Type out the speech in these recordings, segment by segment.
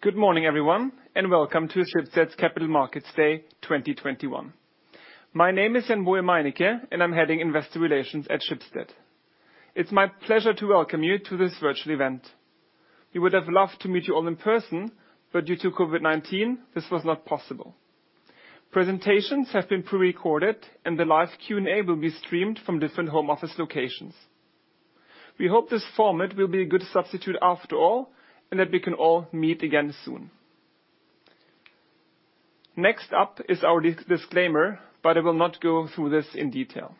Good morning, everyone, and welcome to Schibsted's Capital Markets Day 2021. My name is Jann-Boje Meinecke, and I'm heading Investor Relations at Schibsted. It's my pleasure to welcome you to this virtual event. We would have loved to meet you all in person, but due to COVID-19, this was not possible. Presentations have been prerecorded, and the live Q&A will be streamed from different home office locations. We hope this format will be a good substitute after all, and that we can all meet again soon. Next up is our disclaimer, but I will not go through this in detail.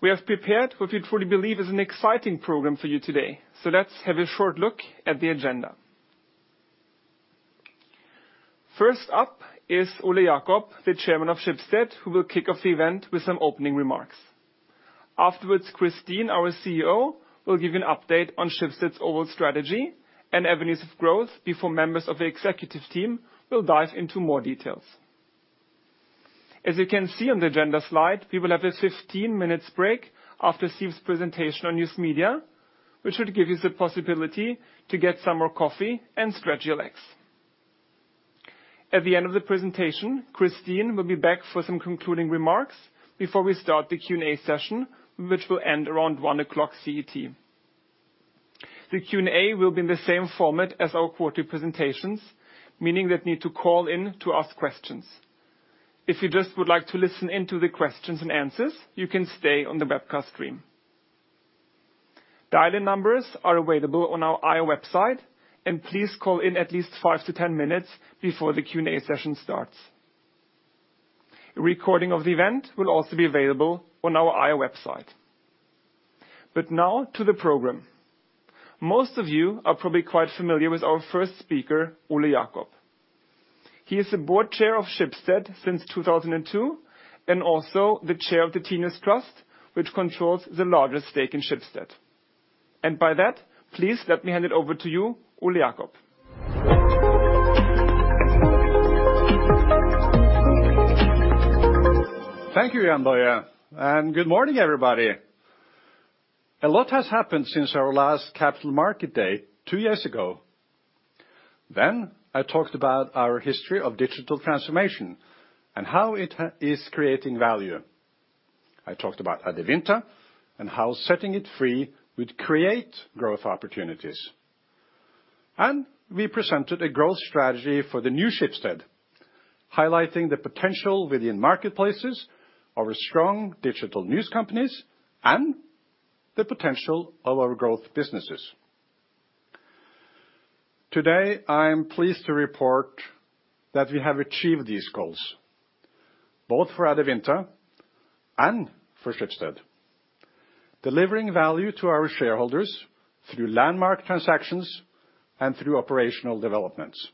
We have prepared what we truly believe is an exciting program for you today, so let's have a short look at the agenda. First up is Ole Jacob, the Chairman of Schibsted, who will kick off the event with some opening remarks. Afterwards, Kristin, our CEO, will give you an update on Schibsted's overall strategy and avenues of growth before members of the executive team will dive into more details. As you can see on the agenda slide, we will have a 15-minute break after Siv's presentation on News Media, which should give you the possibility to get some more coffee and stretch your legs. At the end of the presentation, Kristin will be back for some concluding remarks before we start the Q&A session, which will end around 1:00 P.M. CET. The Q&A will be in the same format as our quarterly presentations, meaning that you need to call in to ask questions. If you just would like to listen in to the questions and answers, you can stay on the webcast stream. The dial-in numbers are available on our IR website, and please call in at least five to 10 minutes before the Q&A session starts. A recording of the event will also be available on our IR website. But now to the program. Most of you are probably quite familiar with our first speaker, Ole Jacob. He is the board chair of Schibsted since 2002 and also the chair of the Tinius Trust, which controls the largest stake in Schibsted. And by that, please let me hand it over to you, Ole Jacob. Thank you, Jann-Boje Meinecke, and good morning, everybody. A lot has happened since our last Capital Markets Day two years ago. Then I talked about our history of digital transformation and how it is creating value. I talked about Adevinta and how setting it free would create growth opportunities, and we presented a growth strategy for the new Schibsted, highlighting the potential within marketplaces of our strong digital news companies and the potential of our growth businesses. Today, I'm pleased to report that we have achieved these goals, both for Adevinta and for Schibsted, delivering value to our shareholders through landmark transactions and through operational developments.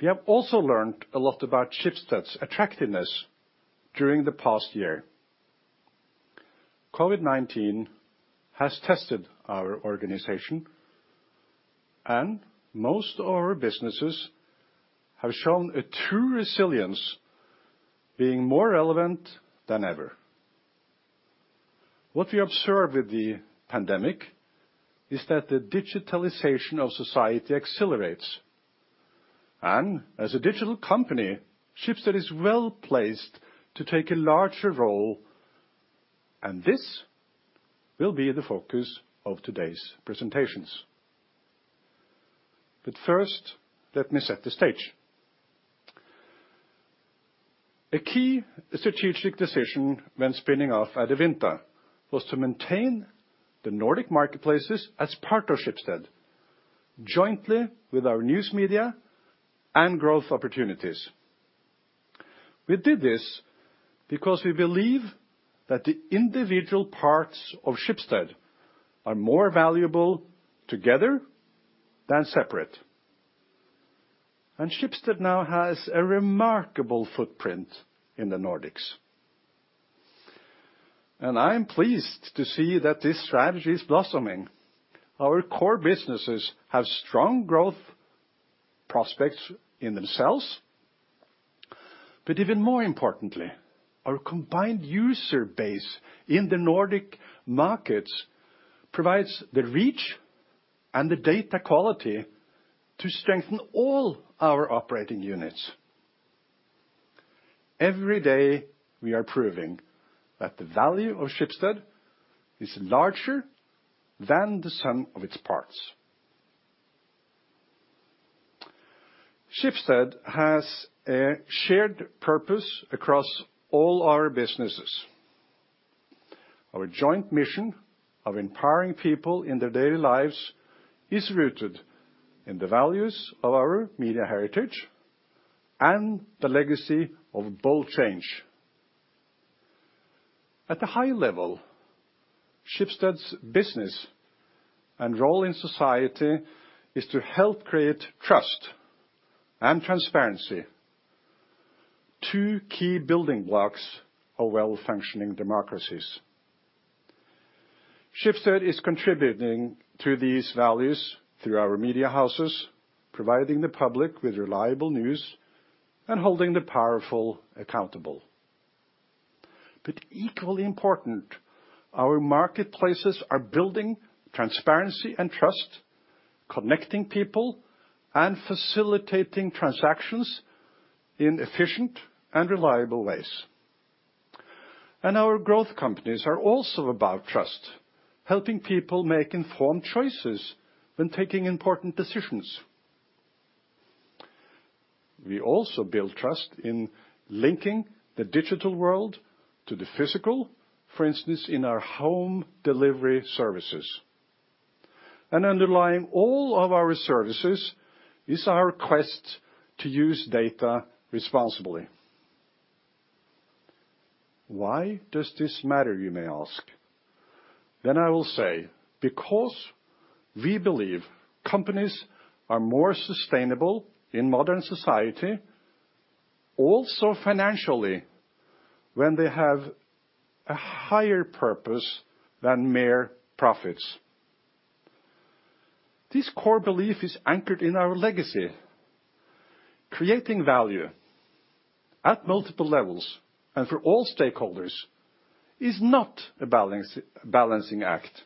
We have also learned a lot about Schibsted's attractiveness during the past year. COVID-19 has tested our organization, and most of our businesses have shown a true resilience, being more relevant than ever. What we observe with the pandemic is that the digitalization of society accelerates. And as a digital company, Schibsted is well placed to take a larger role, and this will be the focus of today's presentations. But first, let me set the stage. A key strategic decision when spinning off Adevinta was to maintain the Nordic Marketplacess as part of Schibsted, jointly with our News Media and growth opportunities. We did this because we believe that the individual parts of Schibsted are more valuable together than separate. And Schibsted now has a remarkable footprint in the Nordics. And I'm pleased to see that this strategy is blossoming. Our core businesses have strong growth prospects in themselves. But even more importantly, our combined user base in the Nordic markets provides the reach and the data quality to strengthen all our operating units. Every day, we are proving that the value of Schibsted is larger than the sum of its parts. Schibsted has a shared purpose across all our businesses. Our joint mission of empowering people in their daily lives is rooted in the values of our media heritage and the legacy of bold change. At a high level, Schibsted's business and role in society is to help create trust and transparency, two key building blocks of well-functioning democracies. Schibsted is contributing to these values through our media houses, providing the public with reliable news and holding the powerful accountable. But equally important, our marketplaces are building transparency and trust, connecting people and facilitating transactions in efficient and reliable ways. And our growth companies are also about trust, helping people make informed choices when taking important decisions. We also build trust in linking the digital world to the physical, for instance, in our home delivery services. And underlying all of our services is our quest to use data responsibly. Why does this matter, you may ask? Then I will say, because we believe companies are more sustainable in modern society, also financially, when they have a higher purpose than mere profits. This core belief is anchored in our legacy. Creating value at multiple levels and for all stakeholders is not a balancing act,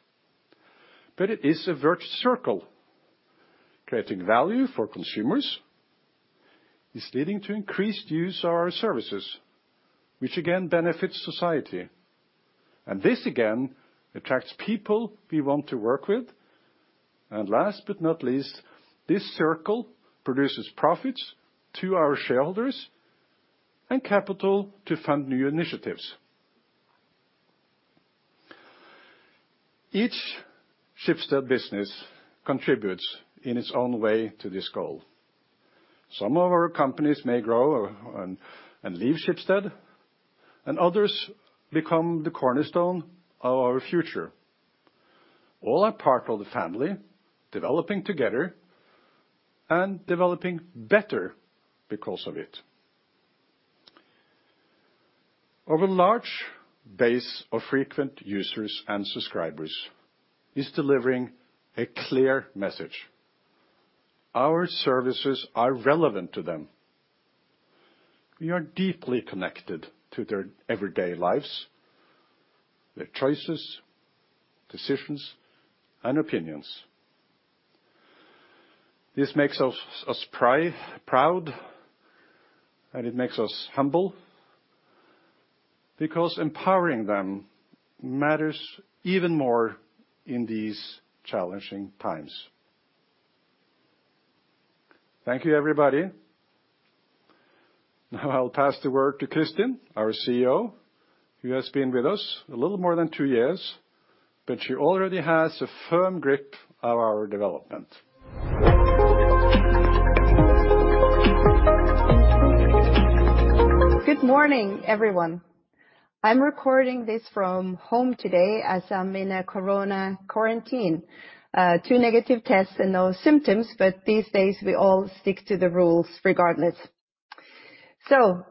but it is a virtuous circle. Creating value for consumers is leading to increased use of our services, which again benefits society. And this again attracts people we want to work with. And last but not least, this circle produces profits to our shareholders and capital to fund new initiatives. Each Schibsted business contributes in its own way to this goal. Some of our companies may grow and leave Schibsted, and others become the cornerstone of our future. All are part of the family, developing together and developing better because of it. Our large base of frequent users and subscribers is delivering a clear message. Our services are relevant to them. We are deeply connected to their everyday lives, their choices, decisions, and opinions. This makes us proud, and it makes us humble because empowering them matters even more in these challenging times. Thank you, everybody. Now I'll pass the word to Kristin, our CEO, who has been with us a little more than two years, but she already has a firm grip on our development. Good morning, everyone. I'm recording this from home today as I'm in a corona quarantine. Two negative tests and no symptoms, but these days we all stick to the rules regardless. Two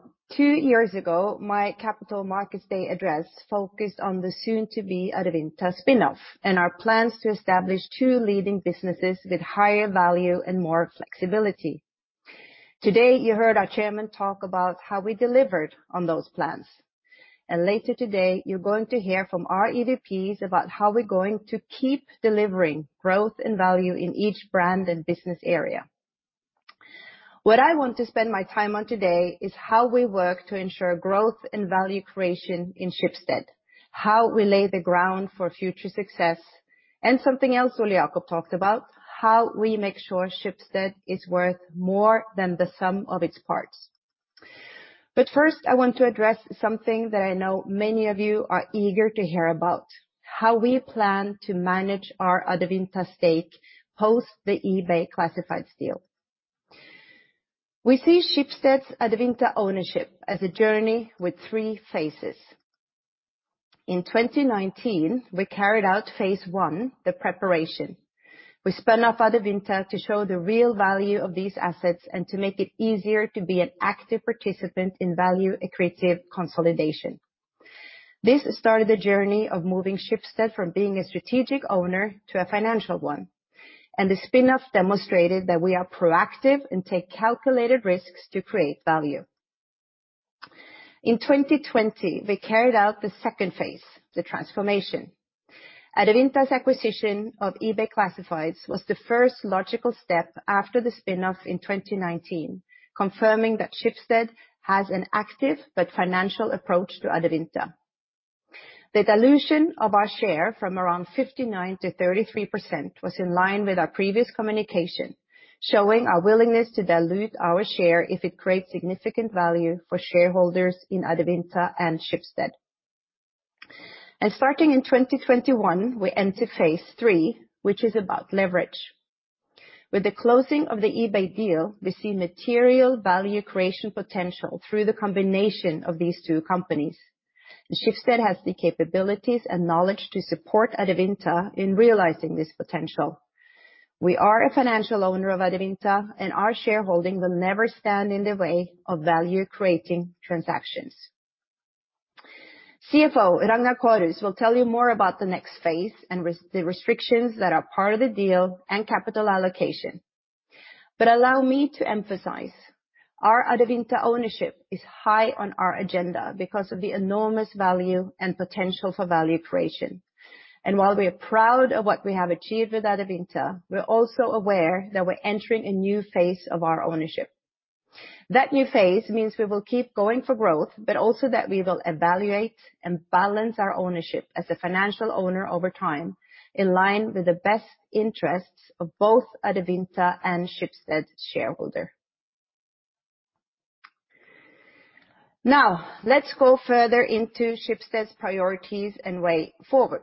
years ago, my Capital Markets Day address focused on the soon-to-be Adevinta spinoff and our plans to establish two leading businesses with higher value and more flexibility. Today, you heard our chairman talk about how we delivered on those plans. Later today, you're going to hear from our EVPs about how we're going to keep delivering growth and value in each brand and business area. What I want to spend my time on today is how we work to ensure growth and value creation in Schibsted, how we lay the ground for future success, and something else Ole Jacob talked about, how we make sure Schibsted is worth more than the sum of its parts. But first, I want to address something that I know many of you are eager to hear about: how we plan to manage our Adevinta stake post the eBay Classifieds deal. We see Schibsted's Adevinta ownership as a journey with three phases. In 2019, we carried out phase one, the preparation. We spun off Adevinta to show the real value of these assets and to make it easier to be an active participant in value equity consolidation. This started the journey of moving Schibsted from being a strategic owner to a financial one. And the spinoff demonstrated that we are proactive and take calculated risks to create value. In 2020, we carried out the second phase, the transformation. Adevinta's acquisition of eBay Classifieds was the first logical step after the spinoff in 2019, confirming that Schibsted has an active but financial approach to Adevinta. The dilution of our share from around 59% to 33% was in line with our previous communication, showing our willingness to dilute our share if it creates significant value for shareholders in Adevinta and Schibsted, and starting in 2021, we entered phase three, which is about leverage. With the closing of the eBay deal, we see material value creation potential through the combination of these two companies. Schibsted has the capabilities and knowledge to support Adevinta in realizing this potential. We are a financial owner of Adevinta, and our shareholding will never stand in the way of value-creating transactions. CFO Ragnar Kårhus will tell you more about the next phase and the restrictions that are part of the deal and capital allocation, but allow me to emphasize our Adevinta ownership is high on our agenda because of the enormous value and potential for value creation. While we are proud of what we have achieved with Adevinta, we're also aware that we're entering a new phase of our ownership. That new phase means we will keep going for growth, but also that we will evaluate and balance our ownership as a financial owner over time, in line with the best interests of both Adevinta and Schibsted shareholders. Now, let's go further into Schibsted's priorities and way forward.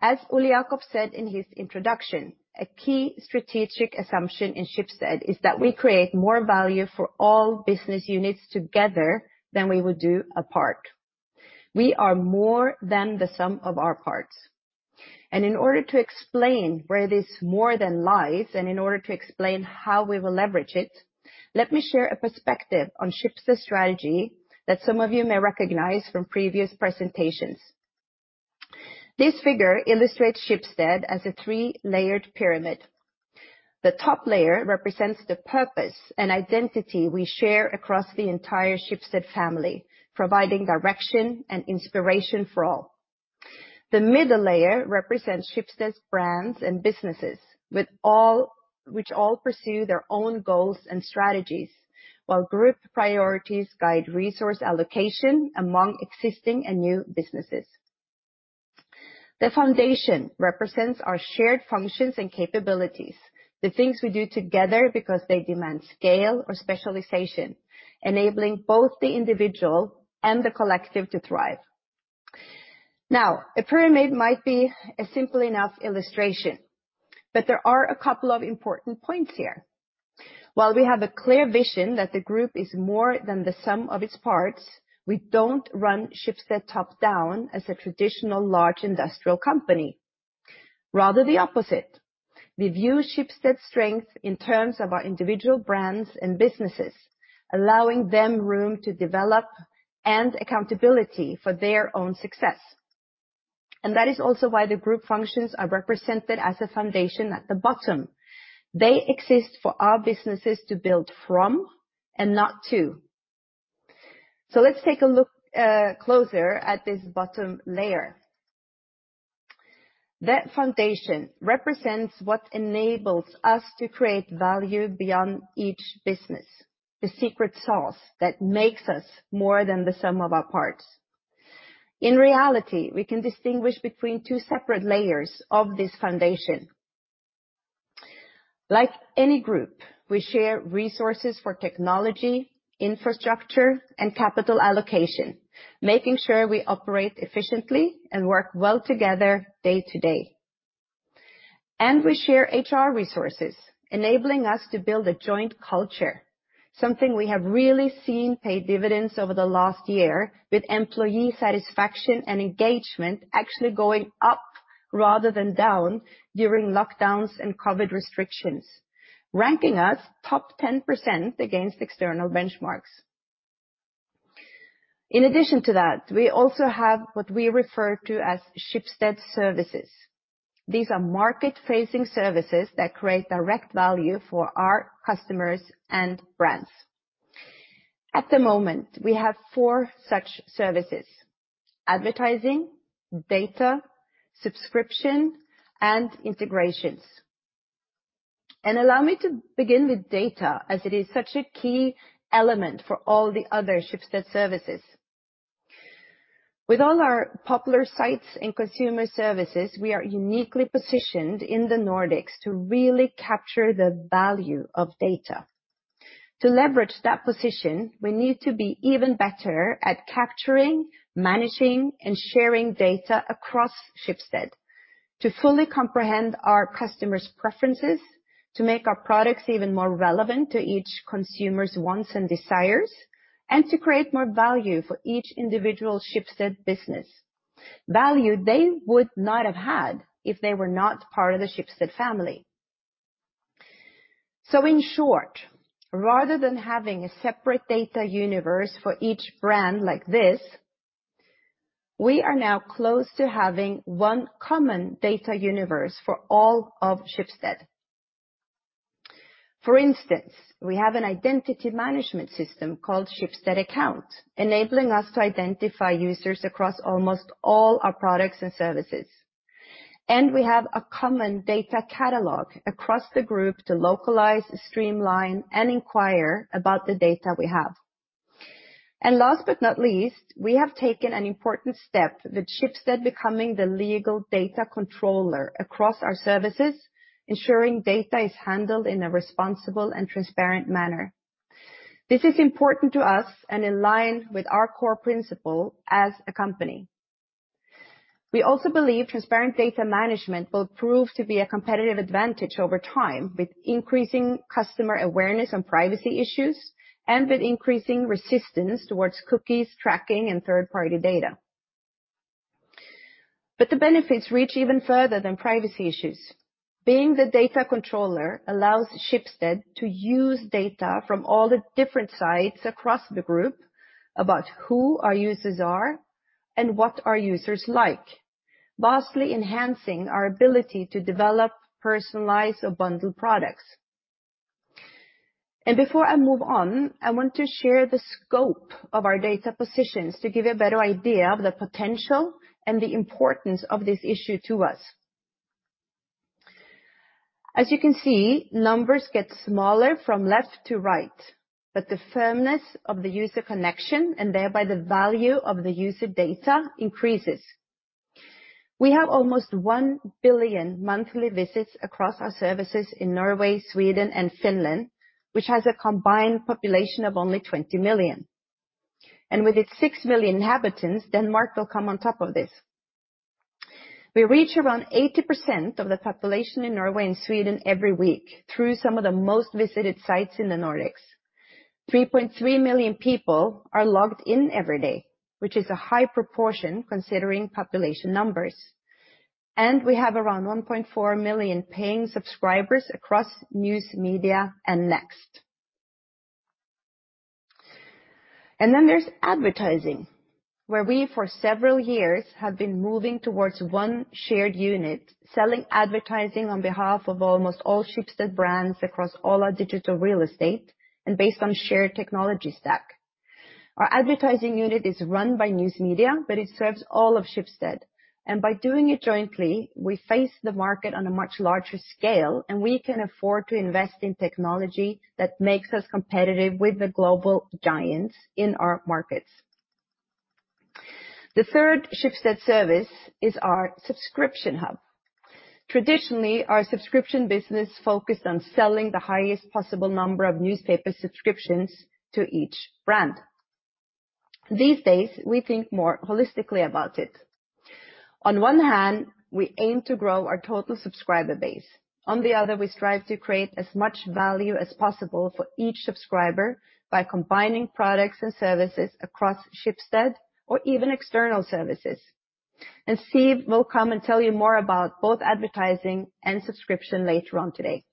As Ole Jacob said in his introduction, a key strategic assumption in Schibsted is that we create more value for all business units together than we would do apart. We are more than the sum of our parts. In order to explain where this more than lies and in order to explain how we will leverage it, let me share a perspective on Schibsted's strategy that some of you may recognize from previous presentations. This figure illustrates Schibsted as a three-layered pyramid. The top layer represents the purpose and identity we share across the entire Schibsted family, providing direction and inspiration for all. The middle layer represents Schibsted's brands and businesses, which all pursue their own goals and strategies, while group priorities guide resource allocation among existing and new businesses. The foundation represents our shared functions and capabilities, the things we do together because they demand scale or specialization, enabling both the individual and the collective to thrive. Now, a pyramid might be a simple enough illustration, but there are a couple of important points here. While we have a clear vision that the group is more than the sum of its parts, we don't run Schibsted top-down as a traditional large industrial company. Rather, the opposite. We view Schibsted's strength in terms of our individual brands and businesses, allowing them room to develop and accountability for their own success. And that is also why the group functions are represented as a foundation at the bottom. They exist for our businesses to build from and not to. So let's take a look closer at this bottom layer. That foundation represents what enables us to create value beyond each business, the secret sauce that makes us more than the sum of our parts. In reality, we can distinguish between two separate layers of this foundation. Like any group, we share resources for technology, infrastructure, and capital allocation, making sure we operate efficiently and work well together day to day. We share HR resources, enabling us to build a joint culture, something we have really seen pay dividends over the last year, with employee satisfaction and engagement actually going up rather than down during lockdowns and COVID restrictions, ranking us top 10% against external benchmarks. In addition to that, we also have what we refer to as Schibsted services. These are market-facing services that create direct value for our customers and brands. At the moment, we have four such services: advertising, data, subscription, and integrations. And allow me to begin with data, as it is such a key element for all the other Schibsted services. With all our popular sites and consumer services, we are uniquely positioned in the Nordics to really capture the value of data. To leverage that position, we need to be even better at capturing, managing, and sharing data across Schibsted, to fully comprehend our customers' preferences, to make our products even more relevant to each consumer's wants and desires, and to create more value for each individual Schibsted business, value they would not have had if they were not part of the Schibsted family. So in short, rather than having a separate data universe for each brand like this, we are now close to having one common data universe for all of Schibsted. For instance, we have an identity management system called Schibsted Account, enabling us to identify users across almost all our products and services. And we have a common data catalog across the group to localize, streamline, and inquire about the data we have. Last but not least, we have taken an important step with Schibsted becoming the legal data controller across our services, ensuring data is handled in a responsible and transparent manner. This is important to us and in line with our core principle as a company. We also believe transparent data management will prove to be a competitive advantage over time, with increasing customer awareness on privacy issues and with increasing resistance towards cookies, tracking, and third-party data. But the benefits reach even further than privacy issues. Being the data controller allows Schibsted to use data from all the different sites across the group about who our users are and what our users like, vastly enhancing our ability to develop, personalize, or bundle products. Before I move on, I want to share the scope of our data positions to give you a better idea of the potential and the importance of this issue to us. As you can see, numbers get smaller from left to right, but the firmness of the user connection and thereby the value of the user data increases. We have almost one billion monthly visits across our services in Norway, Sweden, and Finland, which has a combined population of only 20 million. With its six million inhabitants, Denmark will come on top of this. We reach around 80% of the population in Norway and Sweden every week through some of the most visited sites in the Nordics. 3.3 million people are logged in every day, which is a high proportion considering population numbers. We have around 1.4 million paying subscribers across news, media, and Next. And then there's advertising, where we for several years have been moving towards one shared unit, selling advertising on behalf of almost all Schibsted brands across all our digital real estate and based on a shared technology stack. Our advertising unit is run by News Media, but it serves all of Schibsted. And by doing it jointly, we face the market on a much larger scale, and we can afford to invest in technology that makes us competitive with the global giants in our markets. The third Schibsted service is our subscription hub. Traditionally, our subscription business focused on selling the highest possible number of newspaper subscriptions to each brand. These days, we think more holistically about it. On one hand, we aim to grow our total subscriber base. On the other, we strive to create as much value as possible for each subscriber by combining products and services across Schibsted or even external services. And Siv will come and tell you more about both advertising and subscription later on today.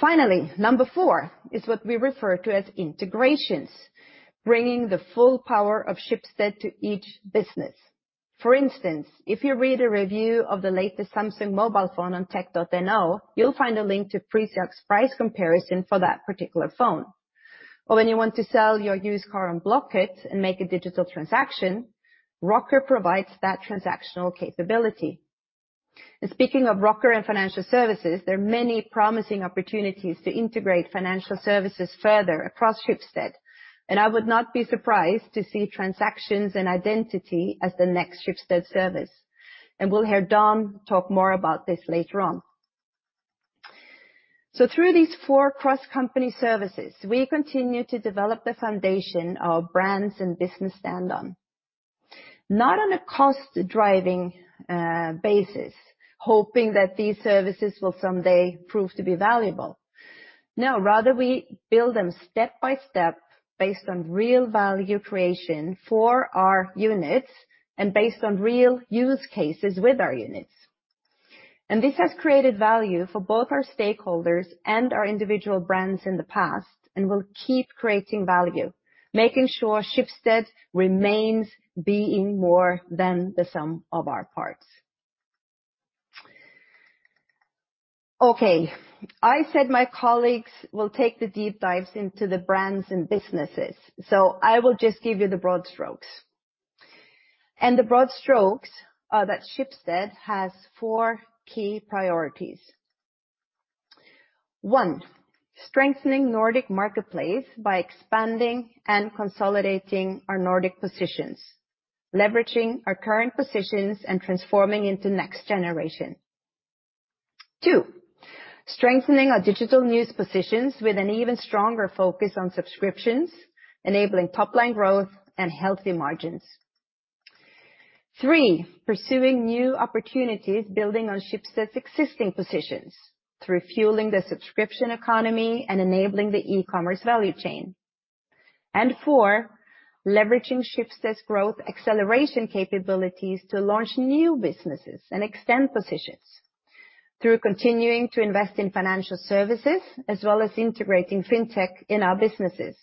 Finally, number four is what we refer to as integrations, bringing the full power of Schibsted to each business. For instance, if you read a review of the latest Samsung mobile phone on tek.no, you'll find a link to Prisjakt's price comparison for that particular phone. Or when you want to sell your used car on Blocket and make a digital transaction, Rocker provides that transactional capability. And speaking of Rocker and financial services, there are many promising opportunities to integrate financial services further across Schibsted. And I would not be surprised to see transactions and identity as the next Schibsted service. And we'll hear Dan talk more about this later on. So through these four cross-company services, we continue to develop the foundation of our brands and businesses stand on. Not on a cost-driving basis, hoping that these services will someday prove to be valuable. No, rather we build them step by step based on real value creation for our units and based on real use cases with our units. And this has created value for both our stakeholders and our individual brands in the past and will keep creating value, making sure Schibsted remains being more than the sum of our parts. Okay, I said my colleagues will take the deep dives into the brands and businesses, so I will just give you the broad strokes. And the broad strokes that Schibsted has four key priorities. One, strengthening Nordic Marketplace by expanding and consolidating our Nordic positions, leveraging our current positions and transforming into next generation. Two, strengthening our digital news positions with an even stronger focus on subscriptions, enabling top-line growth and healthy margins. Three, pursuing new opportunities, building on Schibsted's existing positions through fueling the subscription economy and enabling the e-commerce value chain. And four, leveraging Schibsted's growth acceleration capabilities to launch new businesses and extend positions through continuing to invest in financial services, as well as integrating fintech in our businesses,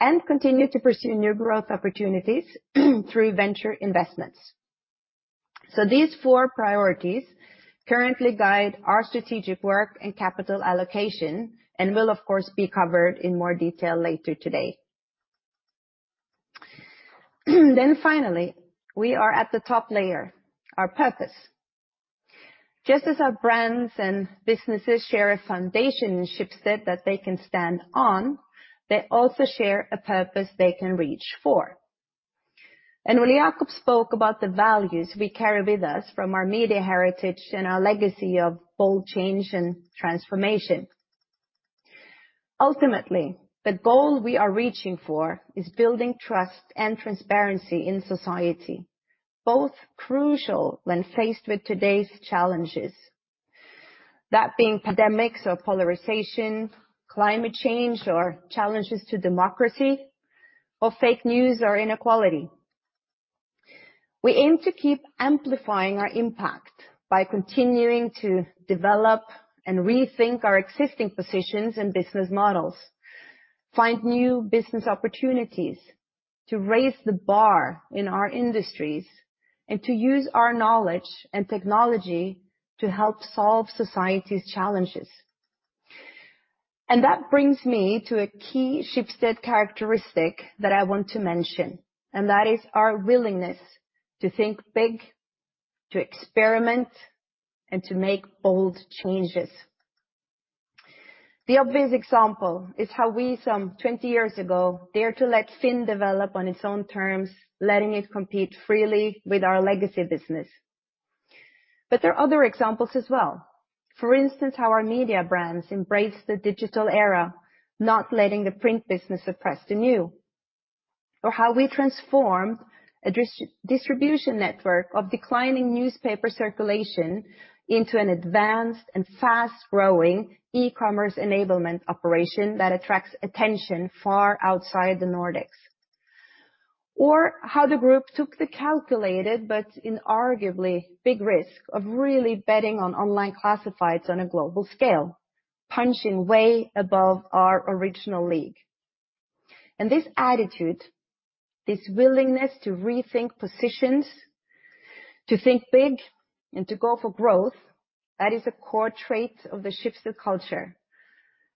and continue to pursue new growth opportunities through venture investments. So these four priorities currently guide our strategic work and capital allocation and will, of course, be covered in more detail later today. Then finally, we are at the top layer, our purpose. Just as our brands and businesses share a foundation in Schibsted that they can stand on, they also share a purpose they can reach for. And Ole Jacob spoke about the values we carry with us from our media heritage and our legacy of bold change and transformation. Ultimately, the goal we are reaching for is building trust and transparency in society, both crucial when faced with today's challenges. That being pandemics or polarization, climate change or challenges to democracy, or fake news or inequality. We aim to keep amplifying our impact by continuing to develop and rethink our existing positions and business models, find new business opportunities to raise the bar in our industries, and to use our knowledge and technology to help solve society's challenges. That brings me to a key Schibsted characteristic that I want to mention, and that is our willingness to think big, to experiment, and to make bold changes. The obvious example is how we, some 20 years ago, dared to let Finn develop on its own terms, letting it compete freely with our legacy business. There are other examples as well. For instance, how our media brands embraced the digital era, not letting the print business suppress the new, or how we transformed a distribution network of declining newspaper circulation into an advanced and fast-growing e-commerce enablement operation that attracts attention far outside the Nordics. The group took the calculated but inarguably big risk of really betting on online classifieds on a global scale, punching way above our original league. This attitude, this willingness to rethink positions, to think big, and to go for growth, that is a core trait of the Schibsted culture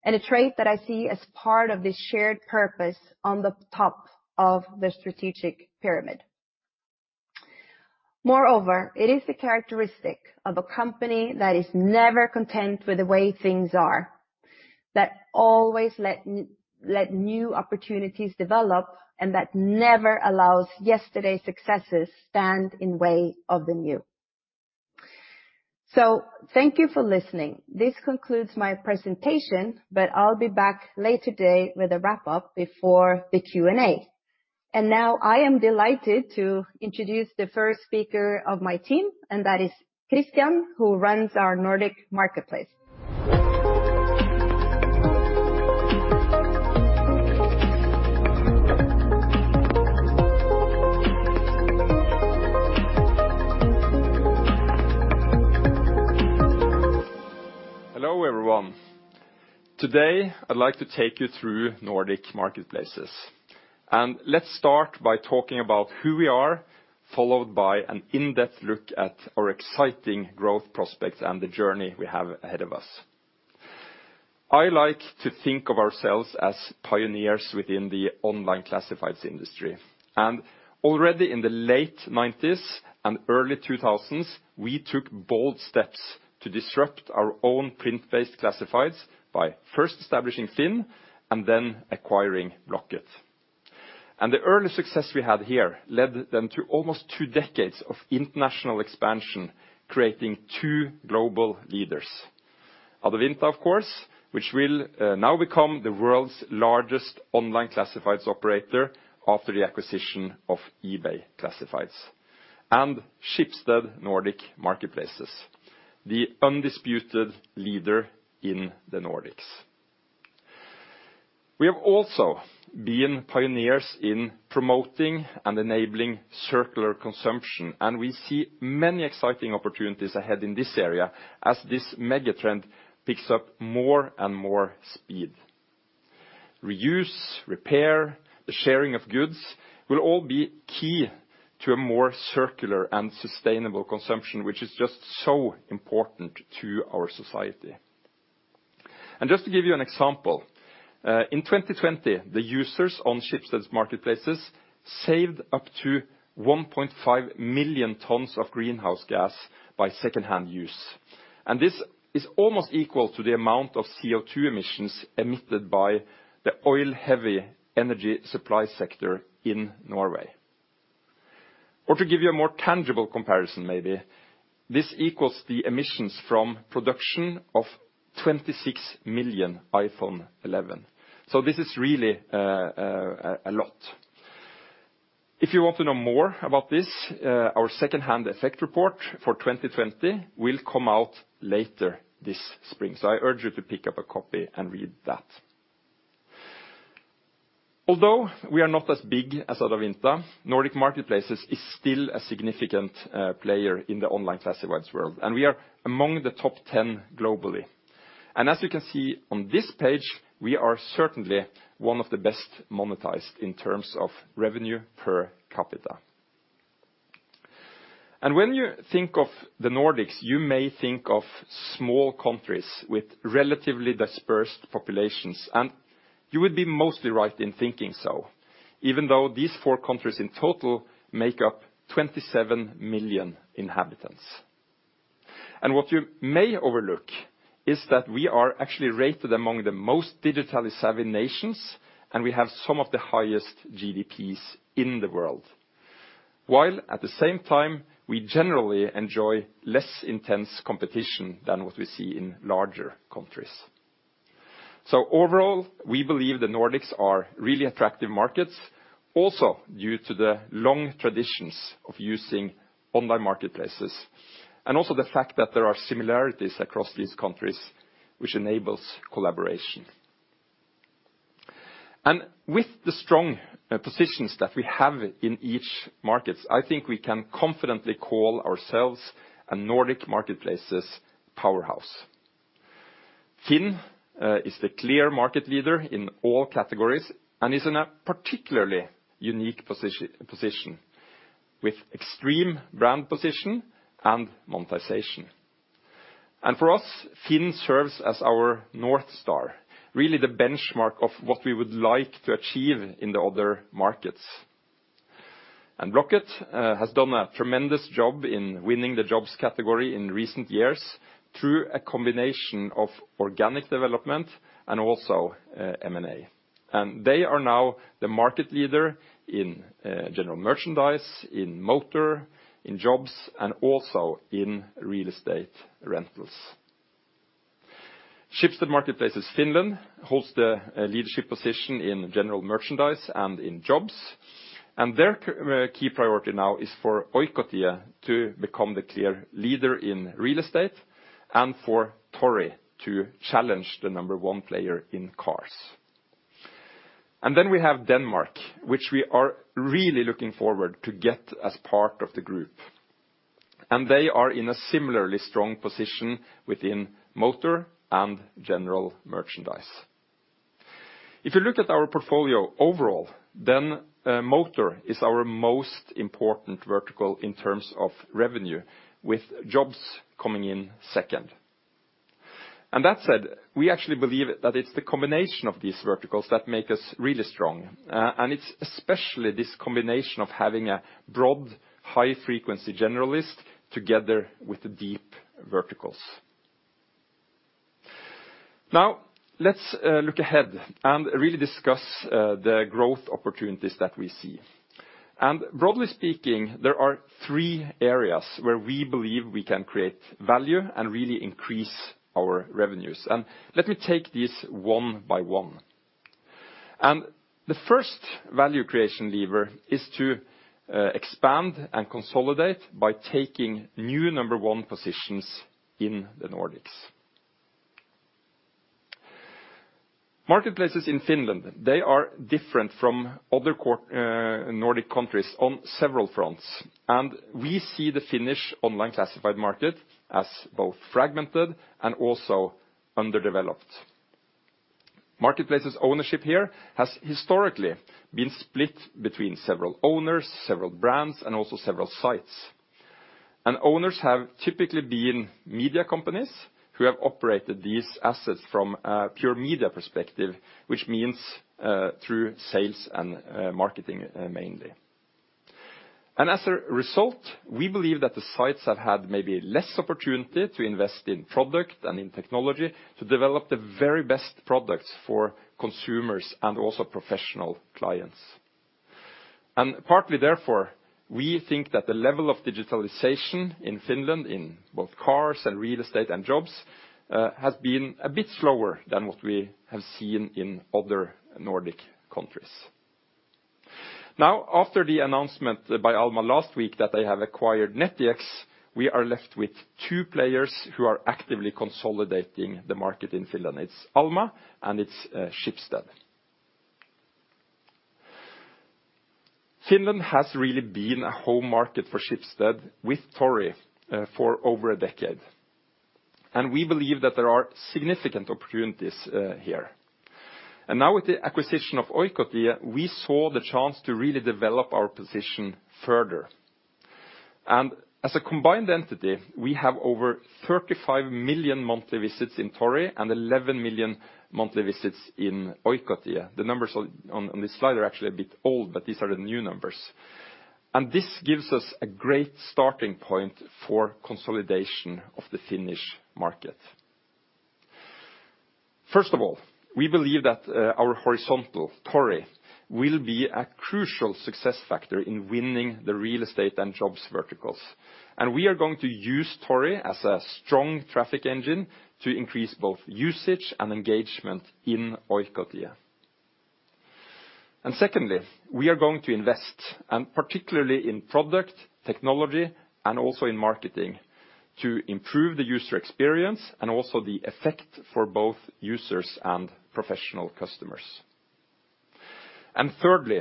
and a trait that I see as part of this shared purpose on the top of the strategic pyramid. Moreover, it is the characteristic of a company that is never content with the way things are, that always let new opportunities develop, and that never allows yesterday's successes to stand in the way of the new. So thank you for listening. This concludes my presentation, but I'll be back later today with a wrap-up before the Q&A. And now I am delighted to introduce the first speaker of my team, and that is Christian, who runs our Nordic Marketplaces. Hello everyone. Today, I'd like to take you through Nordic Marketplaces. Let's start by talking about who we are, followed by an in-depth look at our exciting growth prospects and the journey we have ahead of us. I like to think of ourselves as pioneers within the online classifieds industry. Already in the late 1990s and early 2000s, we took bold steps to disrupt our own print-based classifieds by first establishing Finn and then acquiring Blocket. The early success we had here led them to almost two decades of international expansion, creating two global leaders. Adevinta, of course, which will now become the world's largest online classifieds operator after the acquisition of eBay Classifieds, and Schibsted Nordic Marketplaces, the undisputed leader in the Nordics. We have also been pioneers in promoting and enabling circular consumption, and we see many exciting opportunities ahead in this area as this megatrend picks up more and more speed. Reuse, repair, the sharing of goods will all be key to a more circular and sustainable consumption, which is just so important to our society. And just to give you an example, in 2020, the users on Schibsted's Marketplaces saved up to 1.5 million tons of greenhouse gas by second-hand use. And this is almost equal to the amount of CO2 emissions emitted by the oil-heavy energy supply sector in Norway. Or to give you a more tangible comparison, maybe, this equals the emissions from production of 26 million iPhone 11. So this is really a lot. If you want to know more about this, our second-hand effect report for 2020 will come out later this spring. So I urge you to pick up a copy and read that. Although we are not as big as Adevinta, Nordic Marketplaces is still a significant player in the online classifieds world, and we are among the top 10 globally. As you can see on this page, we are certainly one of the best monetized in terms of revenue per capita. When you think of the Nordics, you may think of small countries with relatively dispersed populations, and you would be mostly right in thinking so, even though these four countries in total make up 27 million inhabitants. What you may overlook is that we are actually rated among the most digitally savvy nations, and we have some of the highest GDPs in the world, while at the same time, we generally enjoy less intense competition than what we see in larger countries. So overall, we believe the Nordics are really attractive markets, also due to the long traditions of using online marketplaces and also the fact that there are similarities across these countries, which enables collaboration. And with the strong positions that we have in each market, I think we can confidently call ourselves a Nordic Marketplaces powerhouse. Finn is the clear market leader in all categories and is in a particularly unique position with extreme brand position and monetization. And for us, Finn serves as our North Star, really the benchmark of what we would like to achieve in the other markets. And Blocket has done a tremendous job in winning the jobs category in recent years through a combination of organic development and also M&A. And they are now the market leader in general merchandise, in motor, in jobs, and also in real estate rentals. Schibsted Marketplaces Finland holds the leadership position in general merchandise and in jobs. And their key priority now is for Oikotie to become the clear leader in real estate and for Tori to challenge the number one player in cars. And then we have Denmark, which we are really looking forward to get as part of the group. And they are in a similarly strong position within motors and general merchandise. If you look at our portfolio overall, then motors is our most important vertical in terms of revenue, with jobs coming in second. And that said, we actually believe that it's the combination of these verticals that make us really strong. And it's especially this combination of having a broad, high-frequency generalist together with the deep verticals. Now, let's look ahead and really discuss the growth opportunities that we see. Broadly speaking, there are three areas where we believe we can create value and really increase our revenues. Let me take these one by one. The first value creation lever is to expand and consolidate by taking new number one positions in the Nordics. Marketplaces in Finland, they are different from other Nordic countries on several fronts. We see the Finnish online classified market as both fragmented and also underdeveloped. Marketplaces ownership here has historically been split between several owners, several brands, and also several sites. Owners have typically been media companies who have operated these assets from a pure media perspective, which means through sales and marketing mainly. As a result, we believe that the sites have had maybe less opportunity to invest in product and in technology to develop the very best products for consumers and also professional clients. And partly therefore, we think that the level of digitalization in Finland, in both cars and real estate and jobs, has been a bit slower than what we have seen in other Nordic countries. Now, after the announcement by Alma last week that they have acquired Nettix, we are left with two players who are actively consolidating the market in Finland. It's Alma and it's Schibsted. Finland has really been a home market for Schibsted with Tori for over a decade. And we believe that there are significant opportunities here. And now with the acquisition of Oikotie, we saw the chance to really develop our position further. And as a combined entity, we have over 35 million monthly visits in Tori and 11 million monthly visits in Oikotie. The numbers on this slide are actually a bit old, but these are the new numbers. This gives us a great starting point for consolidation of the Finnish market. First of all, we believe that our horizontal, Tori, will be a crucial success factor in winning the real estate and jobs verticals. We are going to use Tori as a strong traffic engine to increase both usage and engagement in Oikotie. Secondly, we are going to invest, and particularly in product, technology, and also in marketing, to improve the user experience and also the effect for both users and professional customers. Thirdly,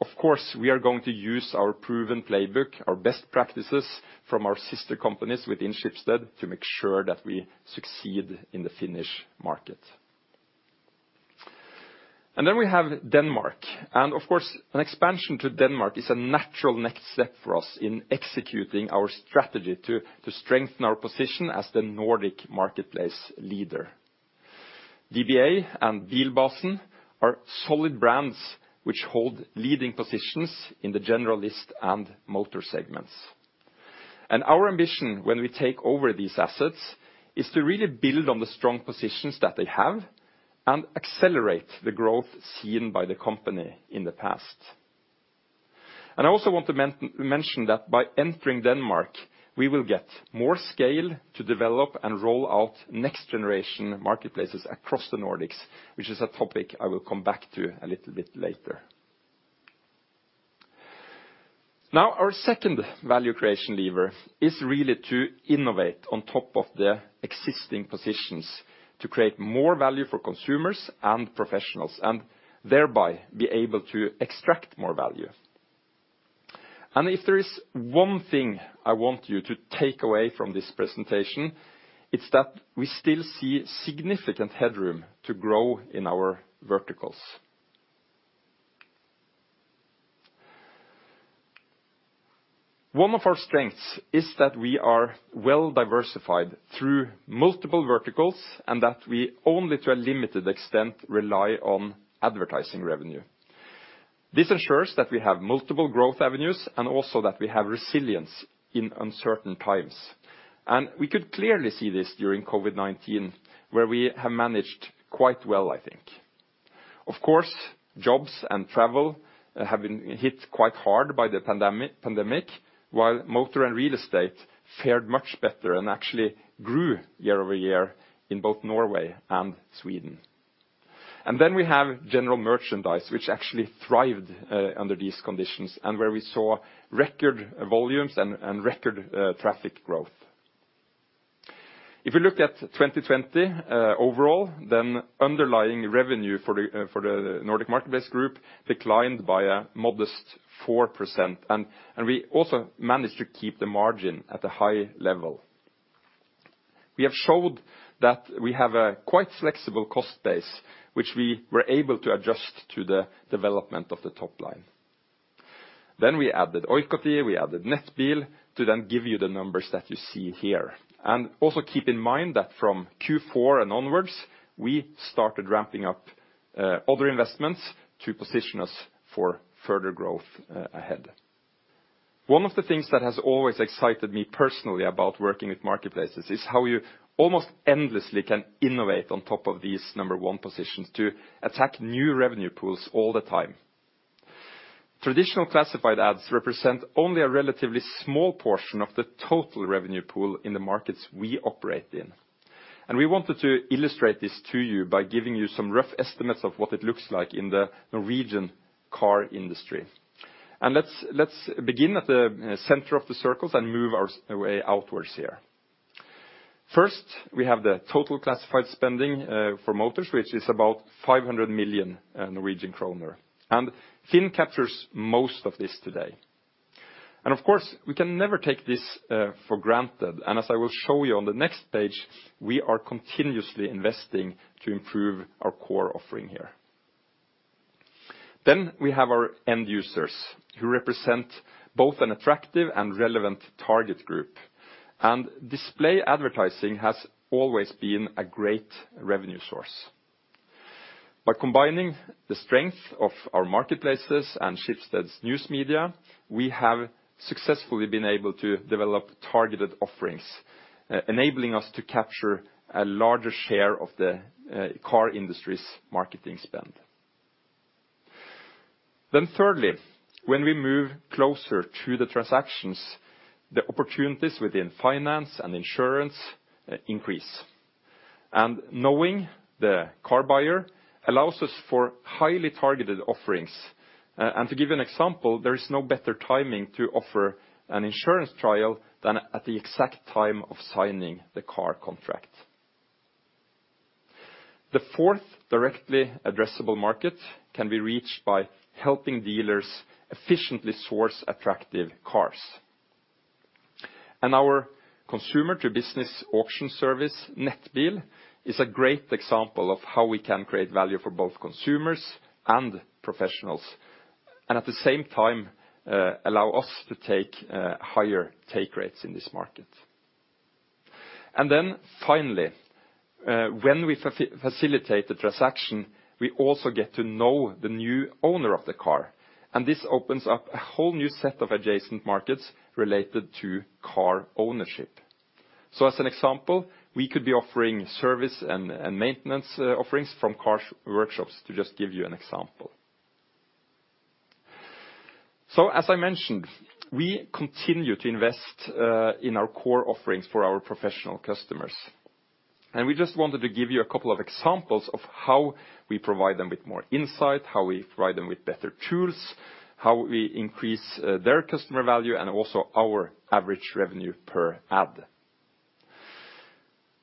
of course, we are going to use our proven playbook, our best practices from our sister companies within Schibsted to make sure that we succeed in the Finnish market. Then we have Denmark. Of course, an expansion to Denmark is a natural next step for us in executing our strategy to strengthen our position as the Nordic Marketplace leader. DBA and Bilbasen are solid brands which hold leading positions in the generalist and motor segments. Our ambition when we take over these assets is to really build on the strong positions that they have and accelerate the growth seen by the company in the past. I also want to mention that by entering Denmark, we will get more scale to develop and roll out next-generation marketplaces across the Nordics, which is a topic I will come back to a little bit later. Now, our second value creation lever is really to innovate on top of the existing positions to create more value for consumers and professionals and thereby be able to extract more value. And if there is one thing I want you to take away from this presentation, it's that we still see significant headroom to grow in our verticals. One of our strengths is that we are well diversified through multiple verticals and that we only to a limited extent rely on advertising revenue. This ensures that we have multiple growth avenues and also that we have resilience in uncertain times. And we could clearly see this during COVID-19, where we have managed quite well, I think. Of course, jobs and travel have been hit quite hard by the pandemic, while motor and real estate fared much better and actually grew year over year in both Norway and Sweden. And then we have general merchandise, which actually thrived under these conditions and where we saw record volumes and record traffic growth. If we look at 2020 overall, then underlying revenue for the Nordic Marketplace declined by a modest 4%. And we also managed to keep the margin at a high level. We have showed that we have a quite flexible cost base, which we were able to adjust to the development of the top line. Then we added Oikotie, we added Nettbil to then give you the numbers that you see here. And also keep in mind that from Q4 and onwards, we started ramping up other investments to position us for further growth ahead. One of the things that has always excited me personally about working with marketplaces is how you almost endlessly can innovate on top of these number one positions to attack new revenue pools all the time. Traditional classified ads represent only a relatively small portion of the total revenue pool in the markets we operate in. And we wanted to illustrate this to you by giving you some rough estimates of what it looks like in the Norwegian car industry. And let's begin at the center of the circles and move our way outwards here. First, we have the total classified spending for motors, which is about 500 million Norwegian kroner. And Finn captures most of this today. And of course, we can never take this for granted. And as I will show you on the next page, we are continuously investing to improve our core offering here. Then we have our end users who represent both an attractive and relevant target group. And display advertising has always been a great revenue source. By combining the strength of our marketplaces and Schibsted's News Media, we have successfully been able to develop targeted offerings, enabling us to capture a larger share of the car industry's marketing spend. Then thirdly, when we move closer to the transactions, the opportunities within finance and insurance increase. And knowing the car buyer allows us for highly targeted offerings. And to give you an example, there is no better timing to offer an insurance trial than at the exact time of signing the car contract. The fourth directly addressable market can be reached by helping dealers efficiently source attractive cars. And our consumer-to-business auction service, Nettbil, is a great example of how we can create value for both consumers and professionals, and at the same time allow us to take higher take rates in this market. And then finally, when we facilitate the transaction, we also get to know the new owner of the car. And this opens up a whole new set of adjacent markets related to car ownership. So as an example, we could be offering service and maintenance offerings from car workshops, to just give you an example. So as I mentioned, we continue to invest in our core offerings for our professional customers. And we just wanted to give you a couple of examples of how we provide them with more insight, how we provide them with better tools, how we increase their customer value, and also our average revenue per ad.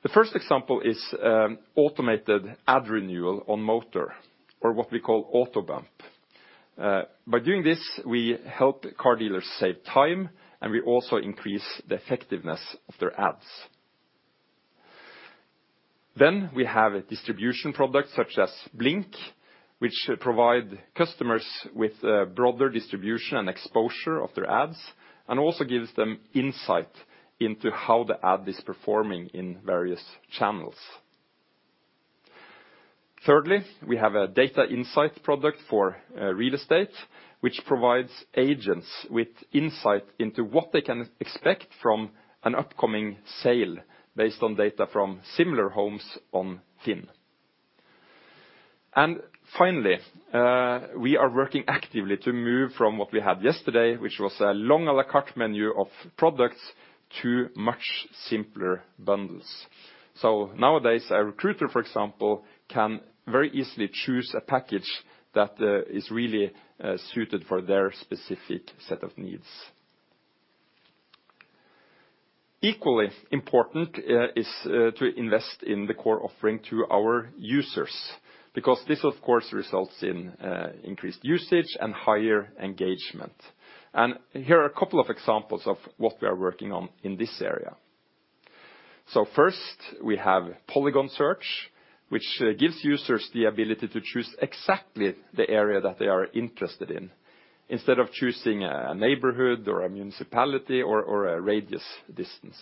The first example is automated ad renewal on Motors, or what we call AutoBump. By doing this, we help car dealers save time, and we also increase the effectiveness of their ads. Then we have a distribution product such as Blink, which provides customers with broader distribution and exposure of their ads, and also gives them insight into how the ad is performing in various channels. Thirdly, we have a data insight product for real estate, which provides agents with insight into what they can expect from an upcoming sale based on data from similar homes on Finn. And finally, we are working actively to move from what we had yesterday, which was a long à la carte menu of products, to much simpler bundles. So nowadays, a recruiter, for example, can very easily choose a package that is really suited for their specific set of needs. Equally important is to invest in the core offering to our users, because this, of course, results in increased usage and higher engagement. And here are a couple of examples of what we are working on in this area. So first, we have Polygon Search, which gives users the ability to choose exactly the area that they are interested in, instead of choosing a neighborhood or a municipality or a radius distance.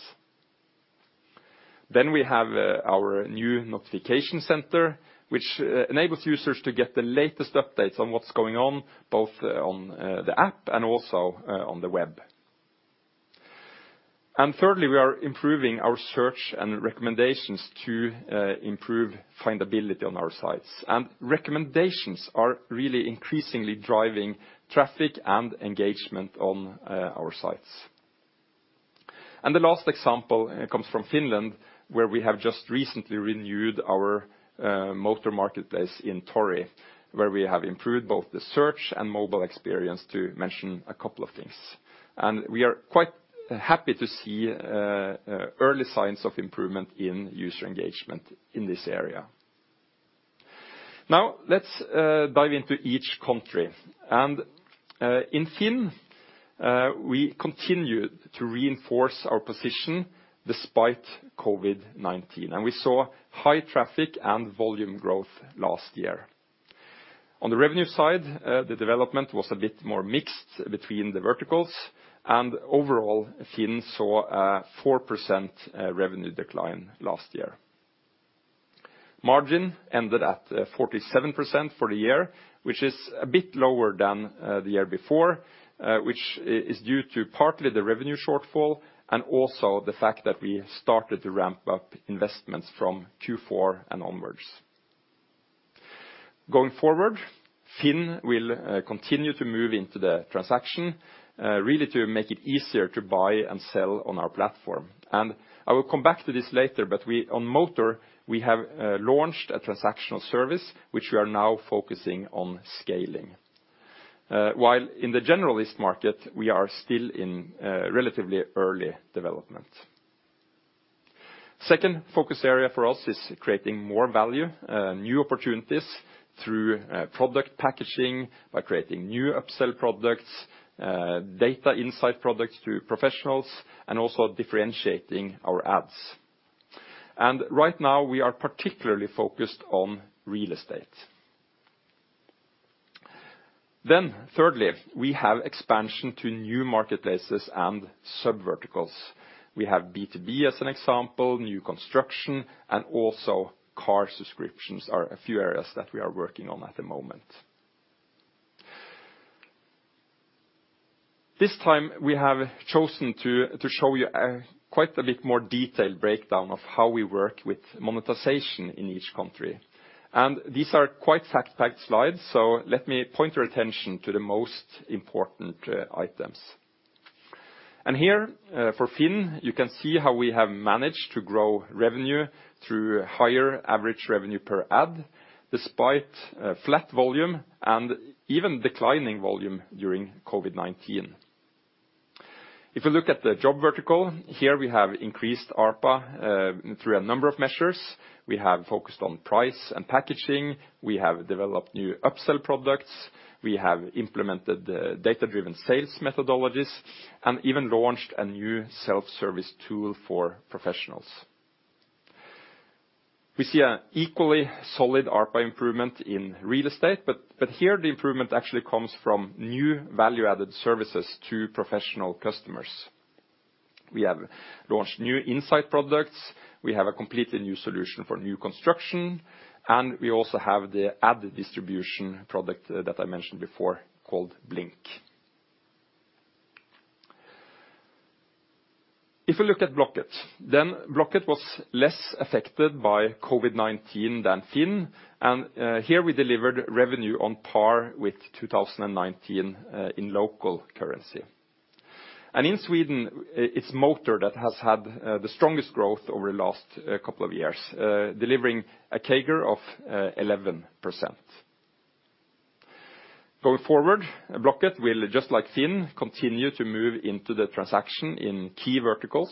Then we have our new notification center, which enables users to get the latest updates on what's going on, both on the app and also on the web. And thirdly, we are improving our search and recommendations to improve findability on our sites. And recommendations are really increasingly driving traffic and engagement on our sites. And the last example comes from Finland, where we have just recently renewed our motor marketplace in Tori, where we have improved both the search and mobile experience to mention a couple of things. We are quite happy to see early signs of improvement in user engagement in this area. Now, let's dive into each country. In Finn, we continued to reinforce our position despite COVID-19. We saw high traffic and volume growth last year. On the revenue side, the development was a bit more mixed between the verticals. Overall, Finn saw a 4% revenue decline last year. Margin ended at 47% for the year, which is a bit lower than the year before, which is due to partly the revenue shortfall and also the fact that we started to ramp up investments from Q4 and onwards. Going forward, Finn will continue to move into the transaction, really to make it easier to buy and sell on our platform. I will come back to this later, but on motor, we have launched a transactional service, which we are now focusing on scaling. While in the generalist market, we are still in relatively early development. Second focus area for us is creating more value, new opportunities through product packaging, by creating new upsell products, data insight products to professionals, and also differentiating our ads. Right now, we are particularly focused on real estate. Thirdly, we have expansion to new marketplaces and sub-verticals. We have B2B as an example, new construction, and also car subscriptions are a few areas that we are working on at the moment. This time, we have chosen to show you quite a bit more detailed breakdown of how we work with monetization in each country. These are quite fact-packed slides, so let me point your attention to the most important items. Here for Finn, you can see how we have managed to grow revenue through higher average revenue per ad, despite flat volume and even declining volume during COVID-19. If we look at the job vertical, here we have increased ARPA through a number of measures. We have focused on price and packaging. We have developed new upsell products. We have implemented data-driven sales methodologies and even launched a new self-service tool for professionals. We see an equally solid ARPA improvement in real estate, but here the improvement actually comes from new value-added services to professional customers. We have launched new insight products. We have a completely new solution for new construction. And we also have the ad distribution product that I mentioned before called Blink. If we look at Blocket, then Blocket was less affected by COVID-19 than Finn. And here we delivered revenue on par with 2019 in local currency. And in Sweden, it's motor that has had the strongest growth over the last couple of years, delivering a CAGR of 11%. Going forward, Blocket will, just like Finn, continue to move into the transaction in key verticals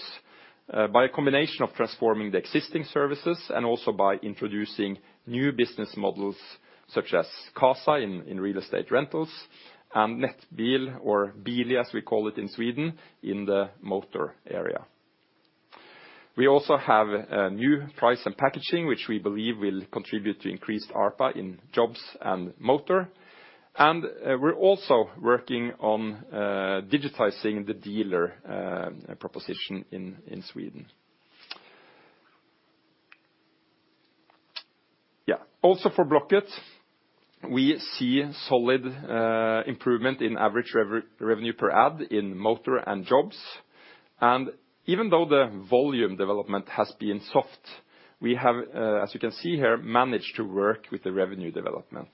by a combination of transforming the existing services and also by introducing new business models such as Qasa in real estate rentals and Nettbil, or Bil as we call it in Sweden, in the motor area. We also have new price and packaging, which we believe will contribute to increased ARPA in jobs and motor. And we're also working on digitizing the dealer proposition in Sweden. Yeah, also for Blocket, we see solid improvement in average revenue per ad in motor and jobs. Even though the volume development has been soft, we have, as you can see here, managed to work with the revenue development.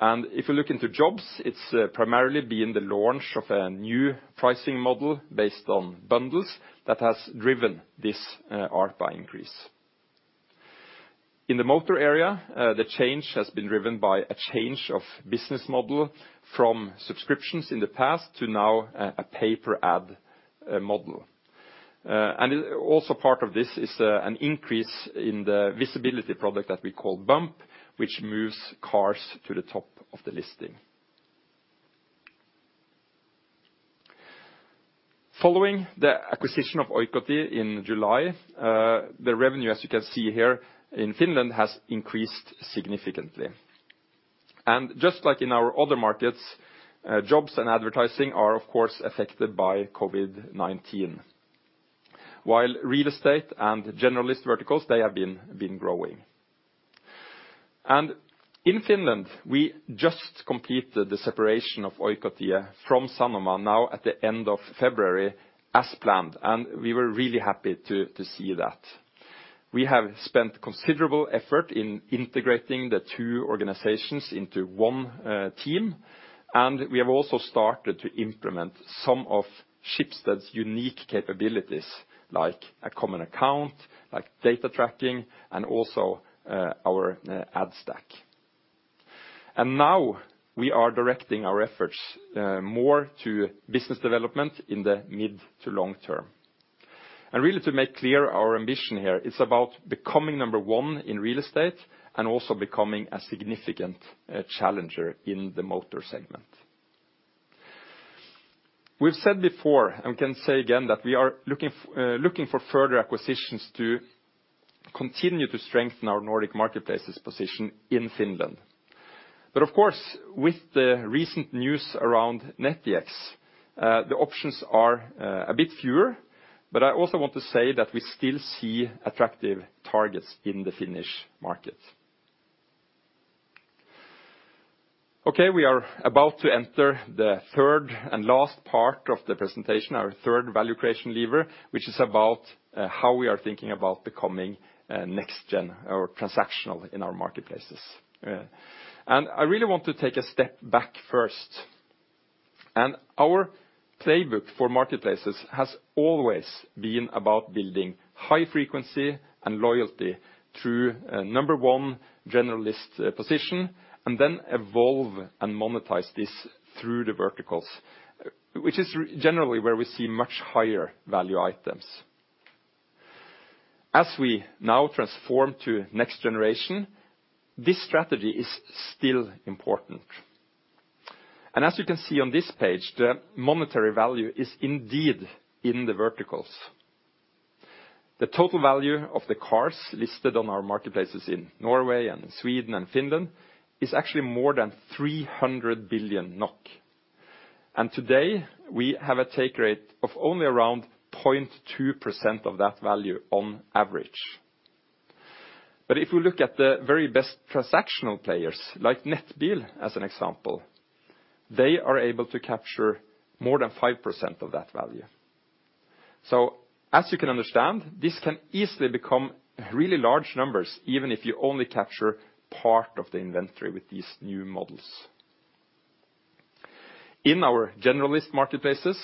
If you look into jobs, it's primarily been the launch of a new pricing model based on bundles that has driven this ARPA increase. In the motor area, the change has been driven by a change of business model from subscriptions in the past to now a pay-per-ad model. Also part of this is an increase in the visibility product that we call Bump, which moves cars to the top of the listing. Following the acquisition of Oikotie in July, the revenue, as you can see here in Finland, has increased significantly. Just like in our other markets, jobs and advertising are, of course, affected by COVID-19. While real estate and generalist verticals, they have been growing. In Finland, we just completed the separation of Oikotie from Sanoma now at the end of February as planned, and we were really happy to see that. We have spent considerable effort in integrating the two organizations into one team, and we have also started to implement some of Schibsted's unique capabilities, like a common account, like data tracking, and also our ad stack. Now we are directing our efforts more to business development in the mid to long term. Really, to make clear our ambition here, it's about becoming number one in real estate and also becoming a significant challenger in the motor segment. We've said before, and we can say again, that we are looking for further acquisitions to continue to strengthen our Nordic Marketplaces position in Finland. But of course, with the recent news around Nettbil, the options are a bit fewer, but I also want to say that we still see attractive targets in the Finnish market. Okay, we are about to enter the third and last part of the presentation, our third value creation lever, which is about how we are thinking about becoming next-gen or transactional in our marketplaces. And I really want to take a step back first. And our playbook for marketplaces has always been about building high frequency and loyalty through a number one generalist position, and then evolve and monetize this through the verticals, which is generally where we see much higher value items. As we now transform to next generation, this strategy is still important. And as you can see on this page, the monetary value is indeed in the verticals. The total value of the cars listed on our marketplaces in Norway and Sweden and Finland is actually more than 300 billion NOK. And today, we have a take rate of only around 0.2% of that value on average. But if we look at the very best transactional players, like Nettbil as an example, they are able to capture more than 5% of that value. So as you can understand, this can easily become really large numbers, even if you only capture part of the inventory with these new models. In our generalist marketplaces,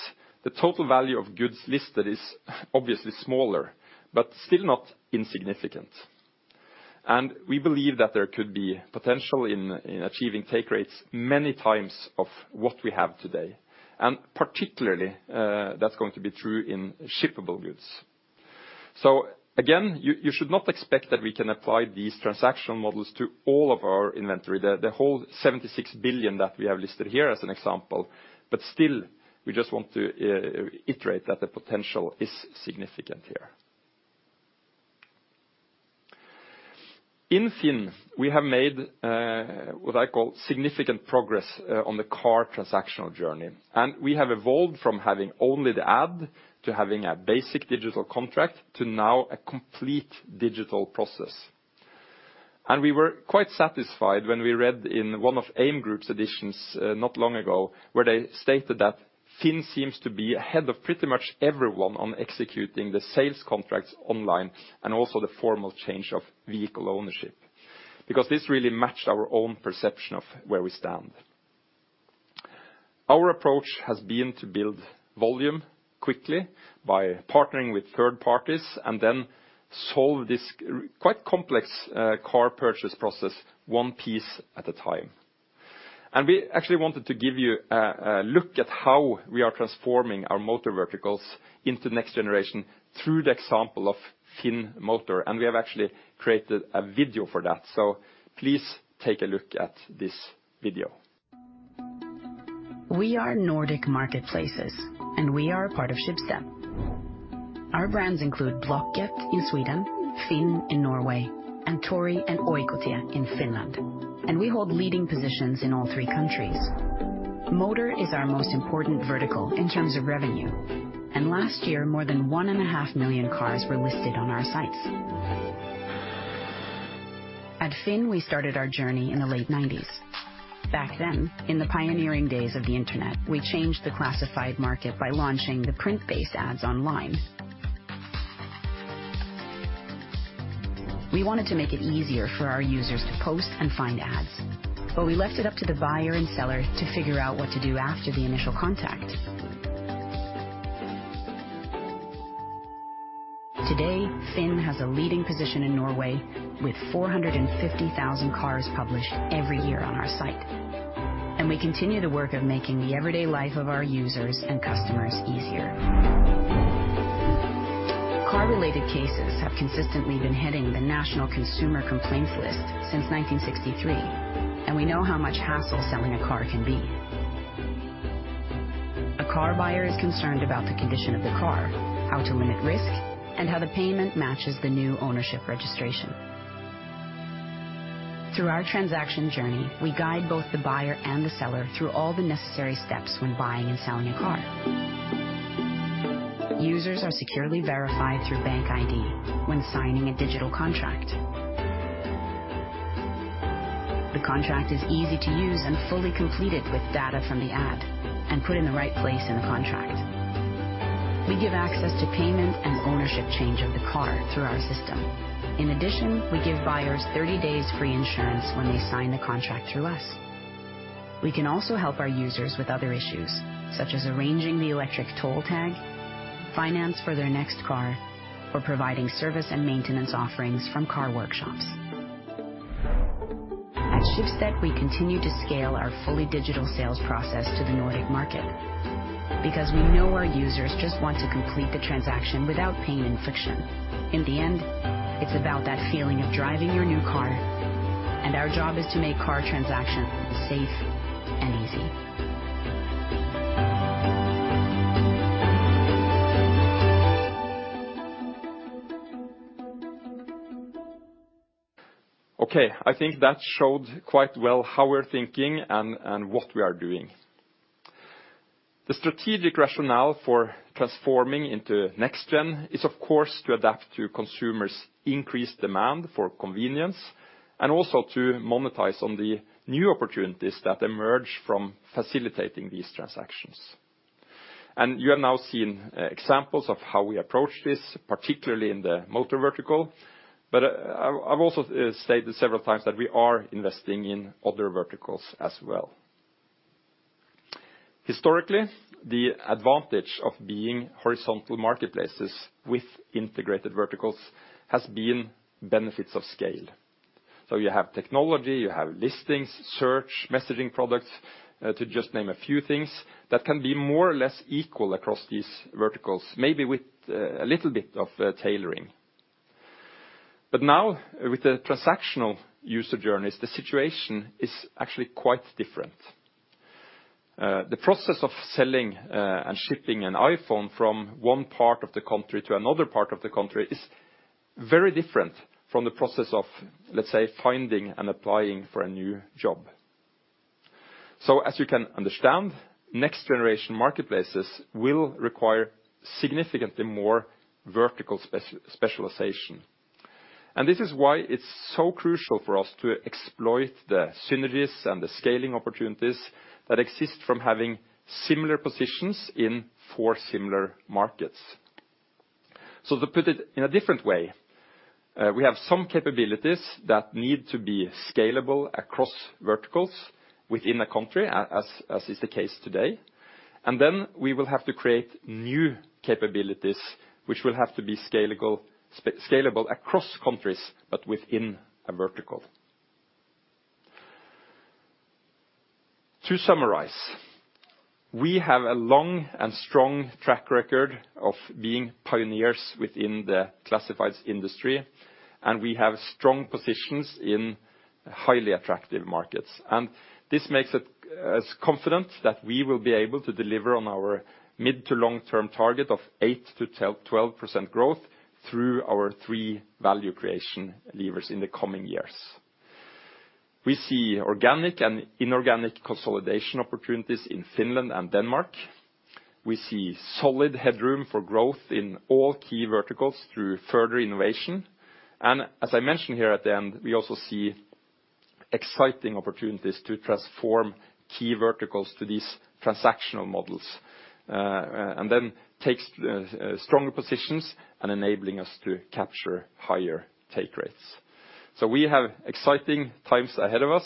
the total value of goods listed is obviously smaller, but still not insignificant. And we believe that there could be potential in achieving take rates many times of what we have today. And particularly, that's going to be true in shippable goods. So again, you should not expect that we can apply these transactional models to all of our inventory, the whole 76 billion that we have listed here as an example. But still, we just want to iterate that the potential is significant here. In Finn, we have made what I call significant progress on the car transactional journey. And we have evolved from having only the ad to having a basic digital contract to now a complete digital process. And we were quite satisfied when we read in one of AIM Group's editions not long ago, where they stated that Finn seems to be ahead of pretty much everyone on executing the sales contracts online and also the formal change of vehicle ownership, because this really matched our own perception of where we stand. Our approach has been to build volume quickly by partnering with third parties and then solve this quite complex car purchase process one piece at a time. And we actually wanted to give you a look at how we are transforming our motor verticals into next generation through the example of Finn Motor. And we have actually created a video for that. So please take a look at this video. We are Nordic Marketplaces, and we are part of Schibsted. Our brands include Blocket in Sweden, Finn in Norway, and Tori and Oikotie in Finland. And we hold leading positions in all three countries. Motor is our most important vertical in terms of revenue. And last year, more than one and a half million cars were listed on our sites. At Finn, we started our journey in the late 1990s. Back then, in the pioneering days of the internet, we changed the classified market by launching the print-based ads online. We wanted to make it easier for our users to post and find ads, but we left it up to the buyer and seller to figure out what to do after the initial contact. Today, Finn has a leading position in Norway with 450,000 cars published every year on our site. We continue the work of making the everyday life of our users and customers easier. Car-related cases have consistently been hitting the National Consumer Complaints List since 1963, and we know how much hassle selling a car can be. A car buyer is concerned about the condition of the car, how to limit risk, and how the payment matches the new ownership registration. Through our transaction journey, we guide both the buyer and the seller through all the necessary steps when buying and selling a car. Users are securely verified through BankID when signing a digital contract. The contract is easy to use and fully completed with data from the ad and put in the right place in the contract. We give access to payment and ownership change of the car through our system. In addition, we give buyers 30 days free insurance when they sign the contract through us. We can also help our users with other issues, such as arranging the electronic toll tag, finance for their next car, or providing service and maintenance offerings from car workshops. At Schibsted, we continue to scale our fully digital sales process to the Nordic market because we know our users just want to complete the transaction without pain and friction. In the end, it's about that feeling of driving your new car, and our job is to make car transactions safe and easy. Okay, I think that showed quite well how we're thinking and what we are doing. The strategic rationale for transforming into next-gen is, of course, to adapt to consumers' increased demand for convenience and also to monetize on the new opportunities that emerge from facilitating these transactions. And you have now seen examples of how we approach this, particularly in the motor vertical, but I've also stated several times that we are investing in other verticals as well. Historically, the advantage of being horizontal marketplaces with integrated verticals has been benefits of scale. So you have technology, you have listings, search, messaging products, to just name a few things that can be more or less equal across these verticals, maybe with a little bit of tailoring. But now, with the transactional user journeys, the situation is actually quite different. The process of selling and shipping an iPhone from one part of the country to another part of the country is very different from the process of, let's say, finding and applying for a new job. So, as you can understand, next-generation marketplaces will require significantly more vertical specialization. And this is why it's so crucial for us to exploit the synergies and the scaling opportunities that exist from having similar positions in four similar markets. So, to put it in a different way, we have some capabilities that need to be scalable across verticals within a country, as is the case today. And then we will have to create new capabilities, which will have to be scalable across countries, but within a vertical. To summarize, we have a long and strong track record of being pioneers within the classifieds industry, and we have strong positions in highly attractive markets. This makes us confident that we will be able to deliver on our mid- to long-term target of 8%-12% growth through our three value creation levers in the coming years. We see organic and inorganic consolidation opportunities in Finland and Denmark. We see solid headroom for growth in all key verticals through further innovation. As I mentioned here at the end, we also see exciting opportunities to transform key verticals to these transactional models and then take stronger positions and enabling us to capture higher take rates. We have exciting times ahead of us.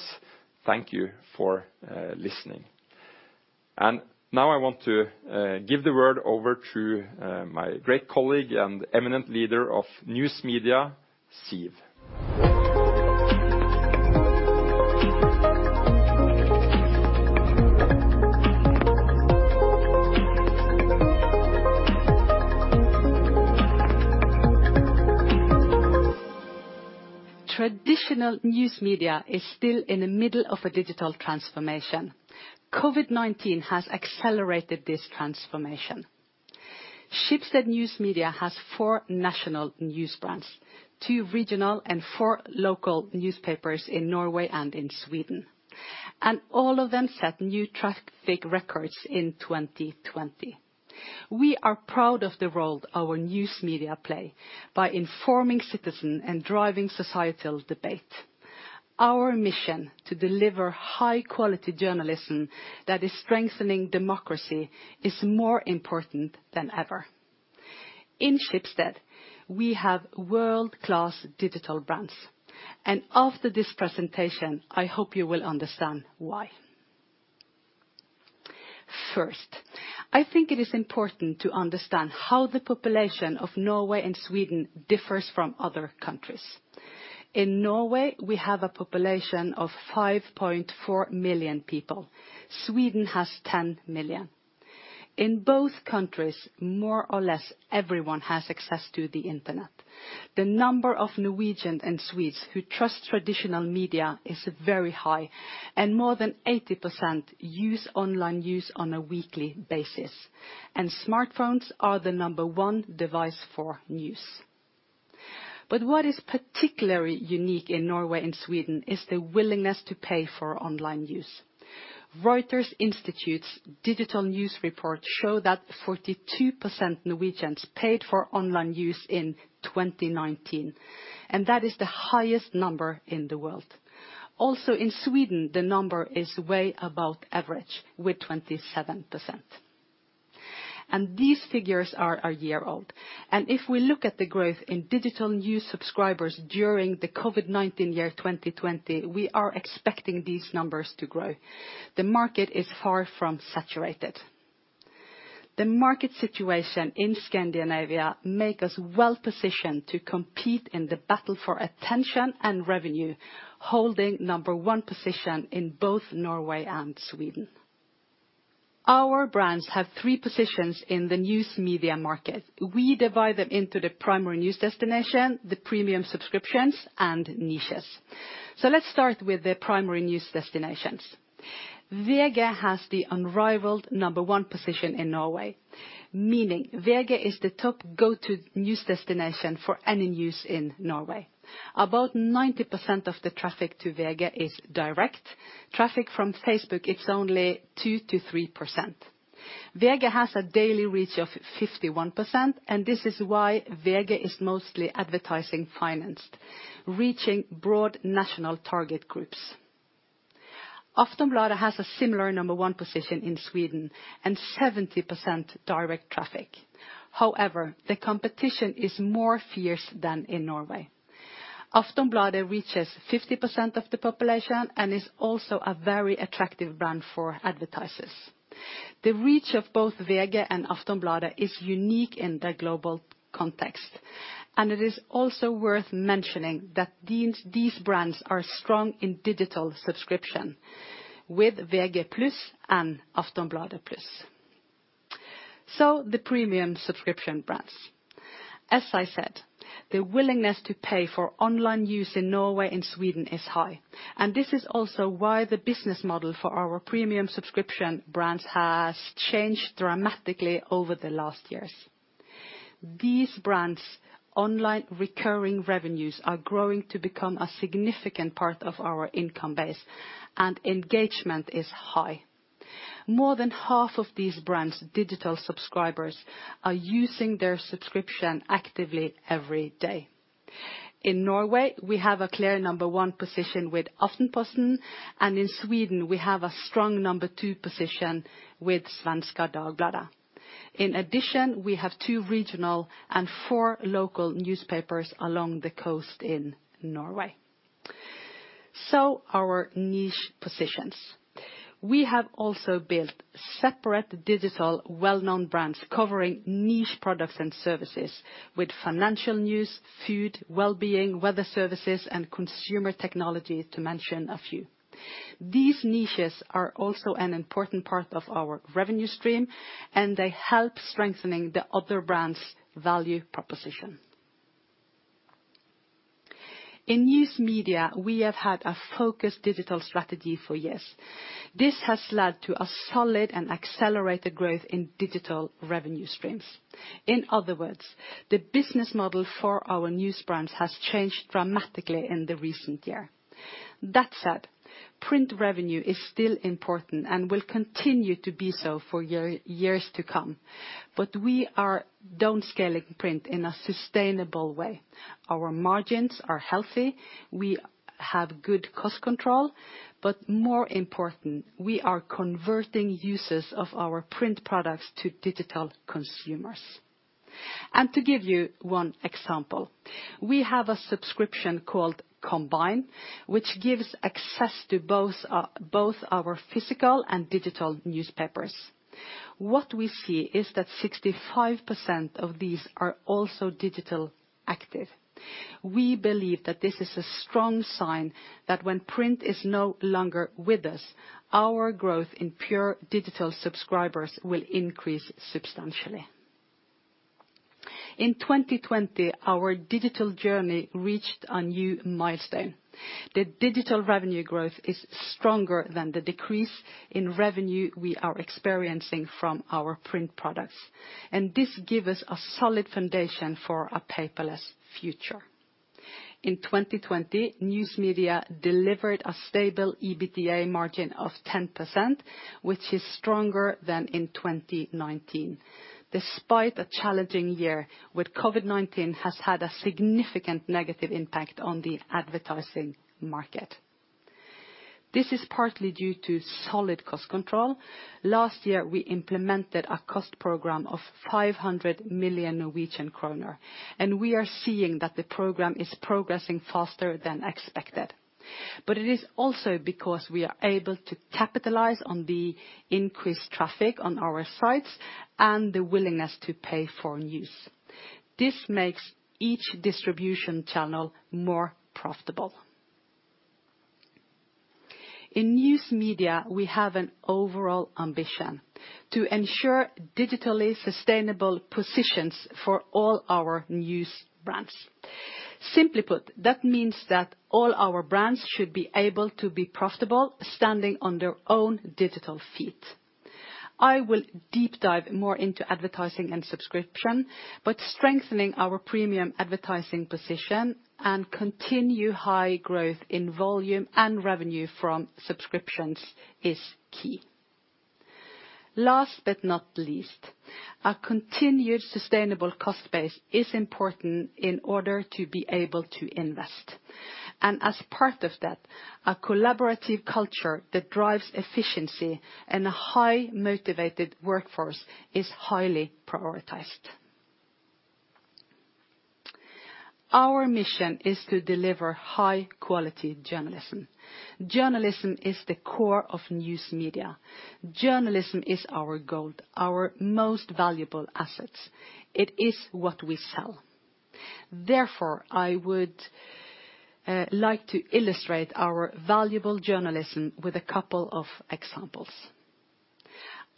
Thank you for listening. Now I want to give the word over to my great colleague and eminent leader of News Media, Siv. Traditional News Media is still in the middle of a digital transformation. COVID-19 has accelerated this transformation. Schibsted News Media has four national news brands, two regional, and four local newspapers in Norway and in Sweden. And all of them set new traffic records in 2020. We are proud of the role our News Media play by informing citizens and driving societal debate. Our mission to deliver high-quality journalism that is strengthening democracy is more important than ever. In Schibsted, we have world-class digital brands. And after this presentation, I hope you will understand why. First, I think it is important to understand how the population of Norway and Sweden differs from other countries. In Norway, we have a population of 5.4 million people. Sweden has 10 million. In both countries, more or less everyone has access to the internet. The number of Norwegians and Swedes who trust traditional media is very high, and more than 80% use online news on a weekly basis, and smartphones are the number one device for news. But what is particularly unique in Norway and Sweden is the willingness to pay for online news. Reuters Institute's digital news reports show that 42% of Norwegians paid for online news in 2019, and that is the highest number in the world. Also, in Sweden, the number is way above average with 27%, and these figures are a year old, and if we look at the growth in digital news subscribers during the COVID-19 year 2020, we are expecting these numbers to grow. The market is far from saturated. The market situation in Scandinavia makes us well-positioned to compete in the battle for attention and revenue, holding number one position in both Norway and Sweden. Our brands have three positions in the News Media market. We divide them into the primary news destination, the premium subscriptions, and niches. So let's start with the primary news destinations. VG has the unrivaled number one position in Norway, meaning VG is the top go-to news destination for any news in Norway. About 90% of the traffic to VG is direct. Traffic from Facebook is only 2-3%. VG has a daily reach of 51%, and this is why VG is mostly advertising-financed, reaching broad national target groups. Aftonbladet has a similar number one position in Sweden and 70% direct traffic. However, the competition is more fierce than in Norway. Aftonbladet reaches 50% of the population and is also a very attractive brand for advertisers. The reach of both VG and Aftonbladet is unique in the global context. It is also worth mentioning that these brands are strong in digital subscription with VG Plus and Aftonbladet Plus. So the premium subscription brands. As I said, the willingness to pay for online news in Norway and Sweden is high. This is also why the business model for our premium subscription brands has changed dramatically over the last years. These brands' online recurring revenues are growing to become a significant part of our income base, and engagement is high. More than half of these brands' digital subscribers are using their subscription actively every day. In Norway, we have a clear number one position with Aftenposten, and in Sweden, we have a strong number two position with Svenska Dagbladet. In addition, we have two regional and four local newspapers along the coast in Norway. Our niche positions. We have also built separate digital well-known brands covering niche products and services with financial news, food, well-being, weather services, and consumer technology, to mention a few. These niches are also an important part of our revenue stream, and they help strengthen the other brands' value proposition. In News Media, we have had a focused digital strategy for years. This has led to a solid and accelerated growth in digital revenue streams. In other words, the business model for our news brands has changed dramatically in the recent year. That said, print revenue is still important and will continue to be so for years to come. But we are downscaling print in a sustainable way. Our margins are healthy. We have good cost control. But more important, we are converting users of our print products to digital consumers. And to give you one example, we have a subscription called Kombi, which gives access to both our physical and digital newspapers. What we see is that 65% of these are also digital active. We believe that this is a strong sign that when print is no longer with us, our growth in pure digital subscribers will increase substantially. In 2020, our digital journey reached a new milestone. The digital revenue growth is stronger than the decrease in revenue we are experiencing from our print products. And this gives us a solid foundation for a paperless future. In 2020, News Media delivered a stable EBITDA margin of 10%, which is stronger than in 2019. Despite a challenging year, with COVID-19, it has had a significant negative impact on the advertising market. This is partly due to solid cost control. Last year, we implemented a cost program of 500 million Norwegian kroner, and we are seeing that the program is progressing faster than expected. But it is also because we are able to capitalize on the increased traffic on our sites and the willingness to pay for news. This makes each distribution channel more profitable. In News Media, we have an overall ambition to ensure digitally sustainable positions for all our news brands. Simply put, that means that all our brands should be able to be profitable, standing on their own digital feet. I will deep dive more into advertising and subscription, but strengthening our premium advertising position and continued high growth in volume and revenue from subscriptions is key. Last but not least, a continued sustainable cost base is important in order to be able to invest. As part of that, a collaborative culture that drives efficiency and a highly motivated workforce is highly prioritized. Our mission is to deliver high-quality journalism. Journalism is the core of News Media. Journalism is our gold, our most valuable assets. It is what we sell. Therefore, I would like to illustrate our valuable journalism with a couple of examples.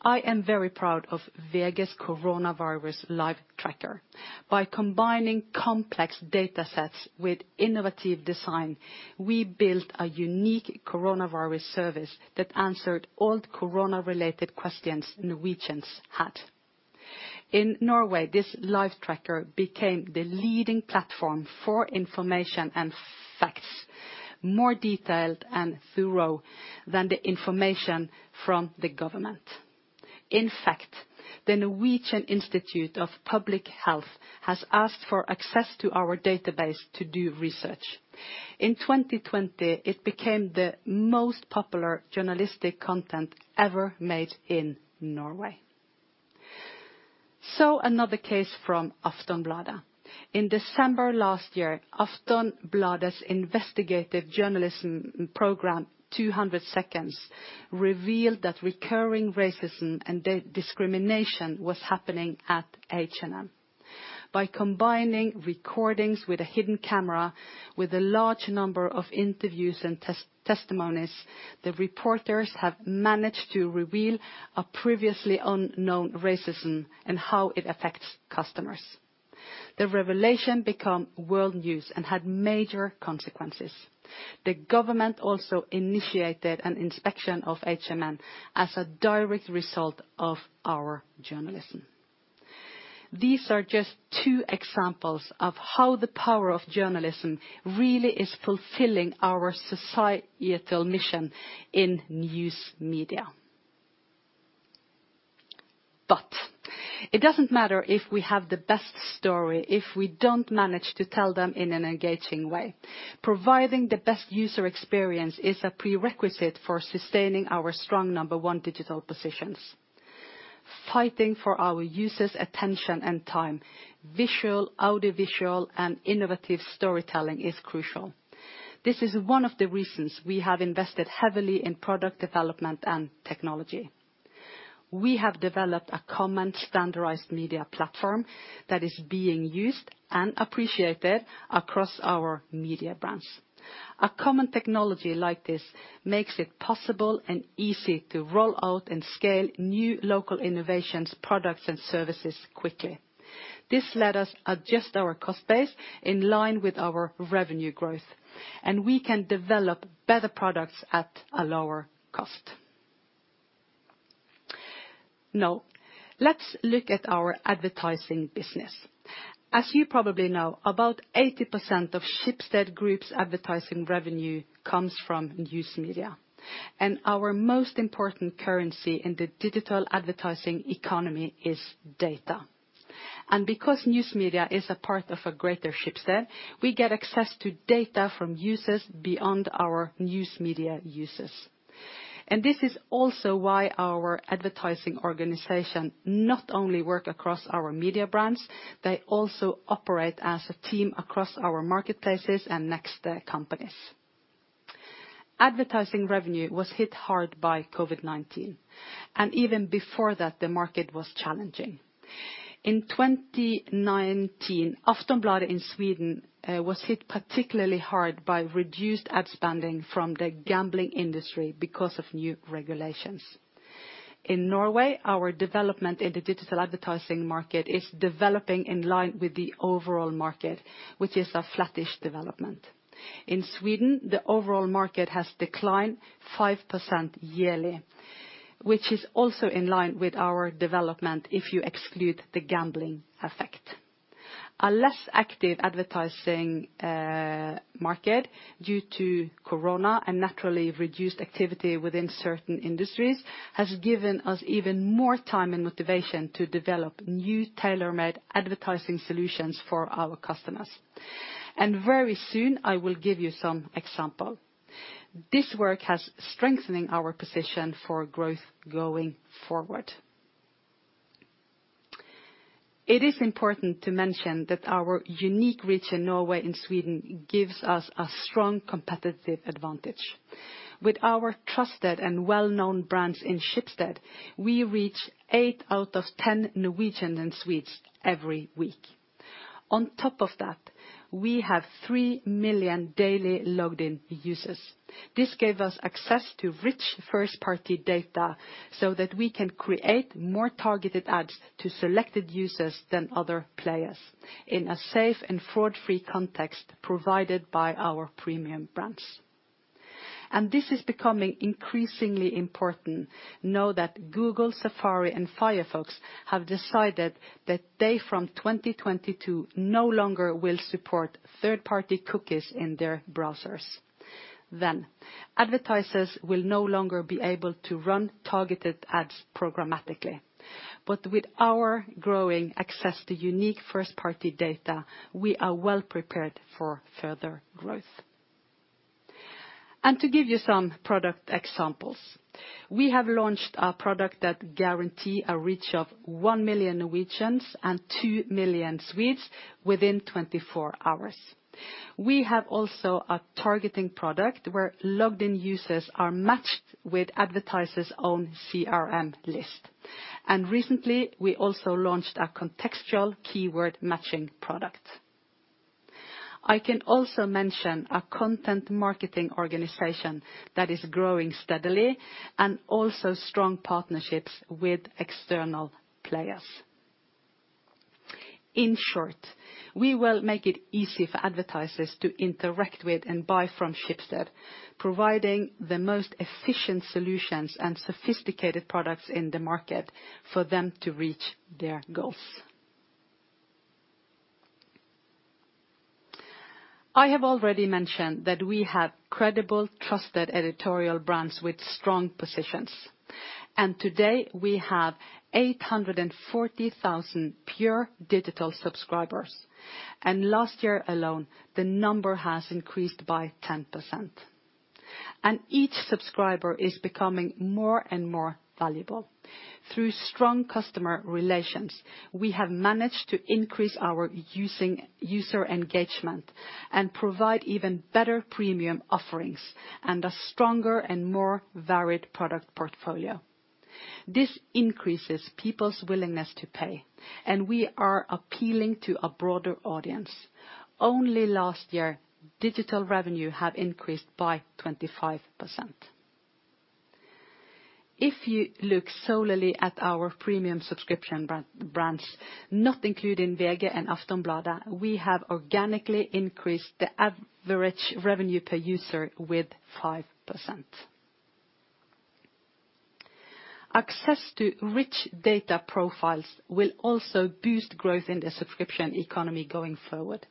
I am very proud of VG's Coronavirus Live Tracker. By combining complex data sets with innovative design, we built a unique coronavirus service that answered all corona-related questions Norwegians had. In Norway, this live tracker became the leading platform for information and facts, more detailed and thorough than the information from the government. In fact, the Norwegian Institute of Public Health has asked for access to our database to do research. In 2020, it became the most popular journalistic content ever made in Norway. Another case from Aftonbladet. In December last year, Aftonbladet's investigative journalism program, 200 Seconds, revealed that recurring racism and discrimination was happening at H&M. By combining recordings with a hidden camera with a large number of interviews and testimonies, the reporters have managed to reveal a previously unknown racism and how it affects customers. The revelation became world news and had major consequences. The government also initiated an inspection of H&M as a direct result of our journalism. These are just two examples of how the power of journalism really is fulfilling our societal mission in News Media. But it doesn't matter if we have the best story, if we don't manage to tell them in an engaging way. Providing the best user experience is a prerequisite for sustaining our strong number one digital positions. Fighting for our users' attention and time, visual, audiovisual, and innovative storytelling is crucial. This is one of the reasons we have invested heavily in product development and technology. We have developed a common standardized media platform that is being used and appreciated across our media brands. A common technology like this makes it possible and easy to roll out and scale new local innovations, products, and services quickly. This let us adjust our cost base in line with our revenue growth, and we can develop better products at a lower cost. Now, let's look at our advertising business. As you probably know, about 80% of Schibsted Group's advertising revenue comes from News Media. And our most important currency in the digital advertising economy is data. And because News Media is a part of a greater Schibsted, we get access to data from users beyond our News Media users. This is also why our advertising organization not only works across our media brands. They also operate as a team across our marketplaces and Next companies. Advertising revenue was hit hard by COVID-19. Even before that, the market was challenging. In 2019, Aftonbladet in Sweden was hit particularly hard by reduced ad spending from the gambling industry because of new regulations. In Norway, our development in the digital advertising market is developing in line with the overall market, which is a flattish development. In Sweden, the overall market has declined 5% yearly, which is also in line with our development if you exclude the gambling effect. A less active advertising market due to corona and naturally reduced activity within certain industries has given us even more time and motivation to develop new tailor-made advertising solutions for our customers. Very soon, I will give you some examples. This work has strengthened our position for growth going forward. It is important to mention that our unique reach in Norway and Sweden gives us a strong competitive advantage. With our trusted and well-known brands in Schibsted, we reach eight out of ten Norwegians and Swedes every week. On top of that, we have three million daily logged-in users. This gave us access to rich first-party data so that we can create more targeted ads to selected users than other players in a safe and fraud-free context provided by our premium brands. And this is becoming increasingly important. Note that Google, Safari, and Firefox have decided that they from 2022 no longer will support third-party cookies in their browsers. Then advertisers will no longer be able to run targeted ads programmatically. But with our growing access to unique first-party data, we are well prepared for further growth. To give you some product examples, we have launched a product that guarantees a reach of one million Norwegians and two million Swedes within 24 hours. We have also a targeting product where logged-in users are matched with advertisers' own CRM list. Recently, we also launched a contextual keyword matching product. I can also mention a content marketing organization that is growing steadily and also strong partnerships with external players. In short, we will make it easy for advertisers to interact with and buy from Schibsted, providing the most efficient solutions and sophisticated products in the market for them to reach their goals. I have already mentioned that we have credible, trusted editorial brands with strong positions. Today, we have 840,000 pure digital subscribers. Last year alone, the number has increased by 10%. Each subscriber is becoming more and more valuable. Through strong customer relations, we have managed to increase our user engagement and provide even better premium offerings and a stronger and more varied product portfolio. This increases people's willingness to pay, and we are appealing to a broader audience. Only last year, digital revenue has increased by 25%. If you look solely at our premium subscription brands, not including VG and Aftonbladet, we have organically increased the average revenue per user with 5%. Access to rich data profiles will also boost growth in the subscription economy going forward.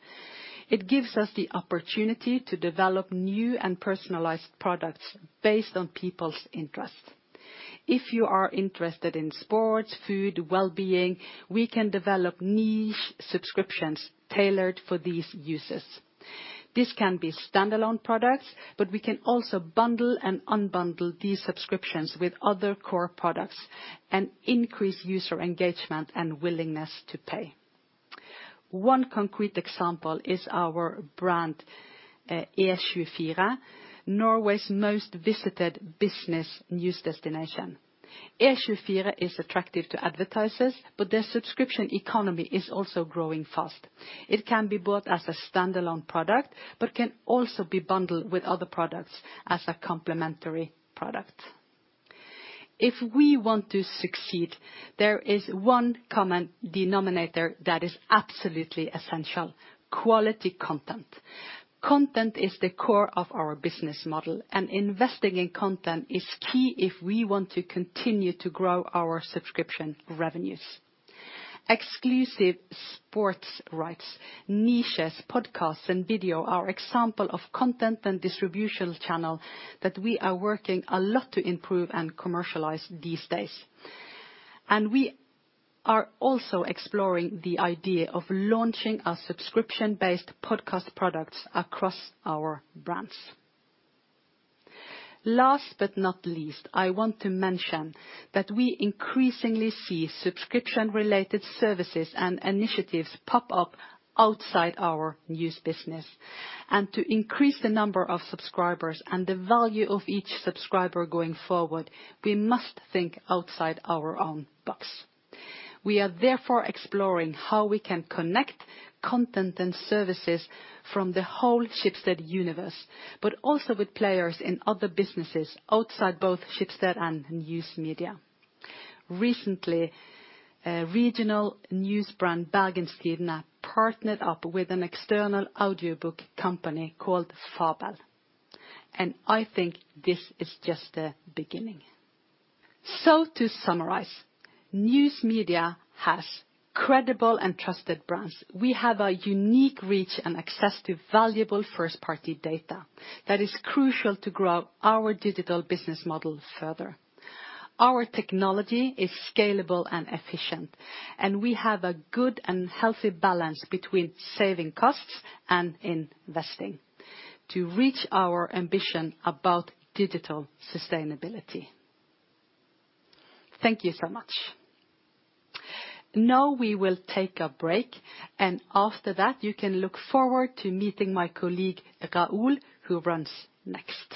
It gives us the opportunity to develop new and personalized products based on people's interests. If you are interested in sports, food, well-being, we can develop niche subscriptions tailored for these users. This can be standalone products, but we can also bundle and unbundle these subscriptions with other core products and increase user engagement and willingness to pay. One concrete example is our brand, E24, Norway's most visited business news destination. E24 is attractive to advertisers, but their subscription economy is also growing fast. It can be bought as a standalone product, but can also be bundled with other products as a complementary product. If we want to succeed, there is one common denominator that is absolutely essential: quality content. Content is the core of our business model, and investing in content is key if we want to continue to grow our subscription revenues. Exclusive sports rights, niches, podcasts, and video are examples of content and distribution channels that we are working a lot to improve and commercialize these days, and we are also exploring the idea of launching subscription-based podcast products across our brands. Last but not least, I want to mention that we increasingly see subscription-related services and initiatives pop up outside our news business. To increase the number of subscribers and the value of each subscriber going forward, we must think outside our own box. We are therefore exploring how we can connect content and services from the whole Schibsted universe, but also with players in other businesses outside both Schibsted and News Media. Recently, regional news brand Bergens Tidende partnered up with an external audiobook company called Fabel. I think this is just the beginning. To summarize, News Media has credible and trusted brands. We have a unique reach and access to valuable first-party data that is crucial to grow our digital business model further. Our technology is scalable and efficient, and we have a good and healthy balance between saving costs and investing to reach our ambition about digital sustainability. Thank you so much. Now we will take a break, and after that, you can look forward to meeting my colleague Raoul, who runs Next.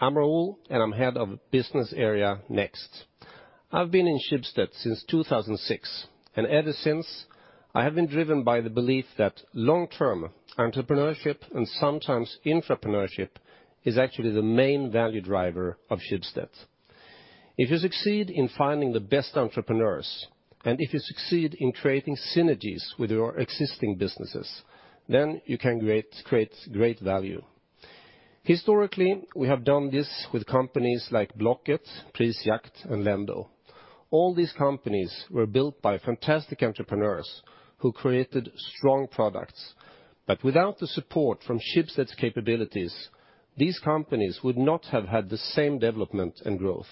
Good morning. I'm Raoul, and I'm head of the business area Next. I've been in Schibsted since 2006, and ever since, I have been driven by the belief that long-term entrepreneurship, and sometimes intrapreneurship, is actually the main value driver of Schibsted. If you succeed in finding the best entrepreneurs, and if you succeed in creating synergies with your existing businesses, then you can create great value. Historically, we have done this with companies like Blocket, Prisjakt, and Lendo. All these companies were built by fantastic entrepreneurs who created strong products. But without the support from Schibsted's capabilities, these companies would not have had the same development and growth.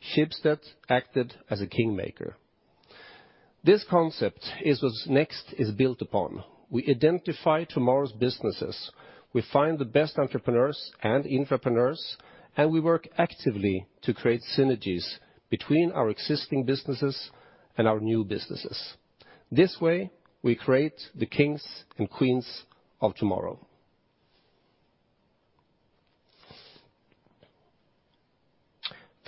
Schibsted acted as a kingmaker. This concept is what Next is built upon. We identify tomorrow's businesses, we find the best entrepreneurs and intrapreneurs, and we work actively to create synergies between our existing businesses and our new businesses. This way, we create the kings and queens of tomorrow.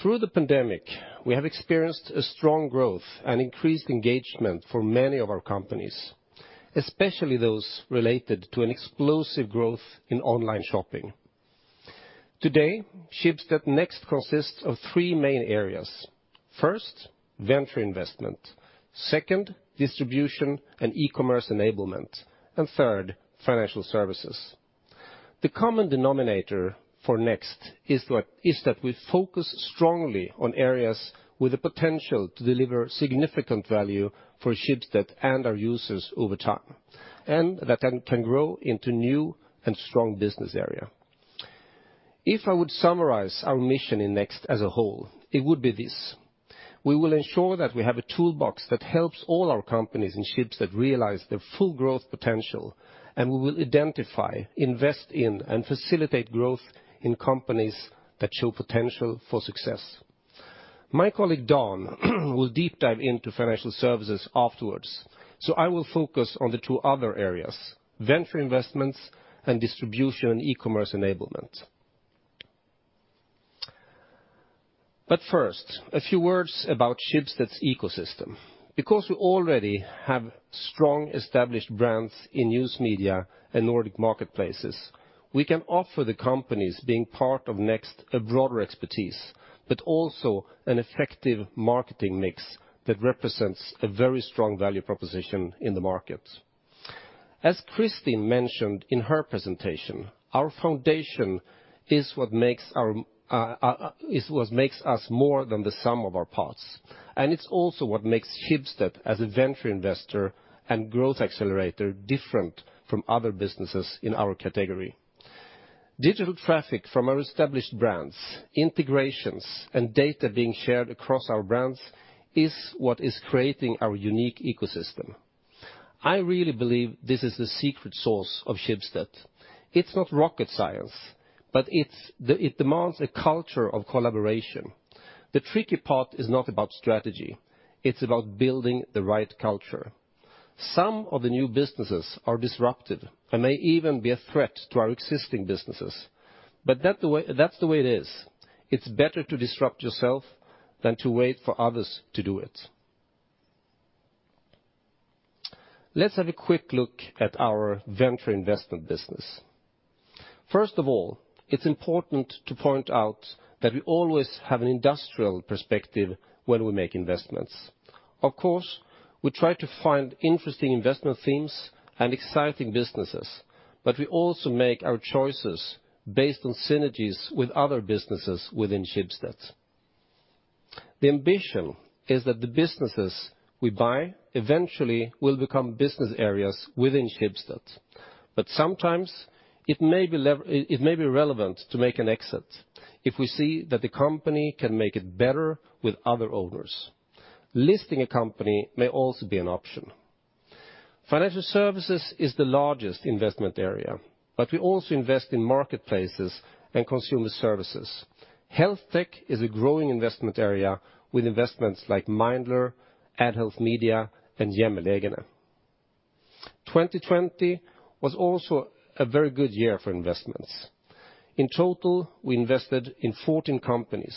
Through the pandemic, we have experienced a strong growth and increased engagement for many of our companies, especially those related to an explosive growth in online shopping. Today, Schibsted Next consists of three main areas. First, venture investment. Second, distribution and e-commerce enablement. And third, financial services. The common denominator for Next is that we focus strongly on areas with the potential to deliver significant value for Schibsted and our users over time, and that can grow into a new and strong business area. If I would summarize our mission in Next as a whole, it would be this: we will ensure that we have a toolbox that helps all our companies in Schibsted realize their full growth potential, and we will identify, invest in, and facilitate growth in companies that show potential for success. My colleague Don will deep dive into financial services afterwards, so I will focus on the two other areas: venture investments and distribution and e-commerce enablement. But first, a few words about Schibsted's ecosystem. Because we already have strong established brands in News Media and Nordic Marketplaces, we can offer the companies being part of Next a broader expertise, but also an effective marketing mix that represents a very strong value proposition in the markets. As Kristin mentioned in her presentation, our foundation is what makes us more than the sum of our parts. And it's also what makes Schibsted as a venture investor and growth accelerator different from other businesses in our category. Digital traffic from our established brands, integrations, and data being shared across our brands is what is creating our unique ecosystem. I really believe this is the secret sauce of Schibsted. It's not rocket science, but it demands a culture of collaboration. The tricky part is not about strategy. It's about building the right culture. Some of the new businesses are disruptive and may even be a threat to our existing businesses. But that's the way it is. It's better to disrupt yourself than to wait for others to do it. Let's have a quick look at our venture investment business. First of all, it's important to point out that we always have an industrial perspective when we make investments. Of course, we try to find interesting investment themes and exciting businesses, but we also make our choices based on synergies with other businesses within Schibsted. The ambition is that the businesses we buy eventually will become business areas within Schibsted. But sometimes it may be relevant to make an exit if we see that the company can make it better with other owners. Listing a company may also be an option. Financial services is the largest investment area, but we also invest in marketplaces and consumer services. Health tech is a growing investment area with investments like Mindler, AddHealth Media, and Hjemmelegene. 2020 was also a very good year for investments. In total, we invested in 14 companies.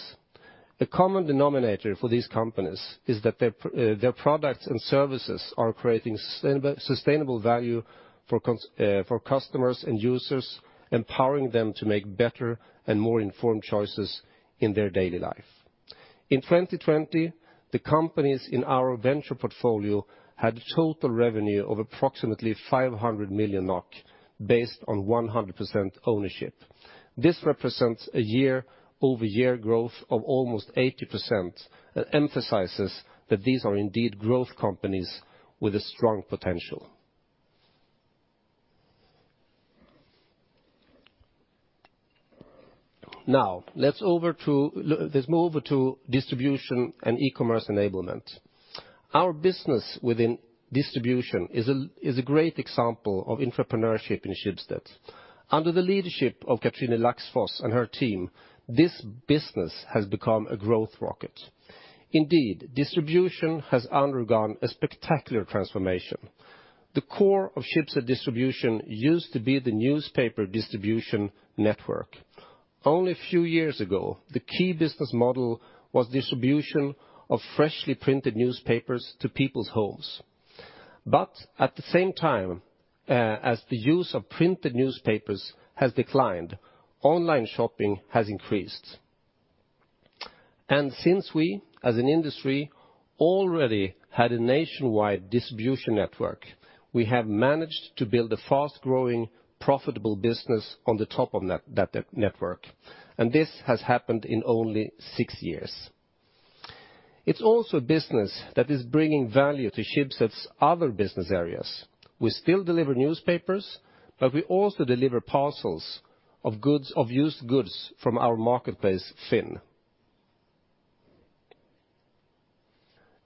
A common denominator for these companies is that their products and services are creating sustainable value for customers and users, empowering them to make better and more informed choices in their daily life. In 2020, the companies in our venture portfolio had a total revenue of approximately 500 million NOK based on 100% ownership. This represents a year-over-year growth of almost 80% and emphasizes that these are indeed growth companies with a strong potential. Now, let's move over to distribution and e-commerce enablement. Our business within distribution is a great example of intrapreneurship in Schibsted. Under the leadership of Cathrine Laksfoss and her team, this business has become a growth rocket. Indeed, distribution has undergone a spectacular transformation. The core of Schibsted Distribution used to be the newspaper distribution network. Only a few years ago, the key business model was distribution of freshly printed newspapers to people's homes. But at the same time as the use of printed newspapers has declined, online shopping has increased. And since we, as an industry, already had a nationwide distribution network, we have managed to build a fast-growing, profitable business on the top of that network. And this has happened in only six years. It's also a business that is bringing value to Schibsted's other business areas. We still deliver newspapers, but we also deliver parcels of used goods from our marketplace, Finn.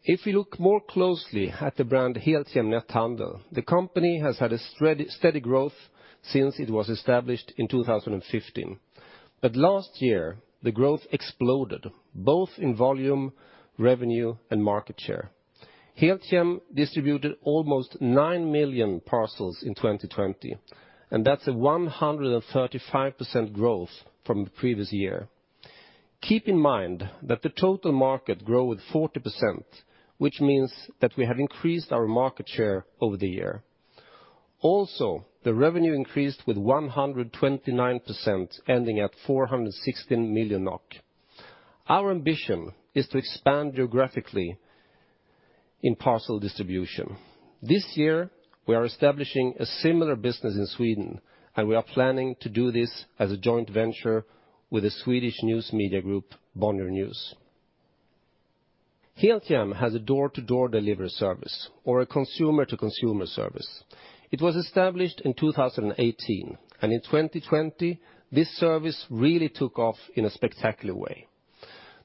If we look more closely at the brand Helthjem Netthandel, the company has had a steady growth since it was established in 2015. But last year, the growth exploded, both in volume, revenue, and market share. Helthjem distributed almost nine million parcels in 2020, and that's a 135% growth from the previous year. Keep in mind that the total market grew with 40%, which means that we have increased our market share over the year. Also, the revenue increased with 129%, ending at 416 million NOK. Our ambition is to expand geographically in parcel distribution. This year, we are establishing a similar business in Sweden, and we are planning to do this as a joint venture with a Swedish News Media group, Bonnier News. Helthjem has a door-to-door delivery service or a consumer-to-consumer service. It was established in 2018, and in 2020, this service really took off in a spectacular way.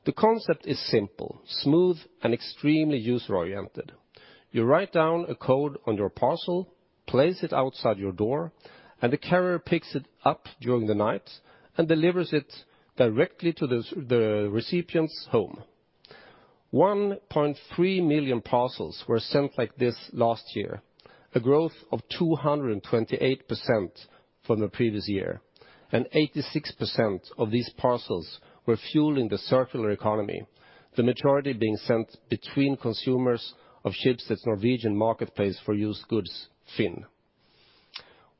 The concept is simple, smooth, and extremely user-oriented. You write down a code on your parcel, place it outside your door, and the carrier picks it up during the night and delivers it directly to the recipient's home. 1.3 million parcels were sent like this last year, a growth of 228% from the previous year. And 86% of these parcels were fueling the circular economy, the majority being sent between consumers of Schibsted's Norwegian marketplace for used goods, Finn.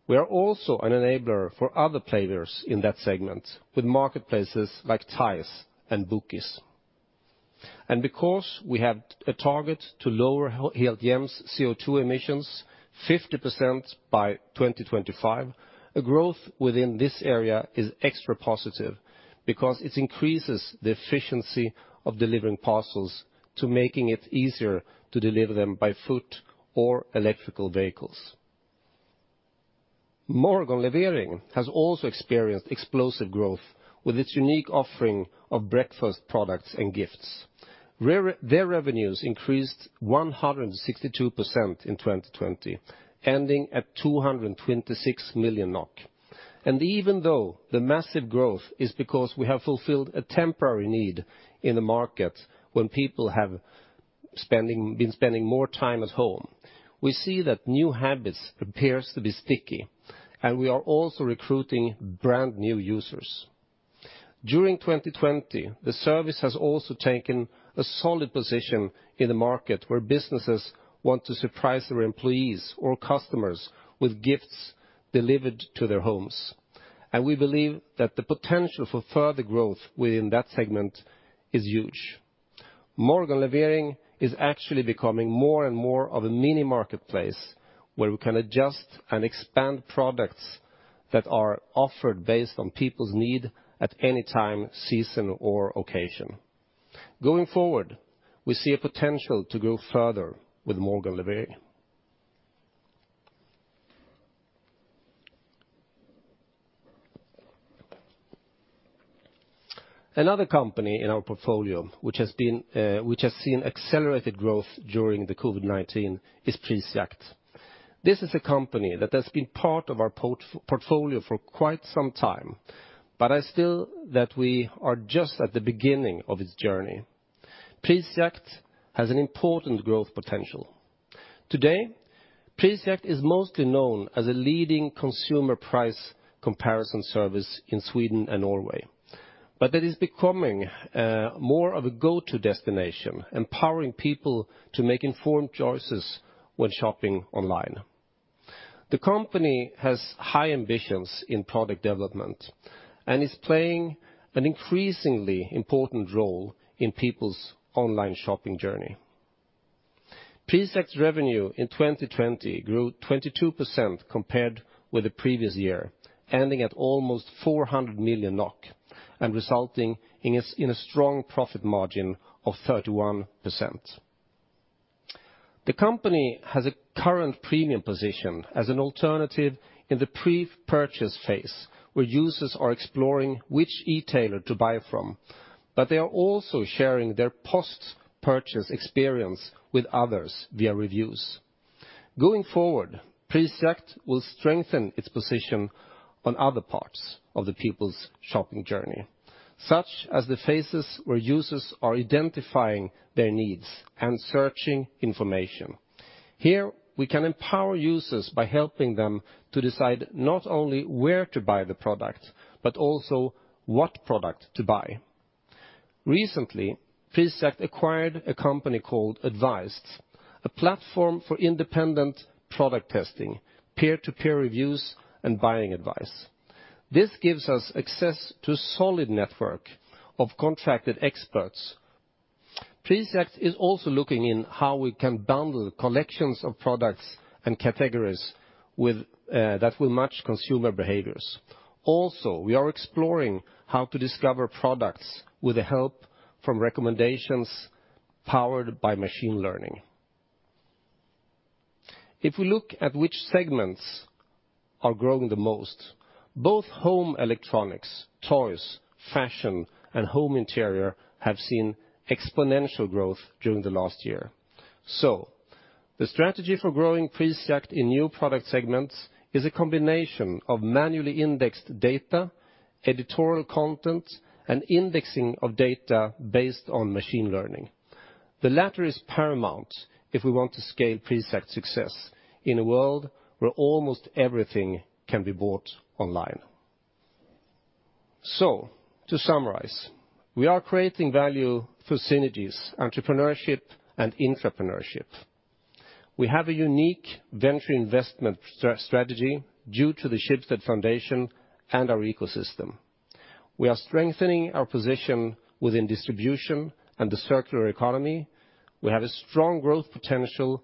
We are also an enabler for other players in that segment, with marketplaces like Tise and Bookis. And because we have a target to lower Helthjem's CO2 emissions 50% by 2025, a growth within this area is extra positive because it increases the efficiency of delivering parcels to make it easier to deliver them by foot or electrical vehicles. Morgenlevering has also experienced explosive growth with its unique offering of breakfast products and gifts. Their revenues increased 162% in 2020, ending at 226 million NOK. Even though the massive growth is because we have fulfilled a temporary need in the market when people have been spending more time at home, we see that new habits appear to be sticky, and we are also recruiting brand new users. During 2020, the service has also taken a solid position in the market where businesses want to surprise their employees or customers with gifts delivered to their homes. We believe that the potential for further growth within that segment is huge. Morgenlevering is actually becoming more and more of a mini marketplace where we can adjust and expand products that are offered based on people's need at any time, season, or occasion. Going forward, we see a potential to grow further with Morgenlevering. Another company in our portfolio which has seen accelerated growth during the COVID-19 is Prisjakt. This is a company that has been part of our portfolio for quite some time, but I feel that we are just at the beginning of its journey. Prisjakt has an important growth potential. Today, Prisjakt is mostly known as a leading consumer price comparison service in Sweden and Norway. But it is becoming more of a go-to destination, empowering people to make informed choices when shopping online. The company has high ambitions in product development and is playing an increasingly important role in people's online shopping journey. Prisjakt's revenue in 2020 grew 22% compared with the previous year, ending at almost 400 million NOK and resulting in a strong profit margin of 31%. The company has a current premium position as an alternative in the pre-purchase phase where users are exploring which e-tailer to buy from, but they are also sharing their post-purchase experience with others via reviews. Going forward, Prisjakt will strengthen its position on other parts of the people's shopping journey, such as the phases where users are identifying their needs and searching information. Here, we can empower users by helping them to decide not only where to buy the product, but also what product to buy. Recently, Prisjakt acquired a company called Advized, a platform for independent product testing, peer-to-peer reviews, and buying advice. This gives us access to a solid network of contracted experts. Prisjakt is also looking into how we can bundle collections of products and categories that will match consumer behaviors. Also, we are exploring how to discover products with the help from recommendations powered by machine learning. If we look at which segments are growing the most, both home electronics, toys, fashion, and home interior have seen exponential growth during the last year. The strategy for growing Prisjakt in new product segments is a combination of manually indexed data, editorial content, and indexing of data based on machine learning. The latter is paramount if we want to scale Prisjakt's success in a world where almost everything can be bought online. To summarize, we are creating value through synergies, entrepreneurship, and intrapreneurship. We have a unique venture investment strategy due to the Schibsted Foundation and our ecosystem. We are strengthening our position within distribution and the circular economy. We have a strong growth potential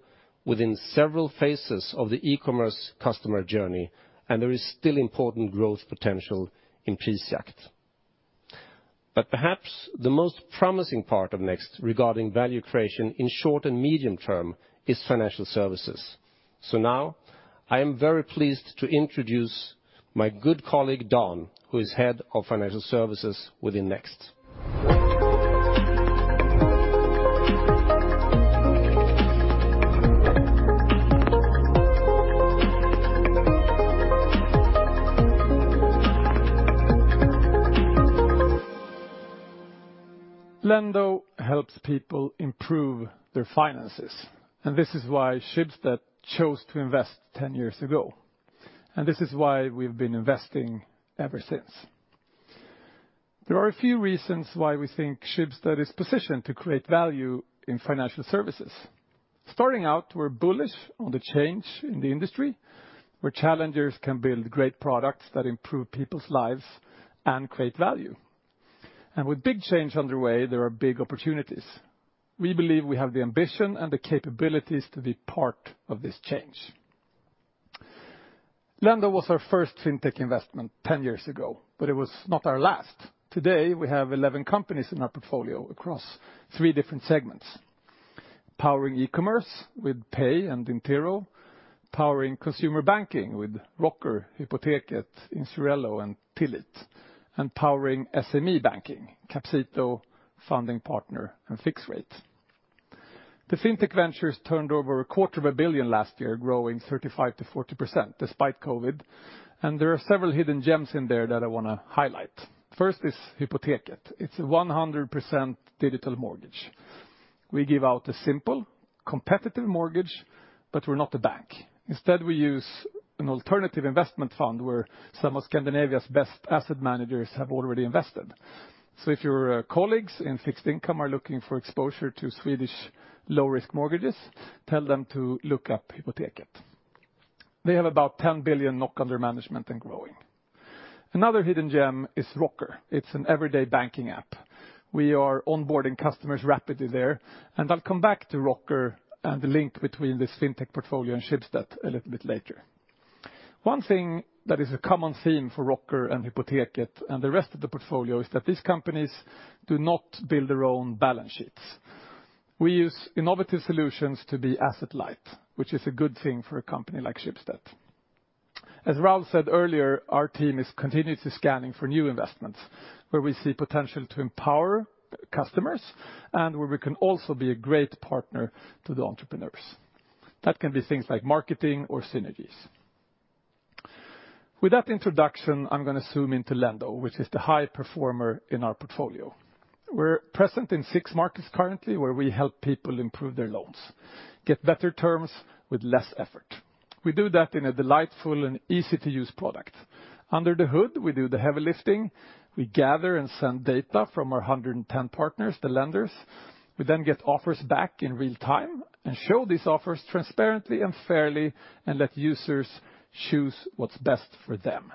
within several phases of the e-commerce customer journey, and there is still important growth potential in Prisjakt. But perhaps the most promising part of Next regarding value creation in short and medium term is financial services. Now, I am very pleased to introduce my good colleague, Dan, who is head of financial services within Next. Lendo helps people improve their finances, and this is why Schibsted chose to invest 10 years ago, and this is why we've been investing ever since. There are a few reasons why we think Schibsted is positioned to create value in financial services. Starting out, we're bullish on the change in the industry, where challengers can build great products that improve people's lives and create value. With big change underway, there are big opportunities. We believe we have the ambition and the capabilities to be part of this change. Lendo was our first fintech investment 10 years ago, but it was not our last. Today, we have 11 companies in our portfolio across three different segments: powering e-commerce with Pej and Dintero, powering consumer banking with Rocker, Hypoteket, Insurello, and Tillit, and powering SME banking, Capcito, FundingPartner, and Fixrate. The fintech ventures turned over 250 million NOK last year, growing 35%-40% despite COVID. And there are several hidden gems in there that I want to highlight. First is Hypoteket. It's a 100% digital mortgage. We give out a simple, competitive mortgage, but we're not a bank. Instead, we use an alternative investment fund where some of Scandinavia's best asset managers have already invested. So if your colleagues in fixed income are looking for exposure to Swedish low-risk mortgages, tell them to look up Hypoteket. They have about 10 billion NOK under management and growing. Another hidden gem is Rocker. It's an everyday banking app. We are onboarding customers rapidly there, and I'll come back to Rocker and the link between this fintech portfolio and Schibsted a little bit later. One thing that is a common theme for Rocker and Hypoteket and the rest of the portfolio is that these companies do not build their own balance sheets. We use innovative solutions to be asset-light, which is a good thing for a company like Schibsted. As Raoul said earlier, our team is continuously scanning for new investments where we see potential to empower customers and where we can also be a great partner to the entrepreneurs. That can be things like marketing or synergies. With that introduction, I'm going to zoom into Lendo, which is the high performer in our portfolio. We're present in six markets currently where we help people improve their loans, get better terms with less effort. We do that in a delightful and easy-to-use product. Under the hood, we do the heavy lifting. We gather and send data from our 110 partners, the lenders. We then get offers back in real time and show these offers transparently and fairly and let users choose what's best for them.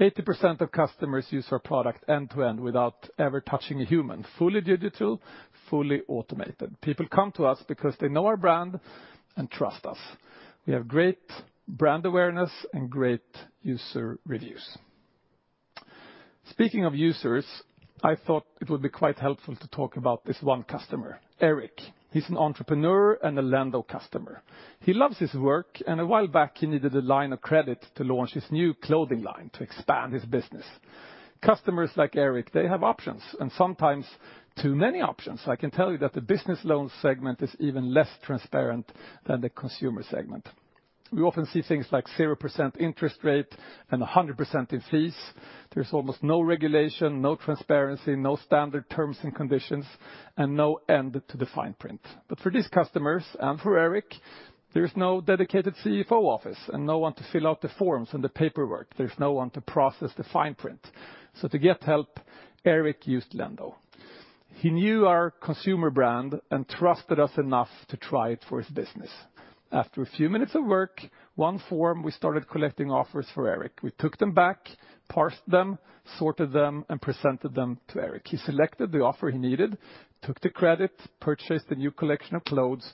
80% of customers use our product end-to-end without ever touching a human, fully digital, fully automated. People come to us because they know our brand and trust us. We have great brand awareness and great user reviews. Speaking of users, I thought it would be quite helpful to talk about this one customer, Erik. He's an entrepreneur and a Lendo customer. He loves his work, and a while back, he needed a line of credit to launch his new clothing line to expand his business. Customers like Erik, they have options, and sometimes too many options. I can tell you that the business loan segment is even less transparent than the consumer segment. We often see things like 0% interest rate and 100% in fees. There's almost no regulation, no transparency, no standard terms and conditions, and no end to the fine print. But for these customers and for Erik, there's no dedicated CFO office and no one to fill out the forms and the paperwork. There's no one to process the fine print. So to get help, Erik used Lendo. He knew our consumer brand and trusted us enough to try it for his business. After a few minutes of work, one form, we started collecting offers for Erik. We took them back, parsed them, sorted them, and presented them to Erik. He selected the offer he needed, took the credit, purchased a new collection of clothes,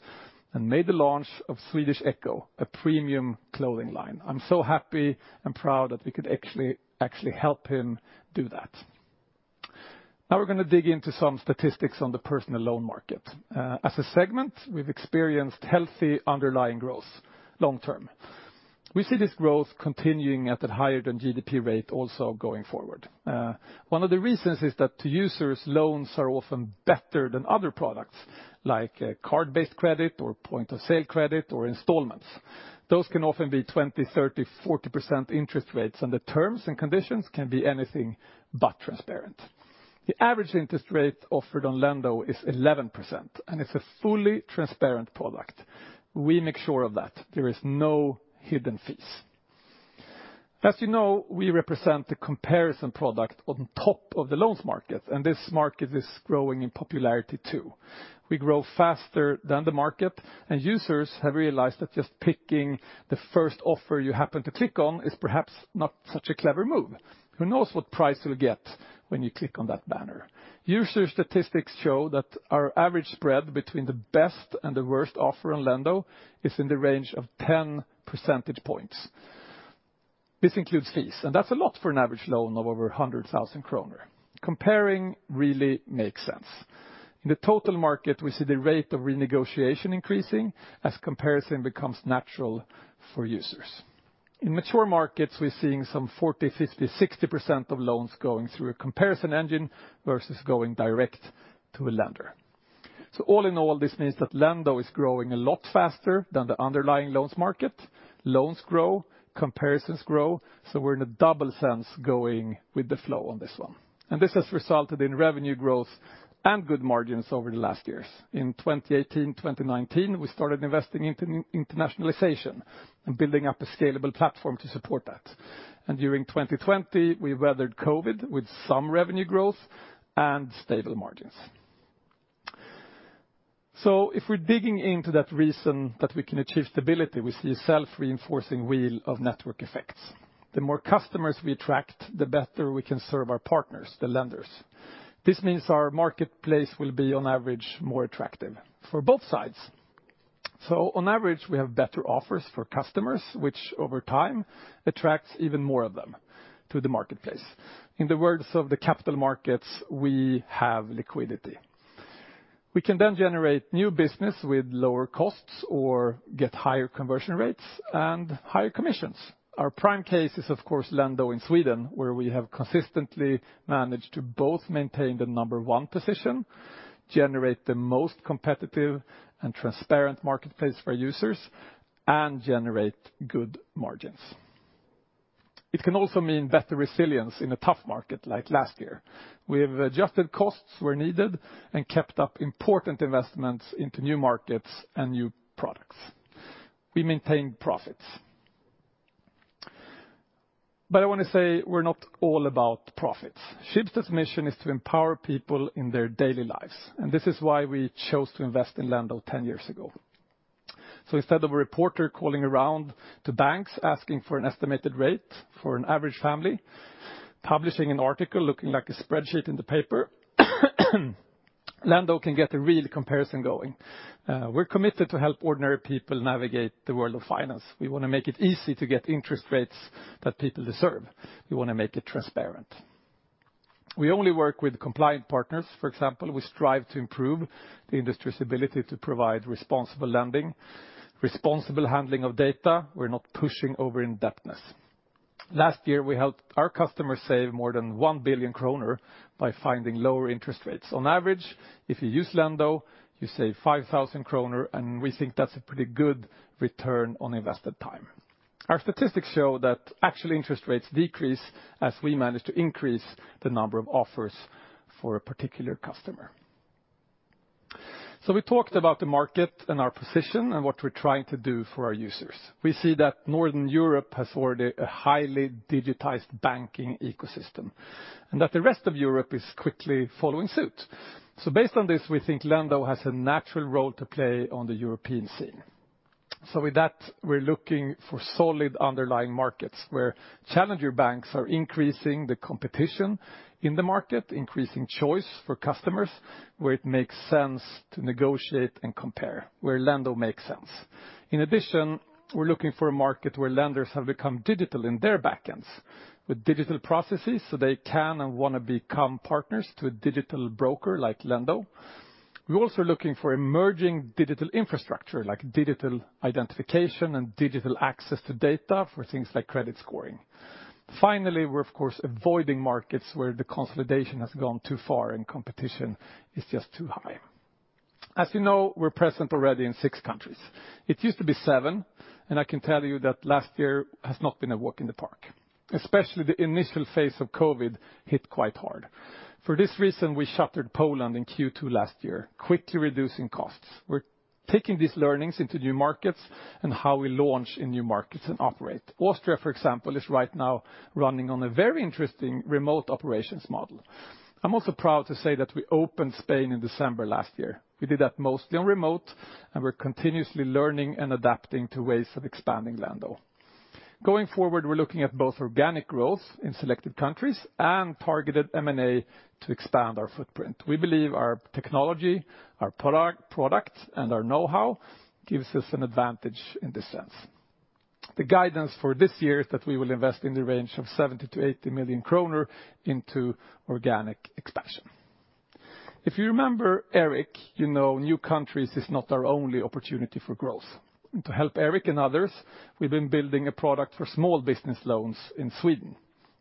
and made the launch of Swedish Eco, a premium clothing line. I'm so happy and proud that we could actually help him do that. Now we're going to dig into some statistics on the personal loan market. As a segment, we've experienced healthy underlying growth long-term. We see this growth continuing at a higher-than-GDP rate also going forward. One of the reasons is that to users, loans are often better than other products like card-based credit or point-of-sale credit or installments. Those can often be 20%, 30%, 40% interest rates, and the terms and conditions can be anything but transparent. The average interest rate offered on Lendo is 11%, and it's a fully transparent product. We make sure of that. There are no hidden fees. As you know, we represent the comparison product on top of the loans market, and this market is growing in popularity too. We grow faster than the market, and users have realized that just picking the first offer you happen to click on is perhaps not such a clever move. Who knows what price you'll get when you click on that banner? User statistics show that our average spread between the best and the worst offer on Lendo is in the range of 10 percentage points. This includes fees, and that's a lot for an average loan of over 100,000 kroner. Comparing really makes sense. In the total market, we see the rate of renegotiation increasing as comparison becomes natural for users. In mature markets, we're seeing some 40%, 50%, 60% of loans going through a comparison engine versus going direct to a lender. So all in all, this means that Lendo is growing a lot faster than the underlying loans market. Loans grow, comparisons grow, so we're in a double sense going with the flow on this one. And this has resulted in revenue growth and good margins over the last years. In 2018, 2019, we started investing in internationalization and building up a scalable platform to support that. During 2020, we weathered COVID with some revenue growth and stable margins. If we're digging into that reason that we can achieve stability, we see a self-reinforcing wheel of network effects. The more customers we attract, the better we can serve our partners, the lenders. This means our marketplace will be on average more attractive for both sides. On average, we have better offers for customers, which over time attracts even more of them to the marketplace. In the words of the capital markets, we have liquidity. We can then generate new business with lower costs or get higher conversion rates and higher commissions. Our prime case is, of course, Lendo in Sweden, where we have consistently managed to both maintain the number one position, generate the most competitive and transparent marketplace for users, and generate good margins. It can also mean better resilience in a tough market like last year. We have adjusted costs where needed and kept up important investments into new markets and new products. We maintained profits. But I want to say we're not all about profits. Schibsted's mission is to empower people in their daily lives, and this is why we chose to invest in Lendo 10 years ago. So instead of a reporter calling around to banks asking for an estimated rate for an average family, publishing an article looking like a spreadsheet in the paper, Lendo can get a real comparison going. We're committed to help ordinary people navigate the world of finance. We want to make it easy to get interest rates that people deserve. We want to make it transparent. We only work with compliant partners. For example, we strive to improve the industry's ability to provide responsible lending, responsible handling of data. We're not pushing over indebtedness. Last year, we helped our customers save more than 1 billion kroner by finding lower interest rates. On average, if you use Lendo, you save 5,000 kroner, and we think that's a pretty good return on invested time. Our statistics show that actual interest rates decrease as we manage to increase the number of offers for a particular customer. So we talked about the market and our position and what we're trying to do for our users. We see that Northern Europe has already a highly digitized banking ecosystem and that the rest of Europe is quickly following suit. So based on this, we think Lendo has a natural role to play on the European scene. So with that, we're looking for solid underlying markets where challenger banks are increasing the competition in the market, increasing choice for customers where it makes sense to negotiate and compare, where Lendo makes sense. In addition, we're looking for a market where lenders have become digital in their backends, with digital processes so they can and want to become partners to a digital broker like Lendo. We're also looking for emerging digital infrastructure like digital identification and digital access to data for things like credit scoring. Finally, we're, of course, avoiding markets where the consolidation has gone too far and competition is just too high. As you know, we're present already in six countries. It used to be seven, and I can tell you that last year has not been a walk in the park. Especially the initial phase of COVID hit quite hard. For this reason, we shuttered Poland in Q2 last year, quickly reducing costs. We're taking these learnings into new markets and how we launch in new markets and operate. Austria, for example, is right now running on a very interesting remote operations model. I'm also proud to say that we opened Spain in December last year. We did that mostly on remote, and we're continuously learning and adapting to ways of expanding Lendo. Going forward, we're looking at both organic growth in selected countries and targeted M&A to expand our footprint. We believe our technology, our product, and our know-how gives us an advantage in this sense. The guidance for this year is that we will invest in the range of 70-80 million kroner into organic expansion. If you remember Erik, you know new countries is not our only opportunity for growth. To help Erik and others, we've been building a product for small business loans in Sweden.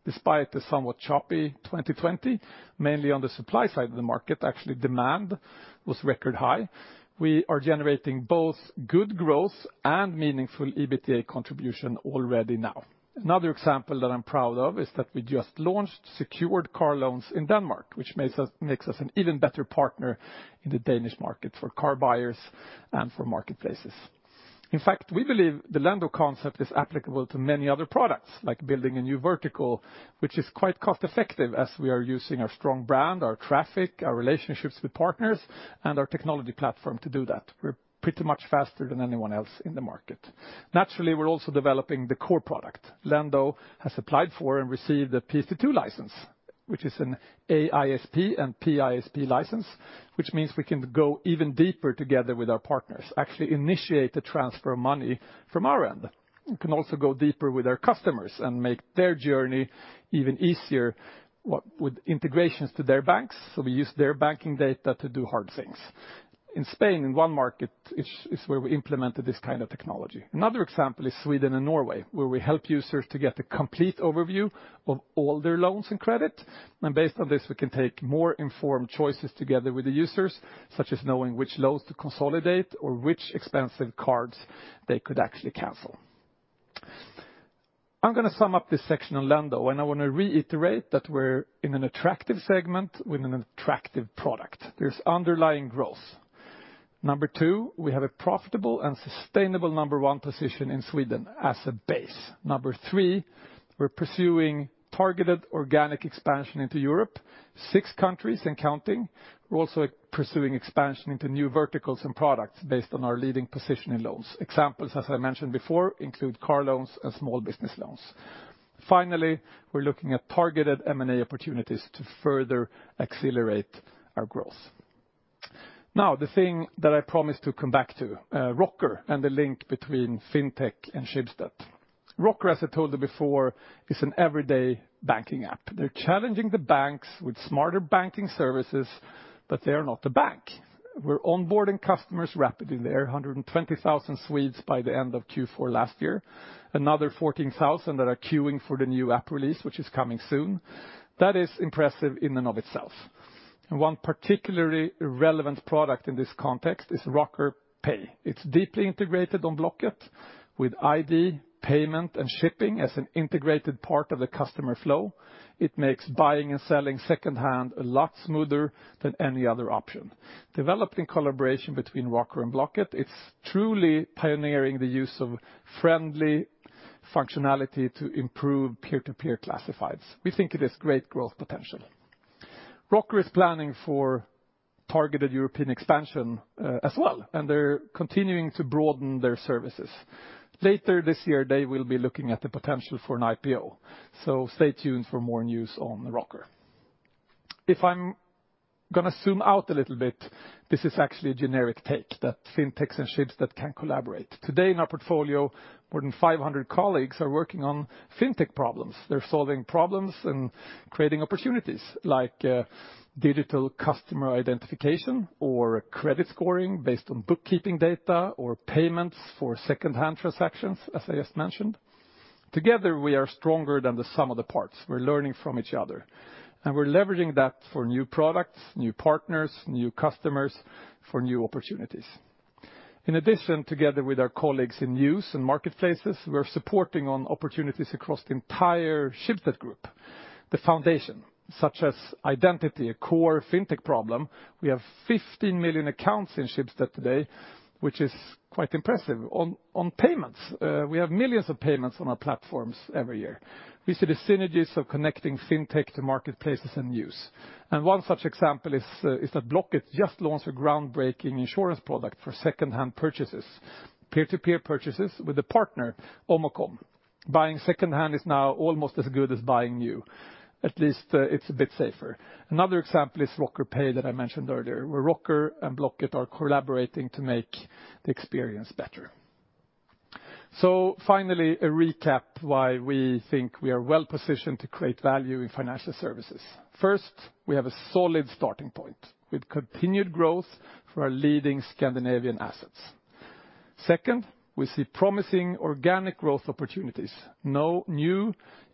Despite the somewhat choppy 2020, mainly on the supply side of the market, actually demand was record high. We are generating both good growth and meaningful EBITDA contribution already now. Another example that I'm proud of is that we just launched secured car loans in Denmark, which makes us an even better partner in the Danish market for car buyers and for marketplaces. In fact, we believe the Lendo concept is applicable to many other products, like building a new vertical, which is quite cost-effective as we are using our strong brand, our traffic, our relationships with partners, and our technology platform to do that. We're pretty much faster than anyone else in the market. Naturally, we're also developing the core product. Lendo has applied for and received a PSD2 license, which is an AISP and PISP license, which means we can go even deeper together with our partners, actually initiate a transfer of money from our end. We can also go deeper with our customers and make their journey even easier with integrations to their banks, so we use their banking data to do hard things. In Spain, in one market, is where we implemented this kind of technology. Another example is Sweden and Norway, where we help users to get a complete overview of all their loans and credit. And based on this, we can take more informed choices together with the users, such as knowing which loans to consolidate or which expensive cards they could actually cancel. I'm going to sum up this section on Lendo, and I want to reiterate that we're in an attractive segment with an attractive product. There's underlying growth. Number two, we have a profitable and sustainable number one position in Sweden as a base. Number three, we're pursuing targeted organic expansion into Europe, six countries and counting. We're also pursuing expansion into new verticals and products based on our leading position in loans. Examples, as I mentioned before, include car loans and small business loans. Finally, we're looking at targeted M&A opportunities to further accelerate our growth. Now, the thing that I promised to come back to, Rocker and the link between FinTech and Schibsted. Rocker, as I told you before, is an everyday banking app. They're challenging the banks with smarter banking services, but they are not a bank. We're onboarding customers rapidly. There are 120,000 Swedes by the end of Q4 last year. Another 14,000 that are queuing for the new app release, which is coming soon. That is impressive in and of itself. And one particularly relevant product in this context is Rocker Pej. It's deeply integrated on Blocket with ID, payment, and shipping as an integrated part of the customer flow. It makes buying and selling secondhand a lot smoother than any other option. Developed in collaboration between Rocker and Blocket, it's truly pioneering the use of friendly functionality to improve peer-to-peer classifieds. We think it has great growth potential. Rocker is planning for targeted European expansion as well, and they're continuing to broaden their services. Later this year, they will be looking at the potential for an IPO. So stay tuned for more news on Rocker. If I'm going to zoom out a little bit, this is actually a generic take that fintechs and Schibsted can collaborate. Today, in our portfolio, more than 500 colleagues are working on fintech problems. They're solving problems and creating opportunities like digital customer identification or credit scoring based on bookkeeping data or payments for secondhand transactions, as I just mentioned. Together, we are stronger than the sum of the parts. We're learning from each other, and we're leveraging that for new products, new partners, new customers for new opportunities. In addition, together with our colleagues in news and marketplaces, we're supporting opportunities across the entire Schibsted group. The foundation, such as identity, a core fintech problem. We have 15 million accounts in Schibsted today, which is quite impressive. On payments, we have millions of payments on our platforms every year. We see the synergies of connecting FinTech to marketplaces and news. And one such example is that Blocket just launched a groundbreaking insurance product for secondhand purchases, peer-to-peer purchases with a partner, Omocom. Buying secondhand is now almost as good as buying new. At least it's a bit safer. Another example is Rocker Pej that I mentioned earlier, where Rocker and Blocket are collaborating to make the experience better. So finally, a recap of why we think we are well positioned to create value in financial services. First, we have a solid starting point with continued growth for our leading Scandinavian assets. Second, we see promising organic growth opportunities, new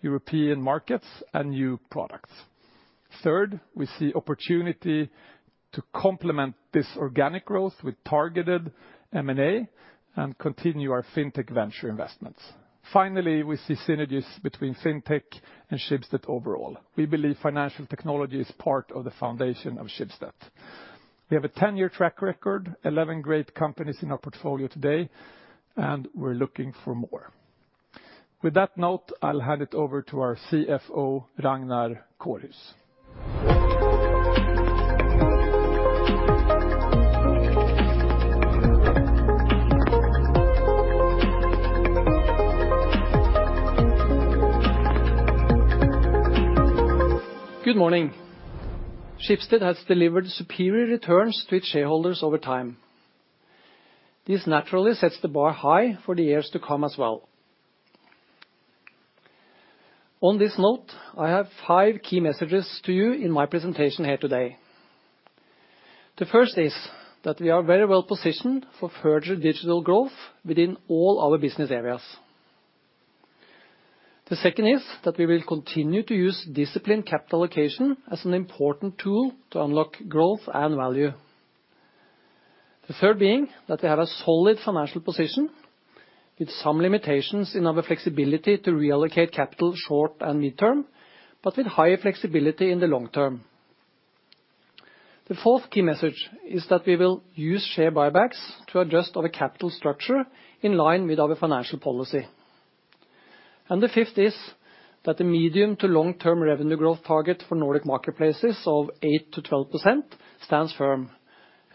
European markets and new products. Third, we see opportunity to complement this organic growth with targeted M&A and continue our FinTech venture investments. Finally, we see synergies between FinTech and Schibsted overall. We believe financial technology is part of the foundation of Schibsted. We have a 10-year track record, 11 great companies in our portfolio today, and we're looking for more. With that note, I'll hand it over to our CFO, Ragnar Kårhus. Good morning. Schibsted has delivered superior returns to its shareholders over time. This naturally sets the bar high for the years to come as well. On this note, I have five key messages to you in my presentation here today. The first is that we are very well positioned for further digital growth within all our business areas. The second is that we will continue to use disciplined capital allocation as an important tool to unlock growth and value. The third being that we have a solid financial position with some limitations in our flexibility to reallocate capital short and midterm, but with high flexibility in the long term. The fourth key message is that we will use share buybacks to adjust our capital structure in line with our financial policy. And the fifth is that the medium to long-term revenue growth target for Nordic Marketplaces of 8%-12% stands firm,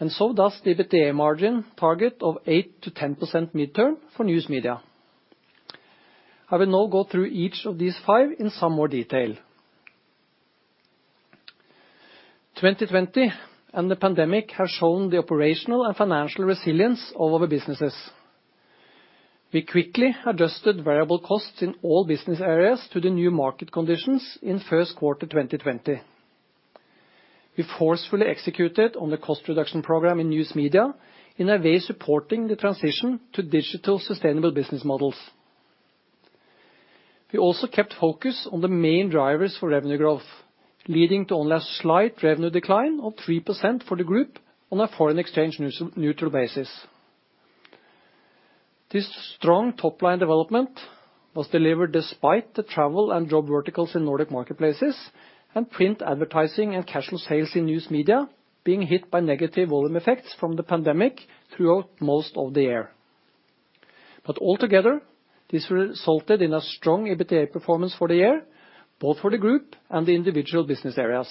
and so does the EBITDA margin target of 8%-10% midterm for News Media. I will now go through each of these five in some more detail. 2020 and the pandemic have shown the operational and financial resilience of our businesses. We quickly adjusted variable costs in all business areas to the new market conditions in first quarter 2020. We forcefully executed on the cost reduction program in News Media in a way supporting the transition to digital sustainable business models. We also kept focus on the main drivers for revenue growth, leading to only a slight revenue decline of 3% for the group on a foreign exchange neutral basis. This strong top-line development was delivered despite the travel and job verticals in Nordic Marketplaces and print advertising and cash flow sales in News Media being hit by negative volume effects from the pandemic throughout most of the year. But altogether, this resulted in a strong EBITDA performance for the year, both for the group and the individual business areas.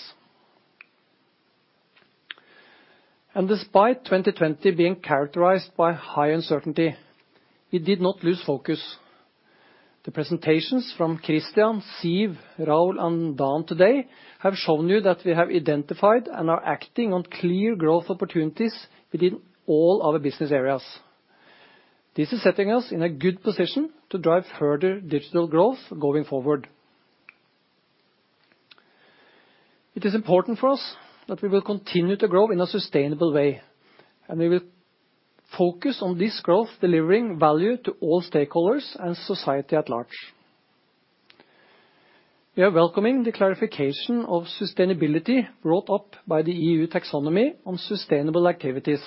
And despite 2020 being characterized by high uncertainty, we did not lose focus. The presentations from Christian, Siv, Raoul, and Dan today have shown you that we have identified and are acting on clear growth opportunities within all our business areas. This is setting us in a good position to drive further digital growth going forward. It is important for us that we will continue to grow in a sustainable way, and we will focus on this growth delivering value to all stakeholders and society at large. We are welcoming the clarification of sustainability brought up by the EU Taxonomy on sustainable activities.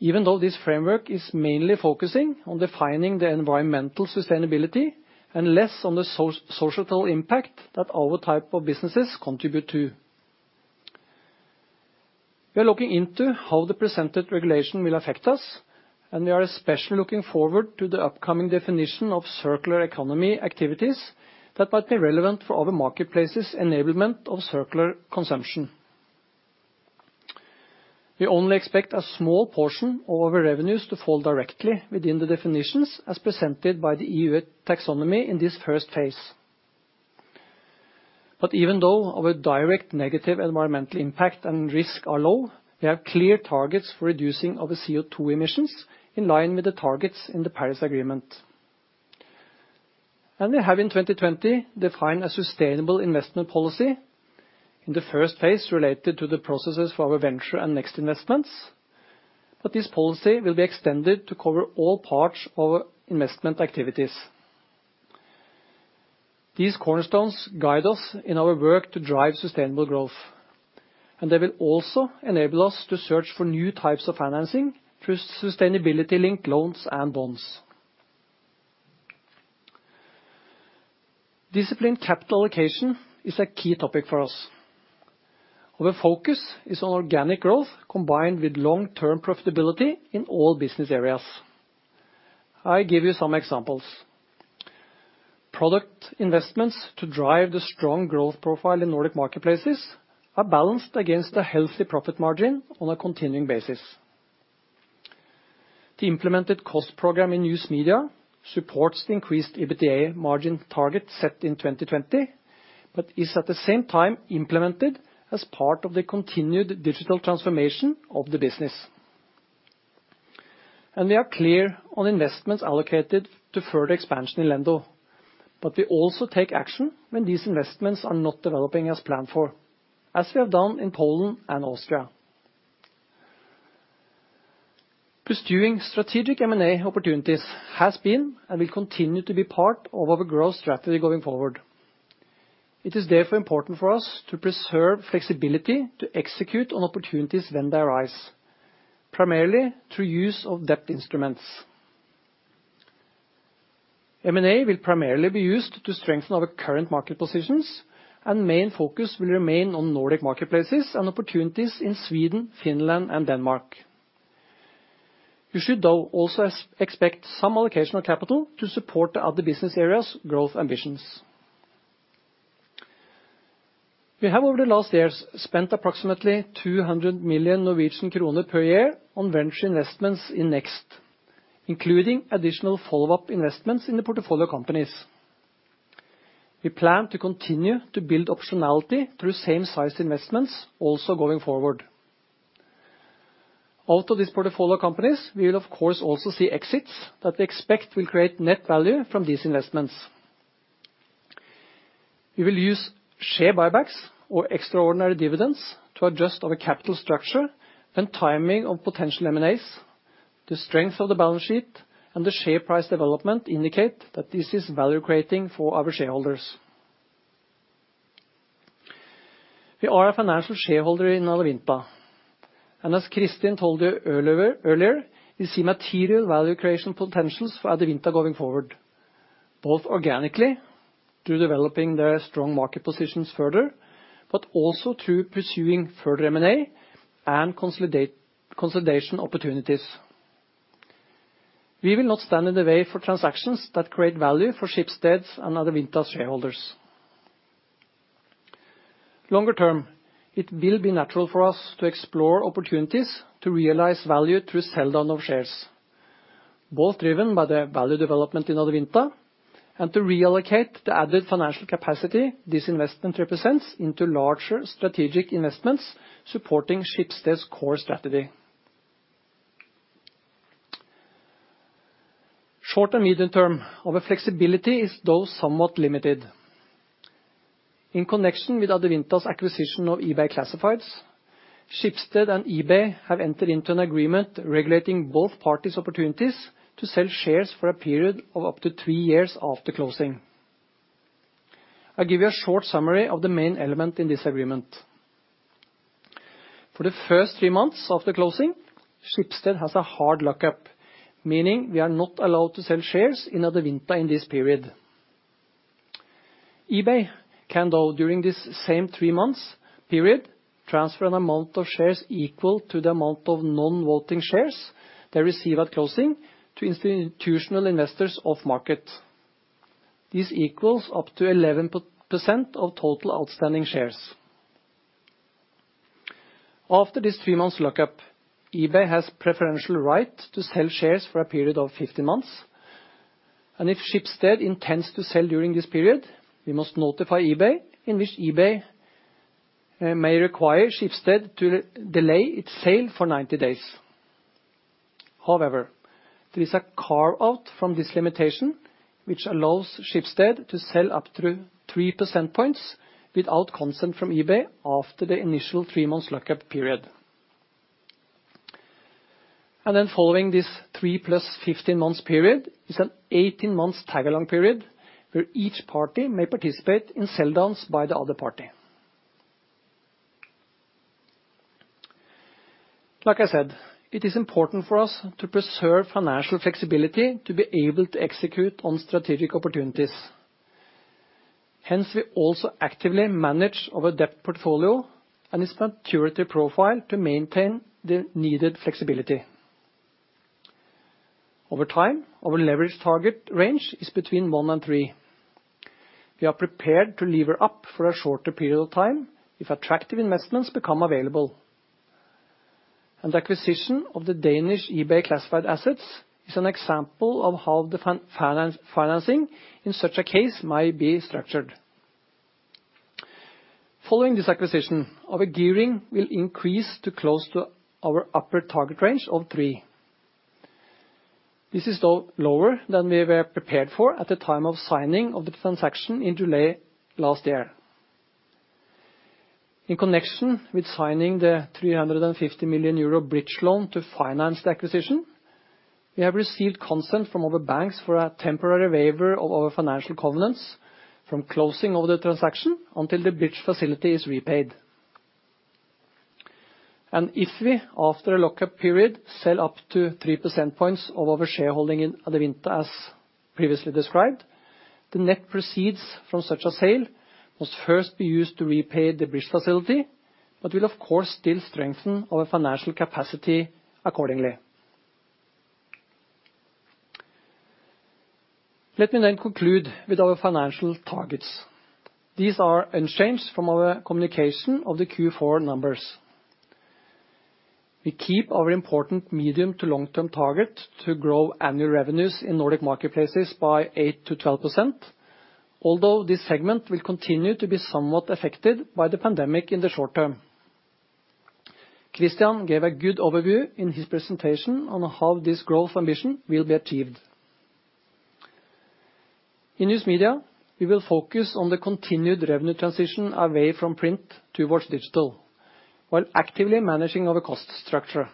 Even though this framework is mainly focusing on defining the environmental sustainability and less on the societal impact that our type of businesses contribute to. We are looking into how the presented regulation will affect us, and we are especially looking forward to the upcoming definition of circular economy activities that might be relevant for our marketplaces' enablement of circular consumption. We only expect a small portion of our revenues to fall directly within the definitions as presented by the EU Taxonomy in this first phase. But even though our direct negative environmental impact and risk are low, we have clear targets for reducing our CO2 emissions in line with the targets in the Paris Agreement. And we have in 2020 defined a sustainable investment policy in the first phase related to the processes for our venture and next investments. But this policy will be extended to cover all parts of our investment activities. These cornerstones guide us in our work to drive sustainable growth, and they will also enable us to search for new types of financing through sustainability-linked loans and bonds. Disciplined capital allocation is a key topic for us. Our focus is on organic growth combined with long-term profitability in all business areas. I give you some examples. Product investments to drive the strong growth profile in Nordic Marketplaces are balanced against a healthy profit margin on a continuing basis. The implemented cost program in News Media supports the increased EBITDA margin target set in 2020, but is at the same time implemented as part of the continued digital transformation of the business, and we are clear on investments allocated to further expansion in Lendo, but we also take action when these investments are not developing as planned for, as we have done in Poland and Austria. Pursuing strategic M&A opportunities has been and will continue to be part of our growth strategy going forward. It is therefore important for us to preserve flexibility to execute on opportunities when they arise, primarily through use of debt instruments. M&A will primarily be used to strengthen our current market positions, and main focus will remain on Nordic Marketplaces and opportunities in Sweden, Finland, and Denmark. We should though also expect some allocation of capital to support the other business areas' growth ambitions. We have over the last years spent approximately 200 million Norwegian kroner per year on venture investments in NEXT, including additional follow-up investments in the portfolio companies. We plan to continue to build optionality through same-sized investments also going forward. Out of these portfolio companies, we will of course also see exits that we expect will create net value from these investments. We will use share buybacks or extraordinary dividends to adjust our capital structure when timing of potential M&As, the strength of the balance sheet, and the share price development indicate that this is value creating for our shareholders. We are a financial shareholder in Adevinta, and as Christian told you earlier, we see material value creation potentials for Adevinta going forward, both organically through developing their strong market positions further, but also through pursuing further M&A and consolidation opportunities. We will not stand in the way for transactions that create value for Schibsted's and Adevinta's shareholders. Longer term, it will be natural for us to explore opportunities to realize value through sell down of shares, both driven by the value development in Adevinta and to reallocate the added financial capacity this investment represents into larger strategic investments supporting Schibsted's core strategy. Short and medium term, our flexibility is though somewhat limited. In connection with Adevinta's acquisition of eBay Classifieds, Schibsted and eBay have entered into an agreement regulating both parties' opportunities to sell shares for a period of up to three years after closing. I'll give you a short summary of the main element in this agreement. For the first three months after closing, Schibsted has a hard lockup, meaning we are not allowed to sell shares in Adevinta in this period. eBay can, though, during this same three months period, transfer an amount of shares equal to the amount of non-voting shares they receive at closing to institutional investors off market. This equals up to 11% of total outstanding shares. After this three months lockup, eBay has preferential right to sell shares for a period of 15 months, and if Schibsted intends to sell during this period, we must notify eBay, in which eBay may require Schibsted to delay its sale for 90 days. However, there is a carve-out from this limitation, which allows Schibsted to sell up to 3 percentage points without consent from eBay after the initial three months lockup period. Then following this 3 plus 15 months period is an 18-month tag-along period, where each party may participate in sell downs by the other party. Like I said, it is important for us to preserve financial flexibility to be able to execute on strategic opportunities. Hence, we also actively manage our debt portfolio and its maturity profile to maintain the needed flexibility. Over time, our leverage target range is between one and three. We are prepared to lever up for a shorter period of time if attractive investments become available. And the acquisition of the Danish eBay classified assets is an example of how the financing in such a case might be structured. Following this acquisition, our gearing will increase to close to our upper target range of three. This is, though, lower than we were prepared for at the time of signing of the transaction in July last year. In connection with signing the 350 million euro bridge loan to finance the acquisition, we have received consent from our banks for a temporary waiver of our financial covenants from closing of the transaction until the bridge facility is repaid, and if we, after a lockup period, sell up to 3 percentage points of our shareholding in Adevinta, as previously described, the net proceeds from such a sale must first be used to repay the bridge facility, but will of course still strengthen our financial capacity accordingly. Let me then conclude with our financial targets. These are unchanged from our communication of the Q4 numbers. We keep our important medium- to long-term target to grow annual revenues in Nordic Marketplaces by 8%-12%, although this segment will continue to be somewhat affected by the pandemic in the short term. Christian gave a good overview in his presentation on how this growth ambition will be achieved. In News Media, we will focus on the continued revenue transition away from print to digital, while actively managing our cost structure.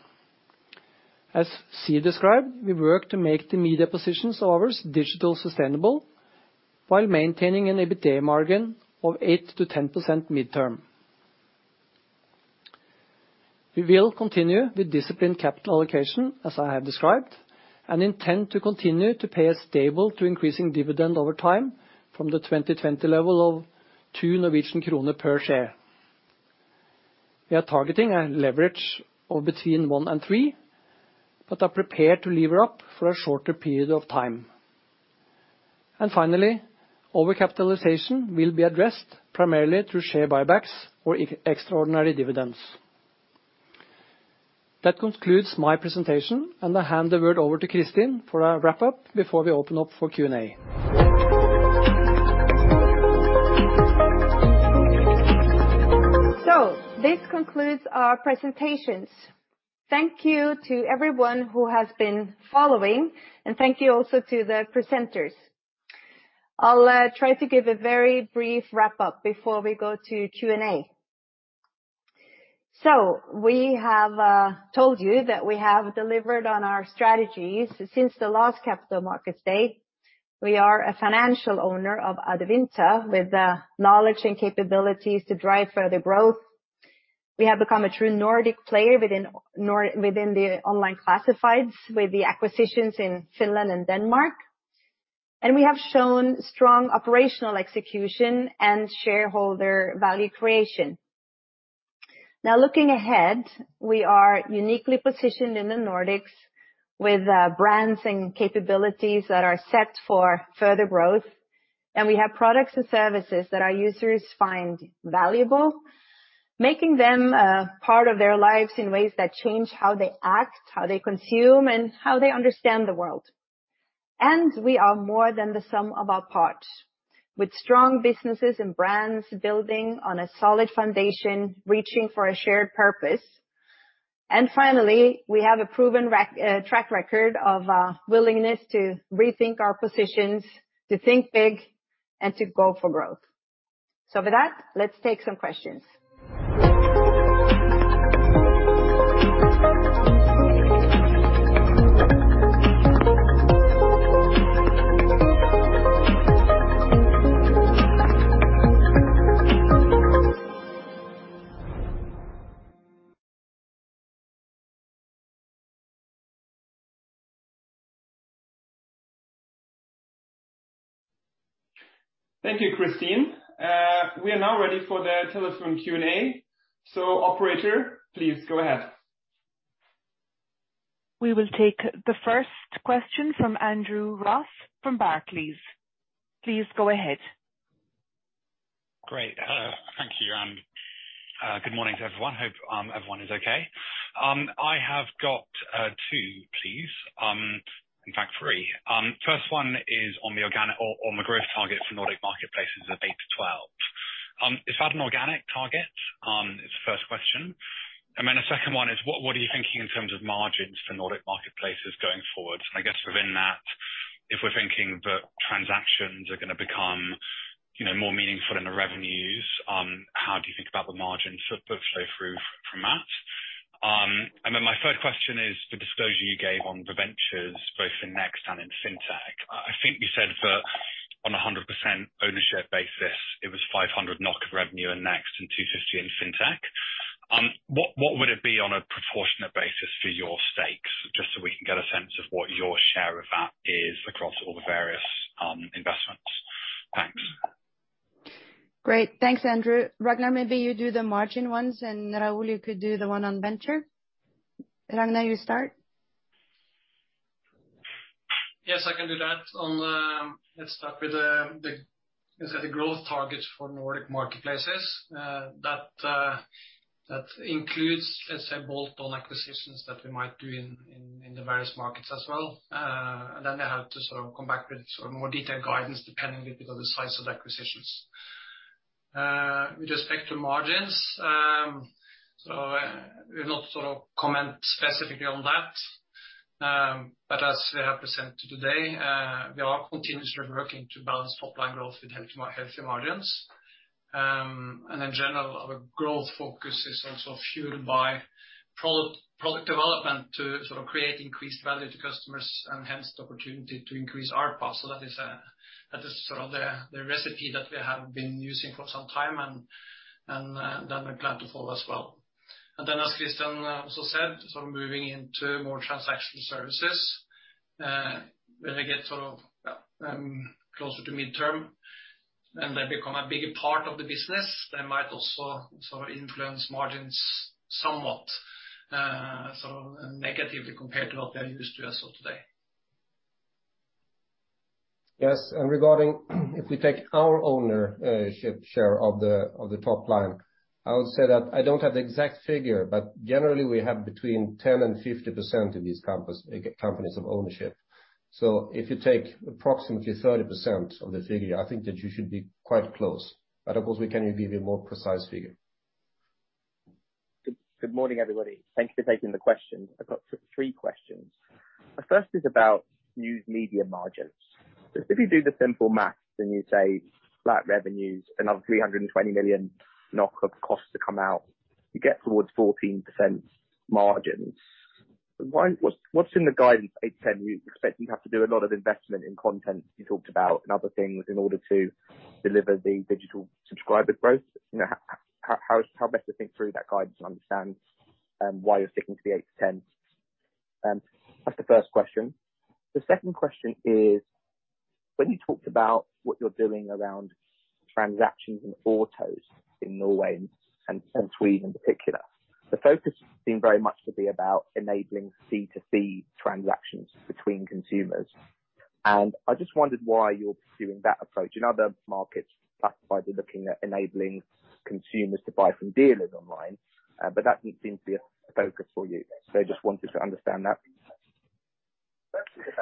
As Siv described, we work to make our digital media positions sustainable while maintaining an EBITDA margin of 8%-10% mid-term. We will continue with disciplined capital allocation, as I have described, and intend to continue to pay a stable to increasing dividend over time from the 2020 level of two NOK per share. We are targeting a leverage of between 1 and 3, but are prepared to lever up for a shorter period of time. Finally, our capitalization will be addressed primarily through share buybacks or extraordinary dividends. That concludes my presentation, and I hand the word over to Christian for a wrap-up before we open up for Q&A. So, this concludes our presentations. Thank you to everyone who has been following, and thank you also to the presenters. I'll try to give a very brief wrap-up before we go to Q&A. So, we have told you that we have delivered on our strategies since the last capital markets day. We are a financial owner of Adevinta with the knowledge and capabilities to drive further growth. We have become a true Nordic player within the online classifieds with the acquisitions in Finland and Denmark. And we have shown strong operational execution and shareholder value creation. Now, looking ahead, we are uniquely positioned in the Nordics with brands and capabilities that are set for further growth, and we have products and services that our users find valuable, making them a part of their lives in ways that change how they act, how they consume, and how they understand the world. And we are more than the sum of our parts, with strong businesses and brands building on a solid foundation, reaching for a shared purpose. And finally, we have a proven track record of willingness to rethink our positions, to think big, and to go for growth. So, with that, let's take some questions. Thank you, Kristin. We are now ready for the telephone Q&A. So, operator, please go ahead. We will take the first question from Andrew Ross from Barclays. Please go ahead. Great. Thank you, and good morning to everyone. Hope everyone is okay. I have got two, please. In fact, three. First one is on the organic or on the growth target for Nordic Marketplacess of 8%-12%. Is that an organic target? It's the first question. And then the second one is, what are you thinking in terms of margins for Nordic Marketplacess going forward? And I guess within that, if we're thinking that transactions are going to become more meaningful in the revenues, how do you think about the margins that flow through from that? And then my third question is the disclosure you gave on the ventures, both in NEXT and in fintech. I think you said that on a 100% ownership basis, it was 500 million NOK of revenue in NEXT and 250 million NOK in fintech. What would it be on a proportionate basis for your stakes, just so we can get a sense of what your share of that is across all the various investments? Thanks. Great. Thanks, Andrew. Ragnar, maybe you do the margin ones, and Raoul, you could do the one on venture. Ragnar, you start. Yes, I can do that. Let's start with the growth targets for Nordic Marketplacess. That includes, let's say, bolt-on acquisitions that we might do in the various markets as well. And then they have to sort of come back with sort of more detailed guidance depending a bit on the size of the acquisitions. With respect to margins, we're not sort of commenting specifically on that. But as we have presented today, we are continuously working to balance top-line growth with healthy margins. In general, our growth focus is also fueled by product development to sort of create increased value to customers and hence the opportunity to increase our take. So that is sort of the recipe that we have been using for some time, and then we plan to follow as well. And then, as Christian also said, sort of moving into more transactional services. When we get sort of closer to midterm and they become a bigger part of the business, they might also sort of influence margins somewhat sort of negatively compared to what they're used to as of today. Yes, and regarding if we take our ownership share of the top line, I would say that I don't have the exact figure, but generally, we have between 10% and 50% of these companies of ownership. So if you take approximately 30% of the figure, I think that you should be quite close. But of course, we can give you a more precise figure. Good morning, everybody. Thank you for taking the question. I've got three questions. The first is about News Media margins. If you do the simple math and you say flat revenues and have 320 million NOK of costs to come out, you get towards 14% margins. What's in the guidance 8%-10%? You expect you have to do a lot of investment in content you talked about and other things in order to deliver the digital subscriber growth. How best to think through that guidance and understand why you're sticking to the 8%-10%? That's the first question. The second question is, when you talked about what you're doing around transactions and autos in Norway and Sweden in particular, the focus seemed very much to be about enabling C to C transactions between consumers. And I just wondered why you're pursuing that approach. In other markets, classifieds are looking at enabling consumers to buy from dealers online, but that didn't seem to be a focus for you. So I just wanted to understand that.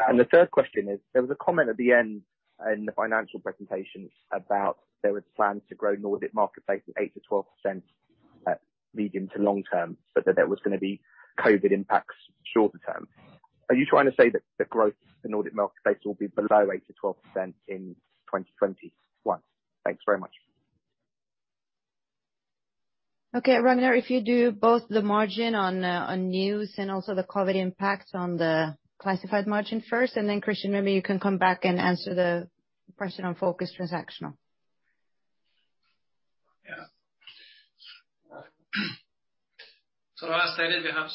And the third question is, there was a comment at the end in the financial presentation about there were plans to grow Nordic Marketplacess 8%-12% medium to long term, but that there was going to be COVID impacts shorter term. Are you trying to say that the growth in Nordic Marketplacess will be below 8%-12% in 2021? Thanks very much. Okay, Ragnar, if you do both the margin on news and also the COVID impacts on the classified margin first, and then Christian, maybe you can come back and answer the question on focused transactional. Yeah. So as stated, we have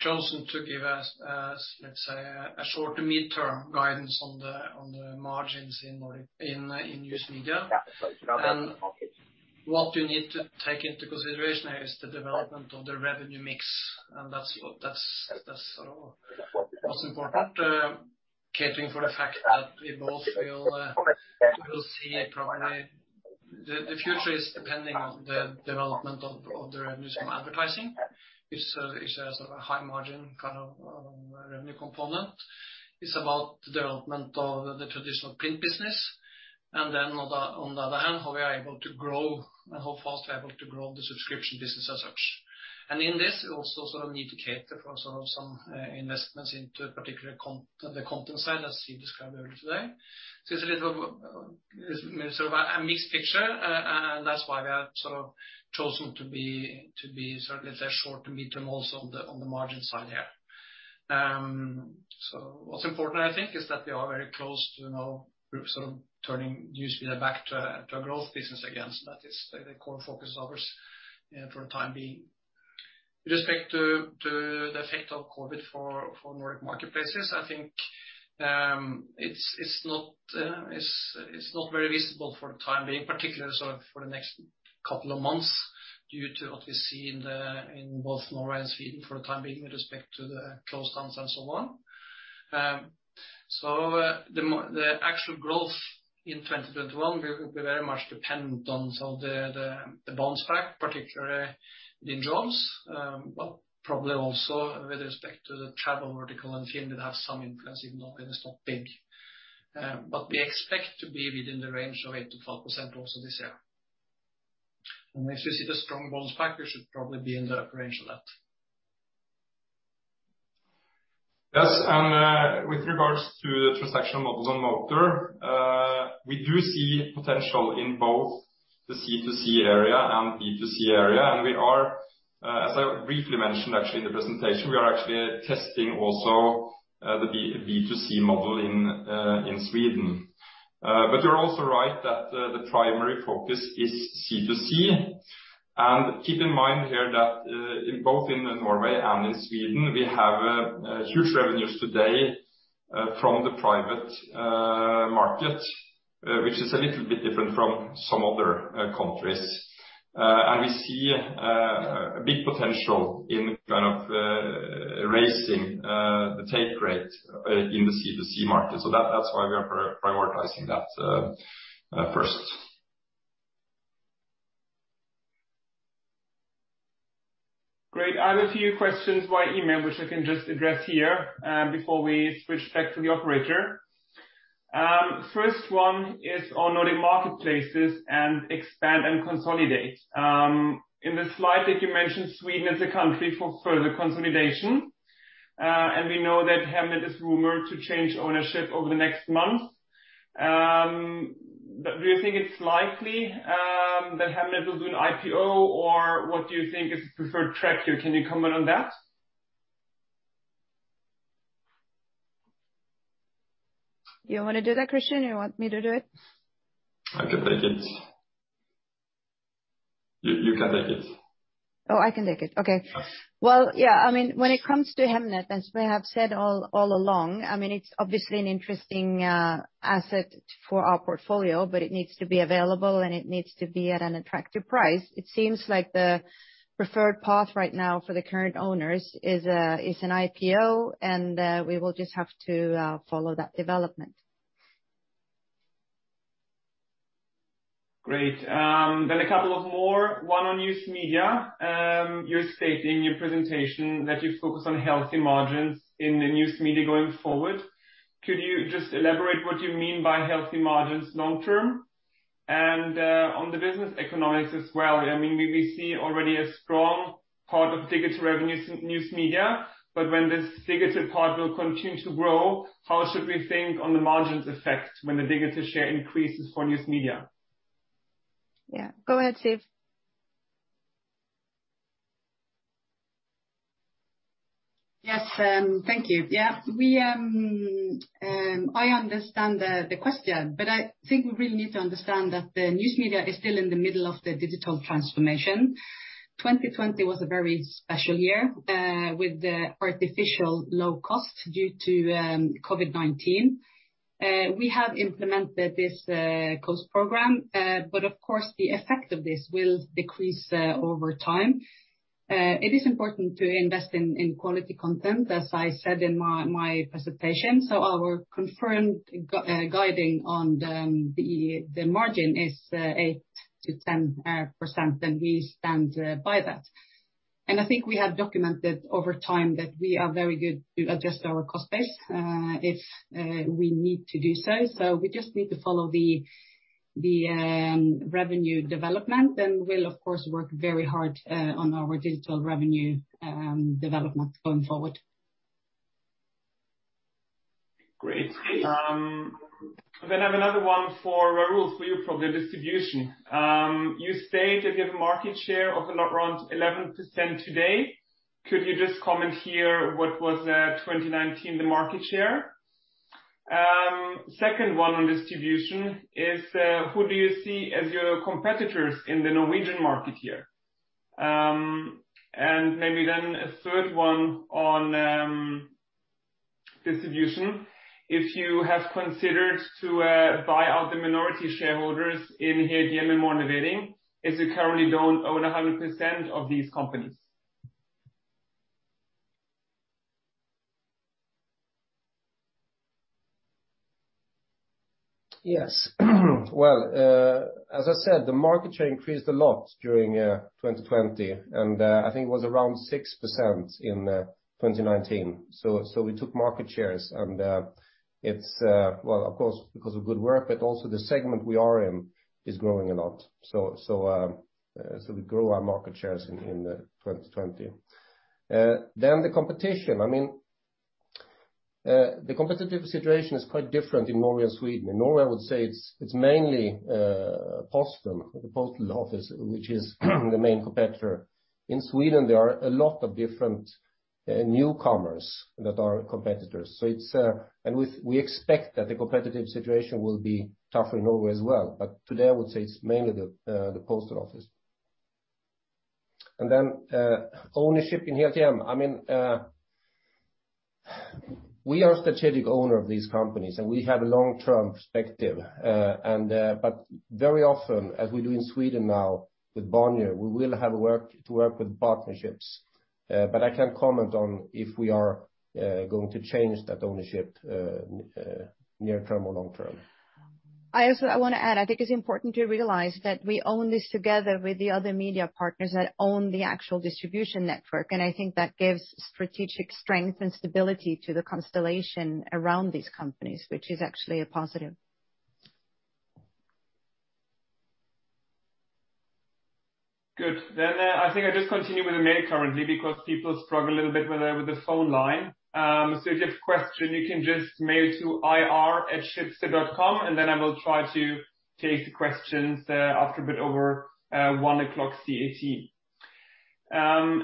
chosen to give us, let's say, a short to midterm guidance on the margins in News Media. What you need to take into consideration here is the development of the revenue mix, and that's what's important. Catering for the fact that we both will see probably the future is depending on the development of the revenues from advertising, which is a sort of high margin kind of revenue component. It's about the development of the traditional print business, and then on the other hand, how we are able to grow and how fast we are able to grow the subscription business as such. In this, we also sort of need to cater for sort of some investments into particularly the content side as Siv described earlier today. So it's a bit of a mixed picture, and that's why we have sort of chosen to be sort of short to midterm also on the margin side here. So what's important, I think, is that we are very close to sort of turning News Media back to a growth business again. So that is the core focus of ours for the time being. With respect to the effect of COVID for Nordic Marketplacess, I think it's not very visible for the time being, particularly sort of for the next couple of months due to what we see in both Norway and Sweden for the time being with respect to the lockdowns and so on. So the actual growth in 2021 will be very much dependent on the bounce back, particularly in jobs, but probably also with respect to the travel vertical and Finland have some influence even though it is not big. But we expect to be within the range of 8%-12% also this year. And if you see the strong bounce back, we should probably be in the upper range of that. Yes, and with regards to the transactional models on motor, we do see potential in both the C to C area and B to C area. And we are, as I briefly mentioned actually in the presentation, we are actually testing also the B to C model in Sweden. But you're also right that the primary focus is C to C. Keep in mind here that both in Norway and in Sweden, we have huge revenues today from the private market, which is a little bit different from some other countries. We see a big potential in kind of raising the take rate in the C to C market. So that's why we are prioritizing that first. Great. I have a few questions by email, which I can just address here before we switch back to the operator. First one is on Nordic Marketplacess and expand and consolidate. In the slide that you mentioned, Sweden is a country for further consolidation. We know that Hemnet is rumored to change ownership over the next month. Do you think it's likely that Hemnet will do an IPO, or what do you think is the preferred track here? Can you comment on that? You want to do that, Christian? You want me to do it? I can take it. You can take it. Oh, I can take it. Okay. Well, yeah, I mean, when it comes to Hemnet, as we have said all along, I mean, it's obviously an interesting asset for our portfolio, but it needs to be available, and it needs to be at an attractive price. It seems like the preferred path right now for the current owners is an IPO, and we will just have to follow that development. Great. Then a couple of more. One on News Media. You're stating in your presentation that you focus on healthy margins in the News Media going forward. Could you just elaborate what you mean by healthy margins long term? On the business economics as well, I mean, we see already a strong part of digital revenues in News Media, but when this significant part will continue to grow, how should we think on the margins effect when the digital share increases for News Media? Yeah. Go ahead, Siv. Yes, thank you. Yeah, I understand the question, but I think we really need to understand that the News Media is still in the middle of the digital transformation. 2020 was a very special year with the artificial low cost due to COVID-19. We have implemented this cost program, but of course, the effect of this will decrease over time. It is important to invest in quality content, as I said in my presentation. Our confirmed guidance on the margin is 8%-10%, and we stand by that. And I think we have documented over time that we are very good to adjust our cost base if we need to do so. So we just need to follow the revenue development, and we'll, of course, work very hard on our digital revenue development going forward. Great. Then I have another one for Raoul for you from the distribution. You state that you have a market share of around 11% today. Could you just comment here what was 2019 the market share? Second one on distribution is, who do you see as your competitors in the Norwegian market here? And maybe then a third one on distribution, if you have considered to buy out the minority shareholders in here at Morgenlevering, is it currently don't own 100% of these companies? Yes. As I said, the market share increased a lot during 2020, and I think it was around 6% in 2019. We took market shares, and it's, well, of course, because of good work, but also the segment we are in is growing a lot. We grew our market shares in 2020. The competition, I mean, the competitive situation is quite different in Norway and Sweden. In Norway, I would say it's mainly Posten, the post office, which is the main competitor. In Sweden, there are a lot of different newcomers that are competitors. We expect that the competitive situation will be tougher in Norway as well. Today, I would say it's mainly the post office. Ownership in Helthjem. I mean, we are a strategic owner of these companies, and we have a long-term perspective. But very often, as we do in Sweden now with Bonnier, we will have to work with partnerships. But I can't comment on if we are going to change that ownership near-term or long-term. I also want to add, I think it's important to realize that we own this together with the other media partners that own the actual distribution network. And I think that gives strategic strength and stability to the constellation around these companies, which is actually a positive. Good. Then I think I just continue with the mail currently because people struggle a little bit with the phone line. So if you have questions, you can just mail to ir@schibsted.com, and then I will try to take the questions after a bit over one o'clock CET.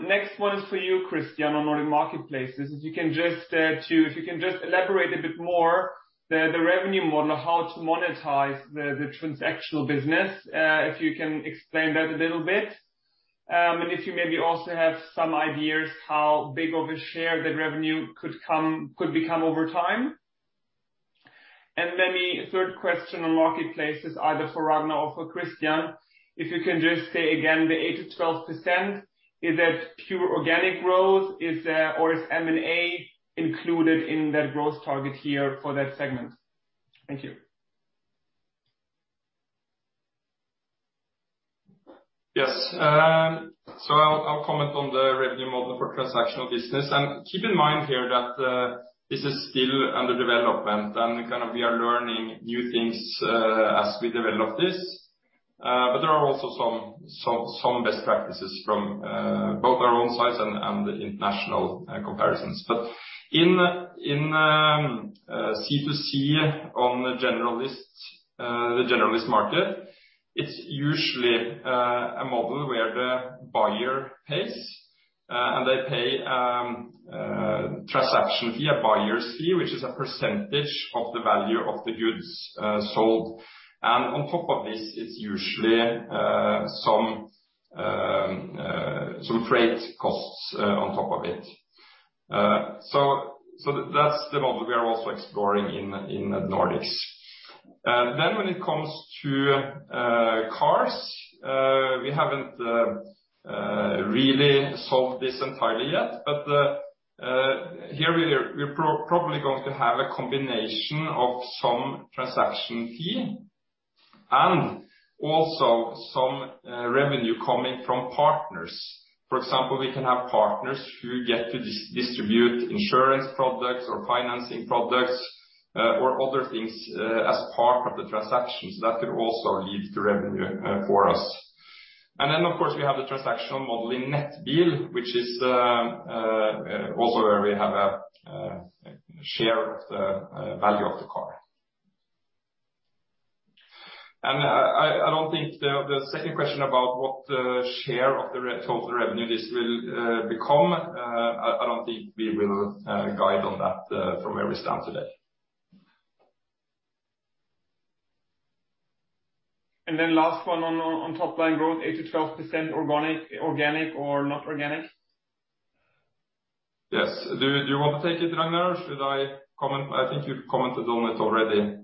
Next one is for you, Christian, on Nordic Marketplacess. If you can just elaborate a bit more the revenue model, how to monetize the transactional business, if you can explain that a little bit. And if you maybe also have some ideas how big of a share that revenue could become over time. And then the third question on marketplaces, either for Ragnar or for Christian, if you can just say again, the 8%-12%, is that pure organic growth, or is M&A included in that growth target here for that segment? Thank you. Yes, so I'll comment on the revenue model for transactional business. And keep in mind here that this is still under development, and kind of we are learning new things as we develop this. But there are also some best practices from both our own sides and international comparisons. In C2C on the generalist market, it's usually a model where the buyer pays, and they pay transaction fee, a buyer's fee, which is a percentage of the value of the goods sold. On top of this, it's usually some freight costs on top of it. That's the model we are also exploring in the Nordics. When it comes to cars, we haven't really solved this entirely yet, but here we're probably going to have a combination of some transaction fee and also some revenue coming from partners. For example, we can have partners who get to distribute insurance products or financing products or other things as part of the transactions. That could also lead to revenue for us. Of course, we have the transactional model in Nettbil, which is also where we have a share of the value of the car. I don't think the second question about what the share of the total revenue this will become. I don't think we will guide on that from where we stand today. Then last one on top line growth, 8%-12% organic or not organic? Yes. Do you want to take it, Ragnar? Should I comment? I think you've commented on it already.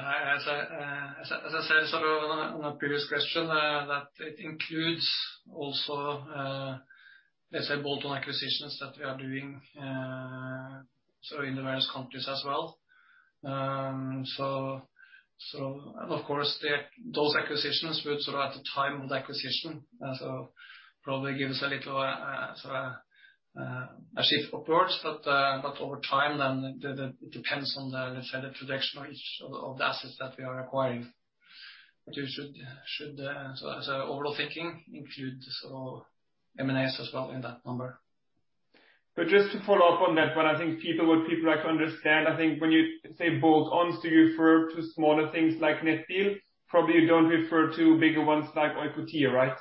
As I said, sort of on a previous question, that it includes also both on acquisitions that we are doing in the various countries as well. And of course, those acquisitions would sort of at the time of the acquisition, so probably give us a little shift upwards. But over time, then it depends on the projection of each of the assets that we are acquiring. So overall thinking includes M&As as well in that number. But just to follow up on that one, I think people would like to understand. I think when you say bolt-ons, do you refer to smaller things like Nettbil? Probably you don't refer to bigger ones like Oikotie, right?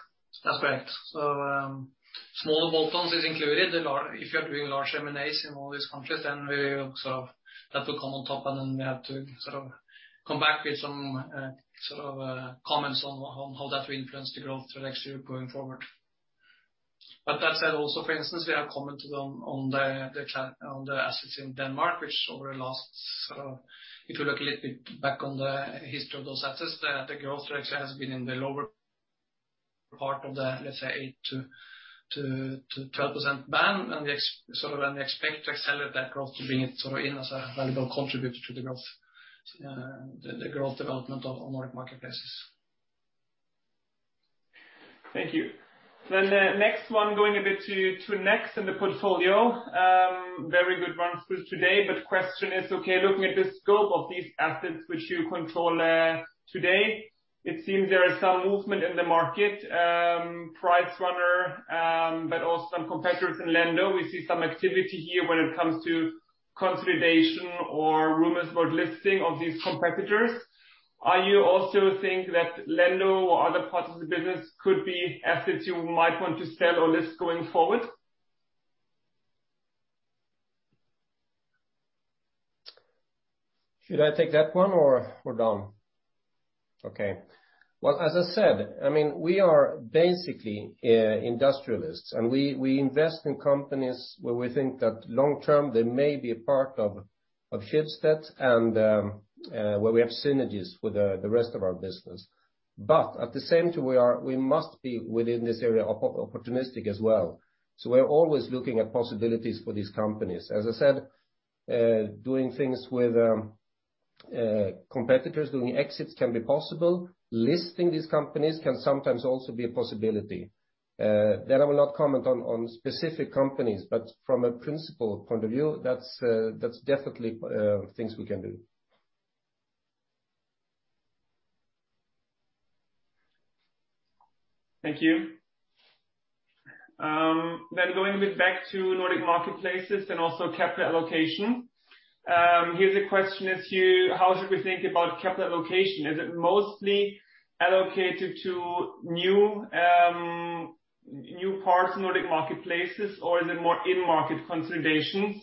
That's correct. So small bolt-ons is included. If you're doing large M&As in all these countries, then we will sort of that will come on top, and then we have to sort of come back with some sort of comments on how that will influence the growth trajectory going forward. But that said also, for instance, we have commented on the assets in Denmark, which over the last sort of if you look a little bit back on the history of those assets, the growth trajectory has been in the lower part of the, let's say, 8%-12% band. And we expect to accelerate that growth to bring it sort of in as a valuable contributor to the growth development of Nordic Marketplacess. Thank you. Then the next one going a bit to Next in the portfolio. Very good one for today, but question is, okay, looking at the scope of these assets which you control today, it seems there is some movement in the market, PriceRunner, but also some competitors in Lendo. We see some activity here when it comes to consolidation or rumors about listing of these competitors. Do you also think that Lendo or other parts of the business could be assets you might want to sell or list going forward? Should I take that one or we're done? Okay. As I said, I mean, we are basically industrialists, and we invest in companies where we think that long term, they may be a part of Schibsted and where we have synergies with the rest of our business. But at the same time, we must be within this area opportunistic as well. So we're always looking at possibilities for these companies. As I said, doing things with competitors, doing exits can be possible. Listing these companies can sometimes also be a possibility. Then I will not comment on specific companies, but from a principal point of view, that's definitely things we can do. Thank you. Then going a bit back to Nordic Marketplacess and also capital allocation. Here's a question to you. How should we think about capital allocation? Is it mostly allocated to new parts of Nordic Marketplacess, or is it more in-market consolidations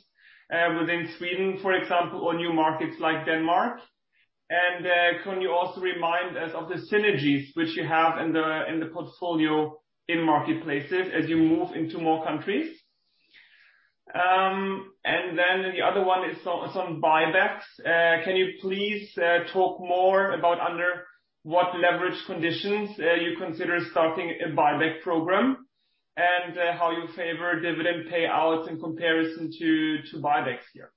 within Sweden, for example, or new markets like Denmark? And can you also remind us of the synergies which you have in the portfolio in marketplaces as you move into more countries? And then the other one is on buybacks. Can you please talk more about under what leverage conditions you consider starting a buyback program and how you favor dividend payouts in comparison to buybacks here?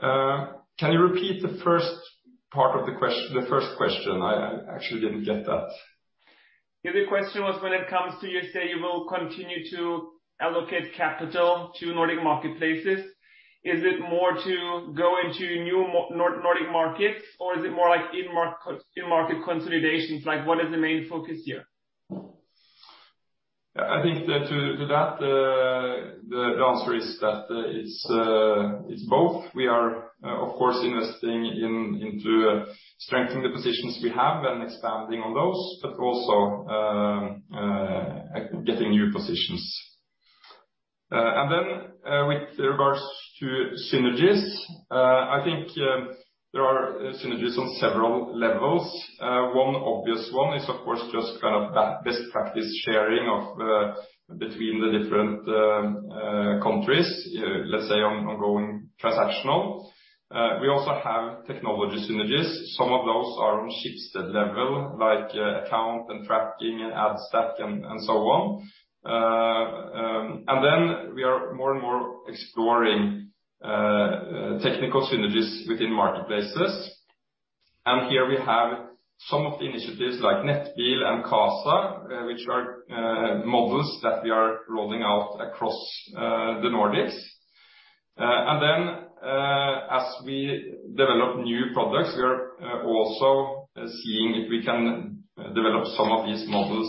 Can you repeat the first part of the question? The first question, I actually didn't get that. The question was when it comes to, you say you will continue to allocate capital to Nordic Marketplacess. Is it more to go into new Nordic markets, or is it more like in-market consolidations? What is the main focus here? I think to that, the answer is that it's both. We are, of course, investing into strengthening the positions we have and expanding on those, but also getting new positions. And then with regards to synergies, I think there are synergies on several levels. One obvious one is, of course, just kind of best practice sharing between the different countries, let's say ongoing transactional. We also have technology synergies. Some of those are on Schibsted level, like account and tracking and ad stack and so on. And then we are more and more exploring technical synergies within marketplaces. And here we have some of the initiatives like Nettbil and Qasa, which are models that we are rolling out across the Nordics. And then as we develop new products, we are also seeing if we can develop some of these models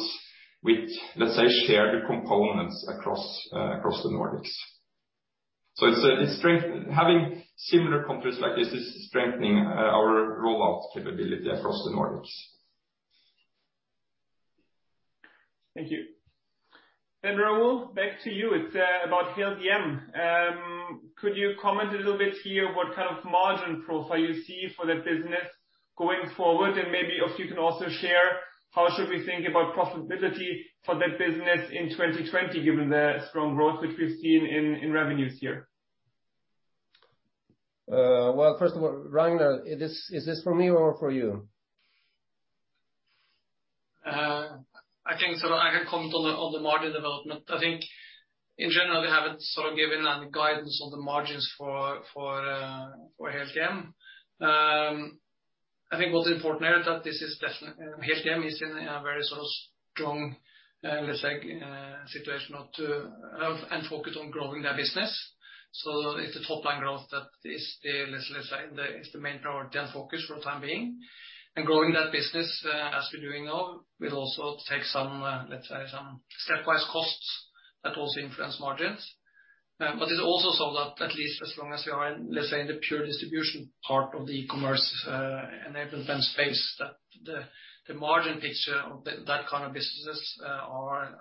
with, let's say, shared components across the Nordics. Having similar countries like this is strengthening our rollout capability across the Nordics. Thank you. And Raoul, back to you. It's about Helthjem. Could you comment a little bit here what kind of margin profile you see for the business going forward? And maybe if you can also share how should we think about profitability for that business in 2020, given the strong growth which we've seen in revenues here? First of all, Ragnar, is this for me or for you? I think sort of I can comment on the margin development. I think in general, we haven't sort of given any guidance on the margins for Helthjem. I think what's important here is that this is definitely Helthjem is in a very sort of strong, let's say, situation and focused on growing their business. It's the top line growth that is the main priority and focus for the time being. Growing that business as we're doing now will also take some, let's say, some stepwise costs that also influence margins. It's also so that at least as long as we are in, let's say, in the pure distribution part of the e-commerce enablement space, that the margin picture of that kind of businesses are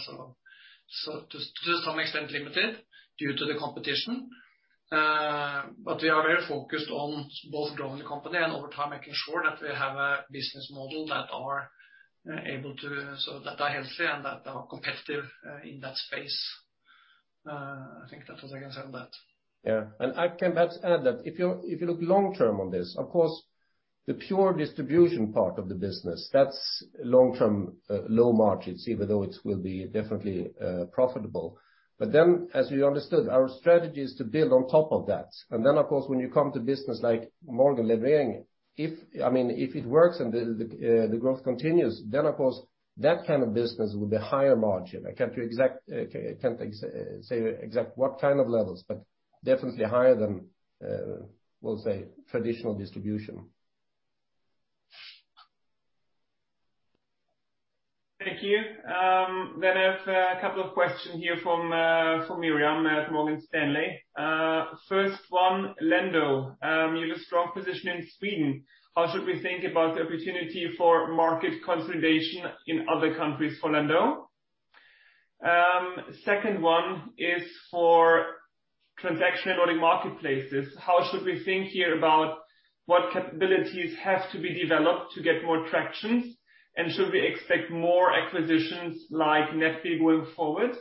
sort of to some extent limited due to the competition. We are very focused on both growing the company and over time making sure that we have a business model that are able to, so that are healthy and that are competitive in that space. I think that's what I can say on that. Yeah. I can perhaps add that if you look long-term on this, of course, the pure distribution part of the business, that's long-term low margins, even though it will be definitely profitable. But then, as you understood, our strategy is to build on top of that. And then, of course, when you come to business like Morgenlevering, I mean, if it works and the growth continues, then, of course, that kind of business will be higher margin. I can't say exact what kind of levels, but definitely higher than, we'll say, traditional distribution. Thank you. Then I have a couple of questions here from Miriam at Morgan Stanley. First one, Lendo. You have a strong position in Sweden. How should we think about the opportunity for market consolidation in other countries for Lendo? Second one is for transactional Nordic Marketplacess. How should we think here about what capabilities have to be developed to get more traction? And should we expect more acquisitions like Nettbil going forward?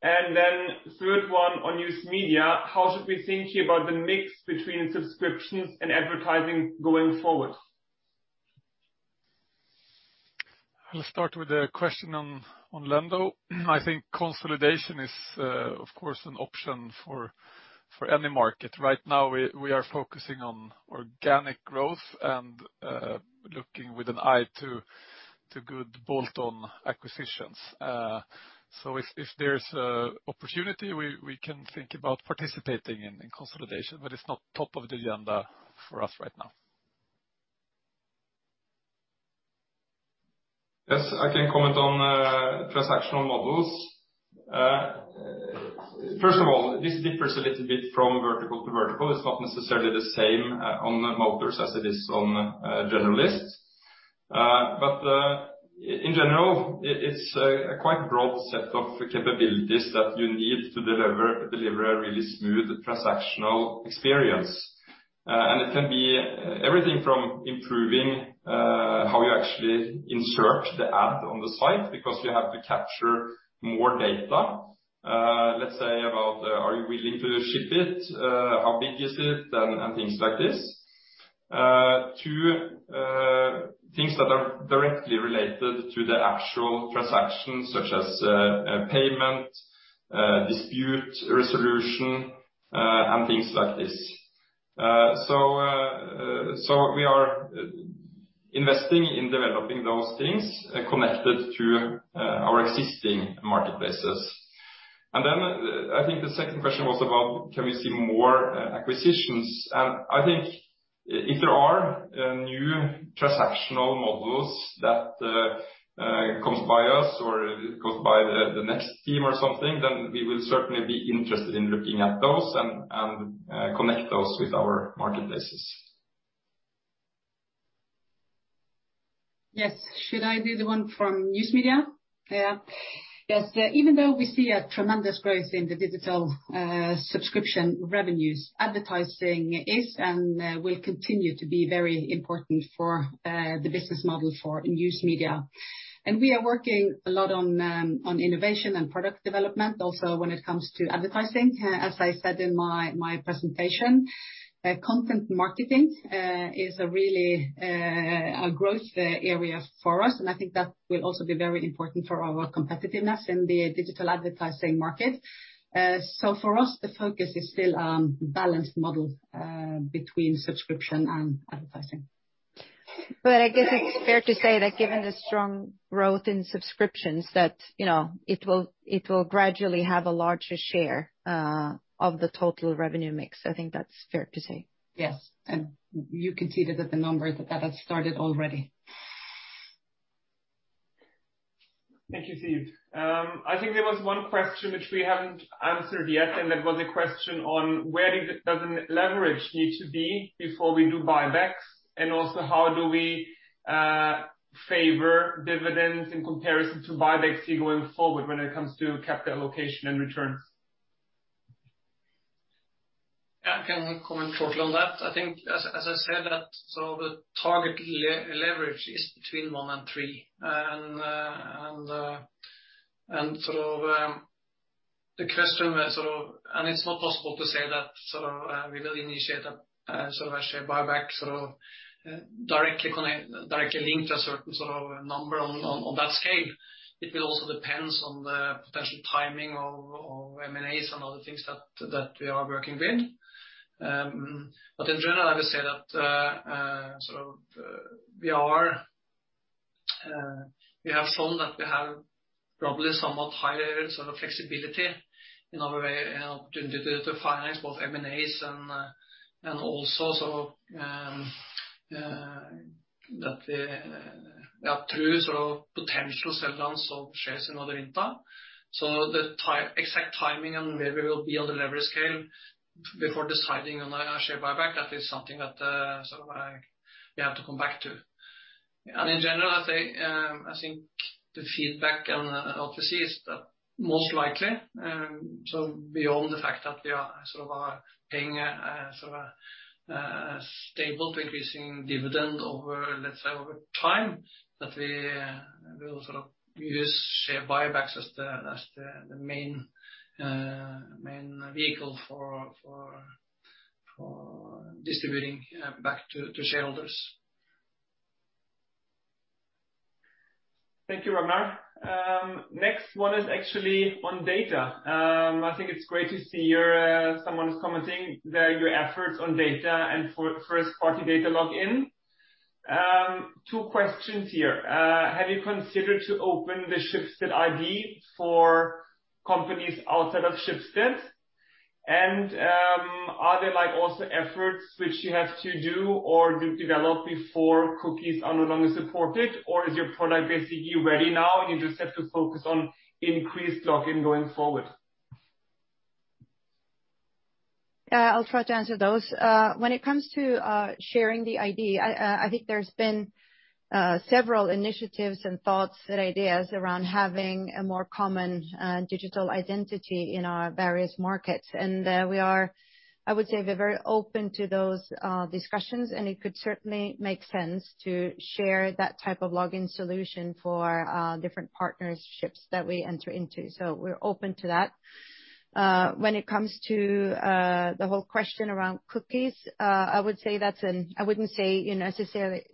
And then third one on News Media. How should we think here about the mix between subscriptions and advertising going forward? Let's start with a question on Lendo. I think consolidation is, of course, an option for any market. Right now, we are focusing on organic growth and looking with an eye to good bolt-on acquisitions. So if there's an opportunity, we can think about participating in consolidation, but it's not top of the agenda for us right now. Yes, I can comment on transactional models. First of all, this differs a little bit from vertical to vertical. It's not necessarily the same on the motors as it is on generalists. But in general, it's a quite broad set of capabilities that you need to deliver a really smooth transactional experience. And it can be everything from improving how you actually insert the ad on the site because you have to capture more data, let's say, about are you willing to ship it, how big is it, and things like this. To things that are directly related to the actual transaction, such as payment, dispute resolution, and things like this. So we are investing in developing those things connected to our existing marketplaces. And then I think the second question was about can we see more acquisitions. And I think if there are new transactional models that come by us or come by the Next team or something, then we will certainly be interested in looking at those and connect those with our marketplaces. Yes. Should I do the one from News Media? Yeah. Yes. Even though we see a tremendous growth in the digital subscription revenues, advertising is and will continue to be very important for the business model for News Media, and we are working a lot on innovation and product development also when it comes to advertising. As I said in my presentation, content marketing is really a growth area for us, and I think that will also be very important for our competitiveness in the digital advertising market, so for us, the focus is still on a balanced model between subscription and advertising, but I guess it's fair to say that given the strong growth in subscriptions, that it will gradually have a larger share of the total revenue mix. I think that's fair to say. Yes, and you can see that the numbers that have started already. Thank you, Siv. I think there was one question which we haven't answered yet, and that was a question on where does the leverage need to be before we do buybacks? And also how do we favor dividends in comparison to buybacks here going forward when it comes to capital allocation and returns? I can comment shortly on that. I think, as I said, that sort of the target leverage is between one and three. And sort of the question was sort of, and it's not possible to say that sort of we will initiate a buyback sort of directly linked to a certain sort of number on that scale. It will also depend on the potential timing of M&As and other things that we are working with. But in general, I would say that sort of we have shown that we have probably somewhat higher sort of flexibility in our way and opportunity to finance both M&As and also sort of that we have true sort of potential selldowns of shares in other entities. So the exact timing and where we will be on the leverage scale before deciding on a share buyback, that is something that we have to come back to. And in general, I think the feedback and what we see is that most likely, so beyond the fact that we are sort of paying a sort of a stable increasing dividend over, let's say, over time, that we will sort of use share buybacks as the main vehicle for distributing back to shareholders. Thank you, Ragnar. Next one is actually on data. I think it's great to see someone is commenting on your efforts on data and first-party data login. Two questions here. Have you considered to open the Schibsted ID for companies outside of Schibsted? And are there also efforts which you have to do or develop before cookies are no longer supported? Or is your product basically ready now and you just have to focus on increased login going forward? I'll try to answer those. When it comes to sharing the ID, I think there's been several initiatives and thoughts and ideas around having a more common digital identity in our various markets. And we are, I would say, very open to those discussions, and it could certainly make sense to share that type of login solution for different partnerships that we enter into. So we're open to that. When it comes to the whole question around cookies, I would say that's an area I wouldn't say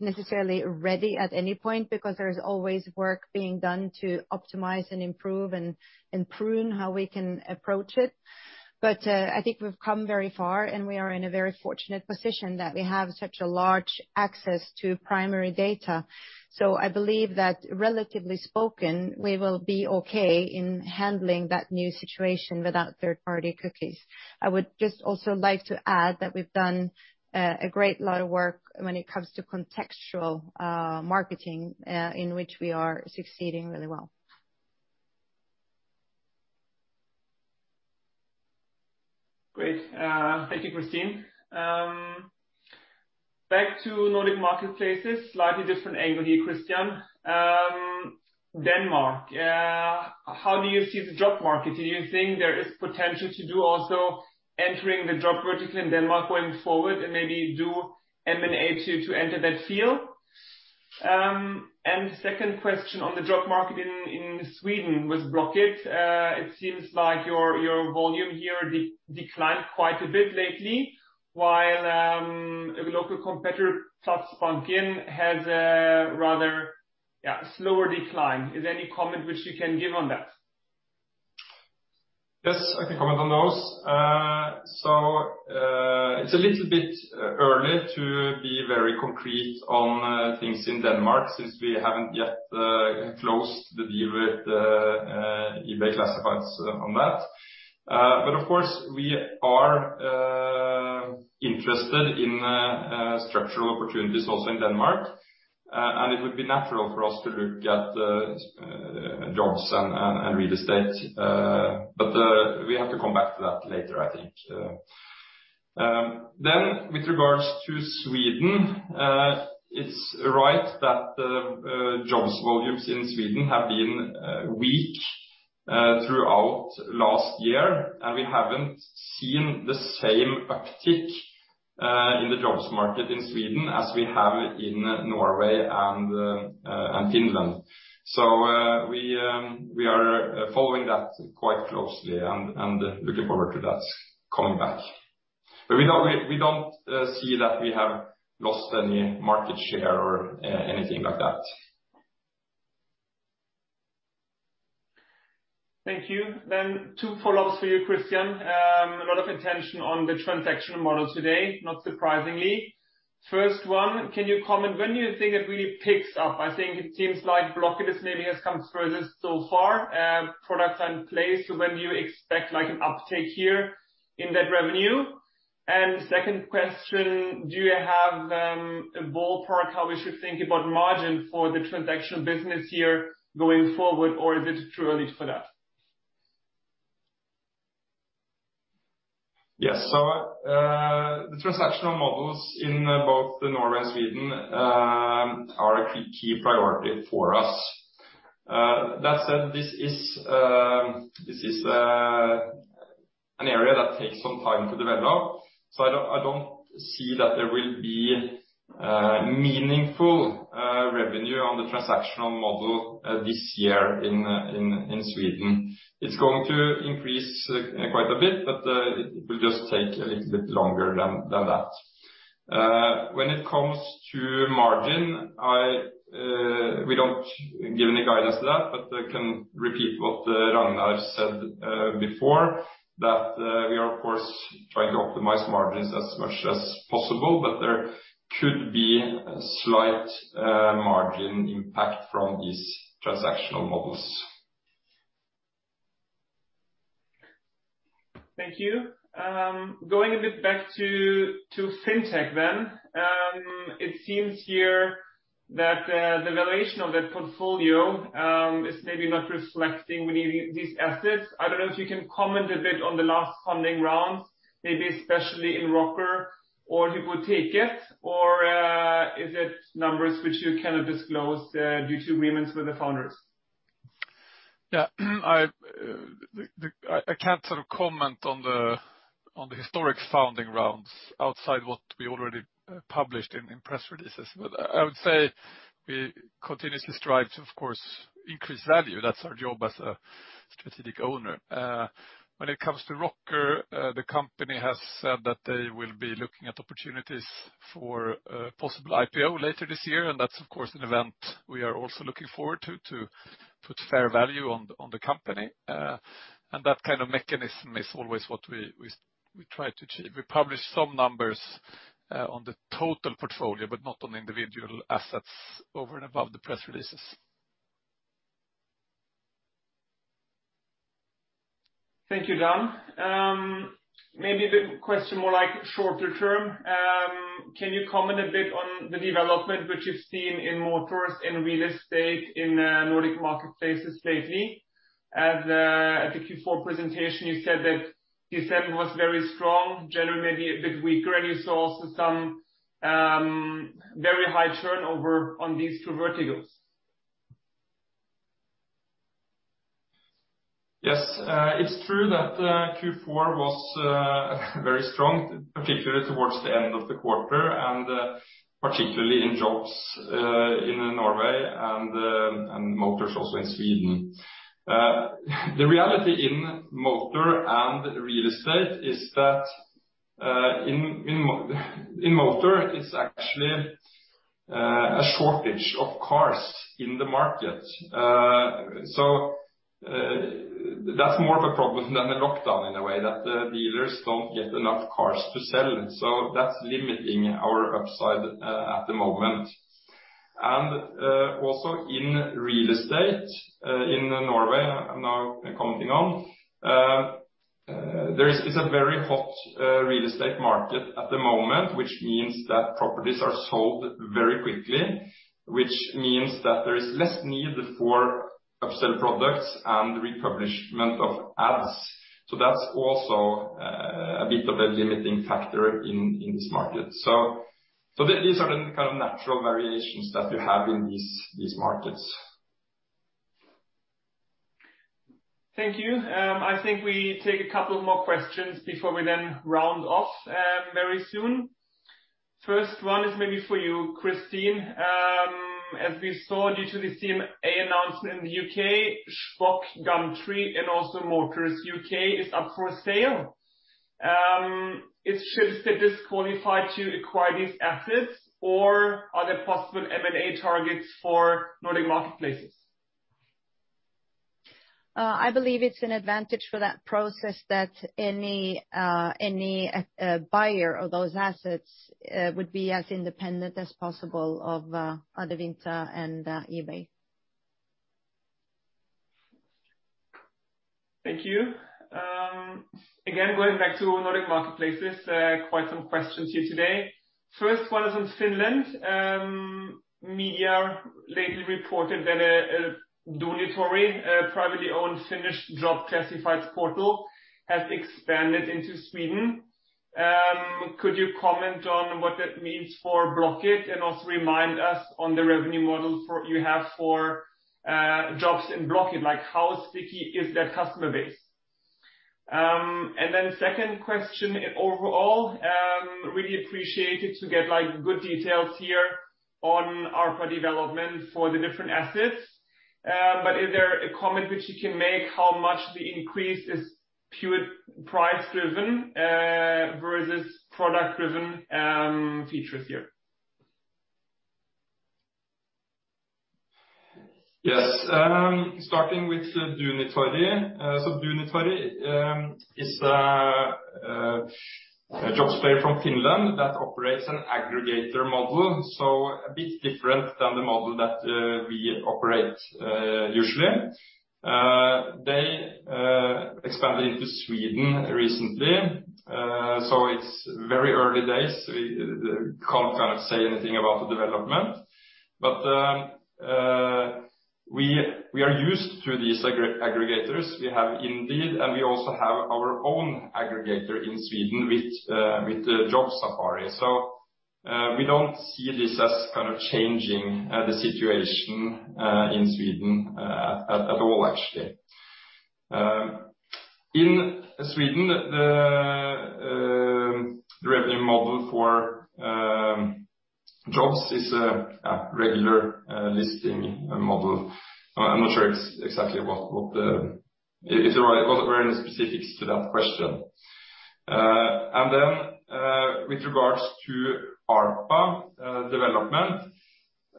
necessarily ready at any point because there's always work being done to optimize and improve and prune how we can approach it. But I think we've come very far, and we are in a very fortunate position that we have such a large access to first-party data. So I believe that relatively speaking, we will be okay in handling that new situation without third-party cookies. I would just also like to add that we've done a great lot of work when it comes to contextual marketing in which we are succeeding really well. Great. Thank you, Kristin. Back to Nordic Marketplacess, slightly different angle here, Christian. Denmark, how do you see the job market? Do you think there is potential to do also entering the jobs vertical in Denmark going forward and maybe do M&A to enter that field? And second question on the job market in Sweden with Blocket. It seems like your volume here declined quite a bit lately, while a local competitor, Platsbanken, has a rather slower decline. Is there any comment which you can give on that? Yes, I can comment on those. So it's a little bit early to be very concrete on things in Denmark since we haven't yet closed the deal with eBay Classifieds on that. But of course, we are interested in structural opportunities also in Denmark. And it would be natural for us to look at jobs and real estate. But we have to come back to that later, I think. Then, with regards to Sweden, it's right that jobs volumes in Sweden have been weak throughout last year. And we haven't seen the same uptick in the jobs market in Sweden as we have in Norway and Finland. So we are following that quite closely and looking forward to that coming back. But we don't see that we have lost any market share or anything like that. Thank you. Then two follow-ups for you, Christian. A lot of attention on the transactional model today, not surprisingly. First one, can you comment when do you think it really picks up? I think it seems like Blocket maybe has come further so far. Products are in place. So when do you expect an uptake here in that revenue? Second question, do you have a ballpark how we should think about margin for the transactional business here going forward, or is it too early for that? Yes. The transactional models in both Norway and Sweden are a key priority for us. That said, this is an area that takes some time to develop. I don't see that there will be meaningful revenue on the transactional model this year in Sweden. It's going to increase quite a bit, but it will just take a little bit longer than that. When it comes to margin, we don't give any guidance to that, but I can repeat what Ragnar said before, that we are, of course, trying to optimize margins as much as possible, but there could be a slight margin impact from these transactional models. Thank you. Going a bit back to FinTech then, it seems here that the valuation of that portfolio is maybe not reflecting these assets. I don't know if you can comment a bit on the last funding rounds, maybe especially in Rocker or Hypoteket, or is it numbers which you cannot disclose due to agreements with the founders? Yeah. I can't sort of comment on the historic funding rounds outside what we already published in press releases. But I would say we continuously strive to, of course, increase value. That's our job as a strategic owner. When it comes to Rocker, the company has said that they will be looking at opportunities for a possible IPO later this year. And that's, of course, an event we are also looking forward to, to put fair value on the company. And that kind of mechanism is always what we try to achieve. We publish some numbers on the total portfolio, but not on individual assets over and above the press releases. Thank you, Dan. Maybe a bit of a question more like shorter term. Can you comment a bit on the development which you've seen in motors, in real estate, in Nordic Marketplacess lately? At the Q4 presentation, you said that December was very strong, January maybe a bit weaker, and you saw also some very high turnover on these two verticals. Yes. It's true that Q4 was very strong, particularly towards the end of the quarter, and particularly in jobs in Norway and motors also in Sweden. The reality in motor and real estate is that in motor, it's actually a shortage of cars in the market. So that's more of a problem than a lockdown in a way, that dealers don't get enough cars to sell. So that's limiting our upside at the moment. And also in real estate in Norway, I'm now commenting on, it's a very hot real estate market at the moment, which means that properties are sold very quickly, which means that there is less need for upsell products and republishment of ads. So that's also a bit of a limiting factor in this market. So these are the kind of natural variations that you have in these markets. Thank you. I think we take a couple of more questions before we then round off very soon. First one is maybe for you, Kristin. As we saw, due to the CMA announcement in the U.K., Shpock, Gumtree and also Motors.co.uk is up for sale. Is Schibsted disqualified to acquire these assets, or are there possible M&A targets for Nordic Marketplacess? I believe it's an advantage for that process that any buyer of those assets would be as independent as possible of Adevinta and eBay. Thank you. Again, going back to Nordic Marketplacess, quite some questions here today. First one is on Finland. Media lately reported that a Duunitori, a privately owned Finnish job classifieds portal, has expanded into Sweden. Could you comment on what that means for Blocket and also remind us on the revenue model you have for jobs in Blocket? How sticky is that customer base? And then second question overall, really appreciated to get good details here on our development for the different assets. But is there a comment which you can make how much the increase is pure price-driven versus product-driven features here? Yes. Starting with Duunitori. Duunitori is a jobs player from Finland that operates an aggregator model, so a bit different than the model that we operate usually. They expanded into Sweden recently. So it's very early days. We can't kind of say anything about the development. But we are used to these aggregators. We have Indeed, and we also have our own aggregator in Sweden with Jobbsafari. So we don't see this as kind of changing the situation in Sweden at all, actually. In Sweden, the revenue model for jobs is a regular listing model. I'm not sure exactly what the specifics to that question. And then with regards to ARPA development,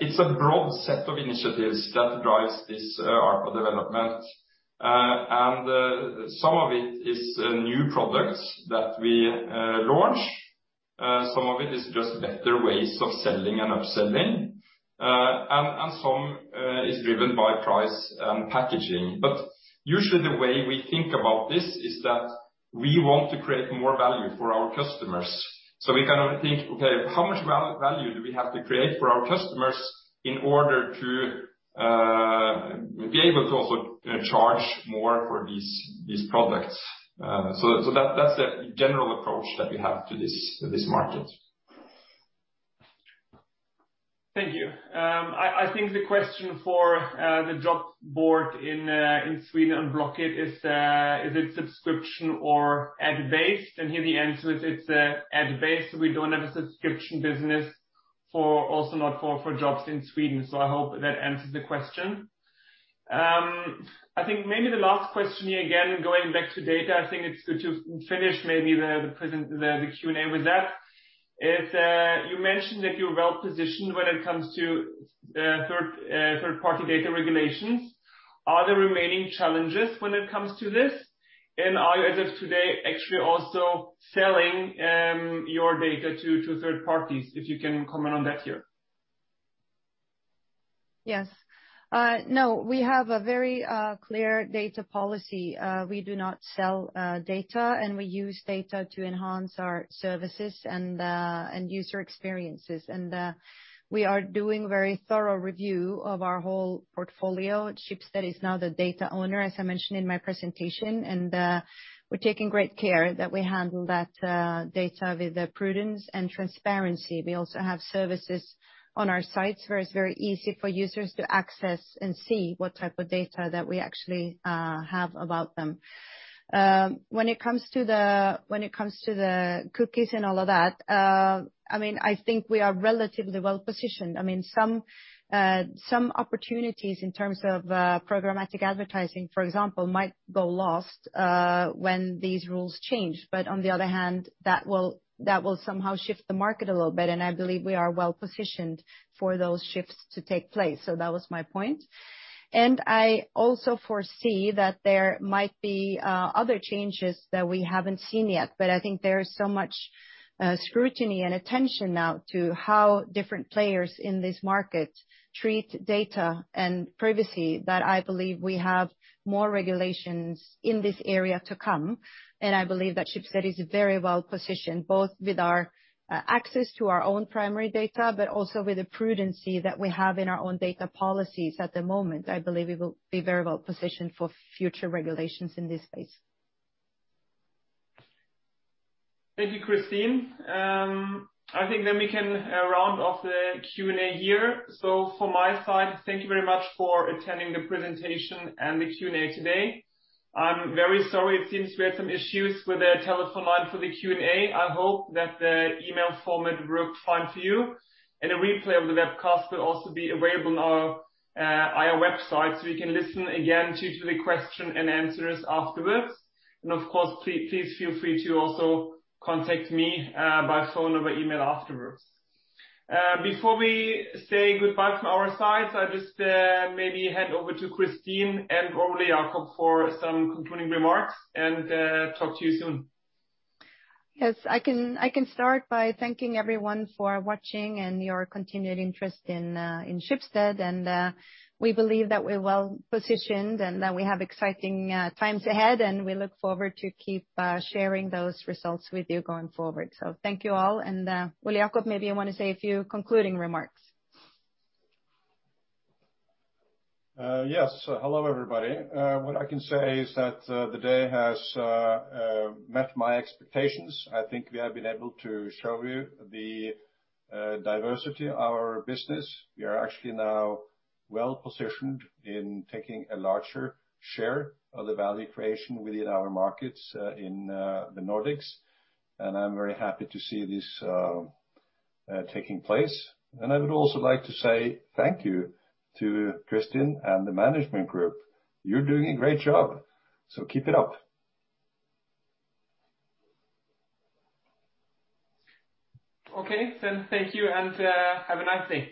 it's a broad set of initiatives that drives this ARPA development. And some of it is new products that we launch. Some of it is just better ways of selling and upselling, and some is driven by price and packaging. But usually, the way we think about this is that we want to create more value for our customers. So we kind of think, okay, how much value do we have to create for our customers in order to be able to also charge more for these products? So that's the general approach that we have to this market. Thank you. I think the question for the job board in Sweden on Blocket is, is it subscription or ad-based? And here the answer is it's ad-based. We don't have a subscription business for also not for jobs in Sweden. So I hope that answers the question. I think maybe the last question here, again, going back to data, I think it's good to finish maybe the Q&A with that. You mentioned that you're well positioned when it comes to third-party data regulations. Are there remaining challenges when it comes to this, and are you, as of today, actually also selling your data to third parties? If you can comment on that here. Yes. No, we have a very clear data policy. We do not sell data, and we use data to enhance our services and user experiences, and we are doing a very thorough review of our whole portfolio. Schibsted is now the data owner, as I mentioned in my presentation, and we're taking great care that we handle that data with prudence and transparency. We also have services on our sites where it's very easy for users to access and see what type of data that we actually have about them. When it comes to the cookies and all of that, I mean, I think we are relatively well positioned. I mean, some opportunities in terms of programmatic advertising, for example, might go lost when these rules change. But on the other hand, that will somehow shift the market a little bit. And I believe we are well positioned for those shifts to take place. So that was my point. And I also foresee that there might be other changes that we haven't seen yet. But I think there is so much scrutiny and attention now to how different players in this market treat data and privacy that I believe we have more regulations in this area to come. And I believe that Schibsted is very well positioned, both with our access to our own primary data, but also with the prudence that we have in our own data policies at the moment. I believe we will be very well positioned for future regulations in this space. Thank you, Kristin. I think then we can round off the Q&A here. So for my side, thank you very much for attending the presentation and the Q&A today. I'm very sorry. It seems we had some issues with the telephone line for the Q&A. I hope that the email format worked fine for you. A replay of the webcast will also be available on our website. You can listen again to the question and answers afterwards. Of course, please feel free to also contact me by phone or by email afterwards. Before we say goodbye from our sides, I just maybe hand over to Kristin and Ole Jacob for some concluding remarks and talk to you soon. Yes. I can start by thanking everyone for watching and your continued interest in Schibsted. We believe that we're well positioned and that we have exciting times ahead. We look forward to keep sharing those results with you going forward. So thank you all. And Ole Jacob Sunde, maybe you want to say a few concluding remarks. Yes. Hello, everybody. What I can say is that the day has met my expectations. I think we have been able to show you the diversity of our business. We are actually now well positioned in taking a larger share of the value creation within our markets in the Nordics. And I'm very happy to see this taking place. And I would also like to say thank you to Kristin and the management group. You're doing a great job. So keep it up. Okay. Then thank you and have a nice day.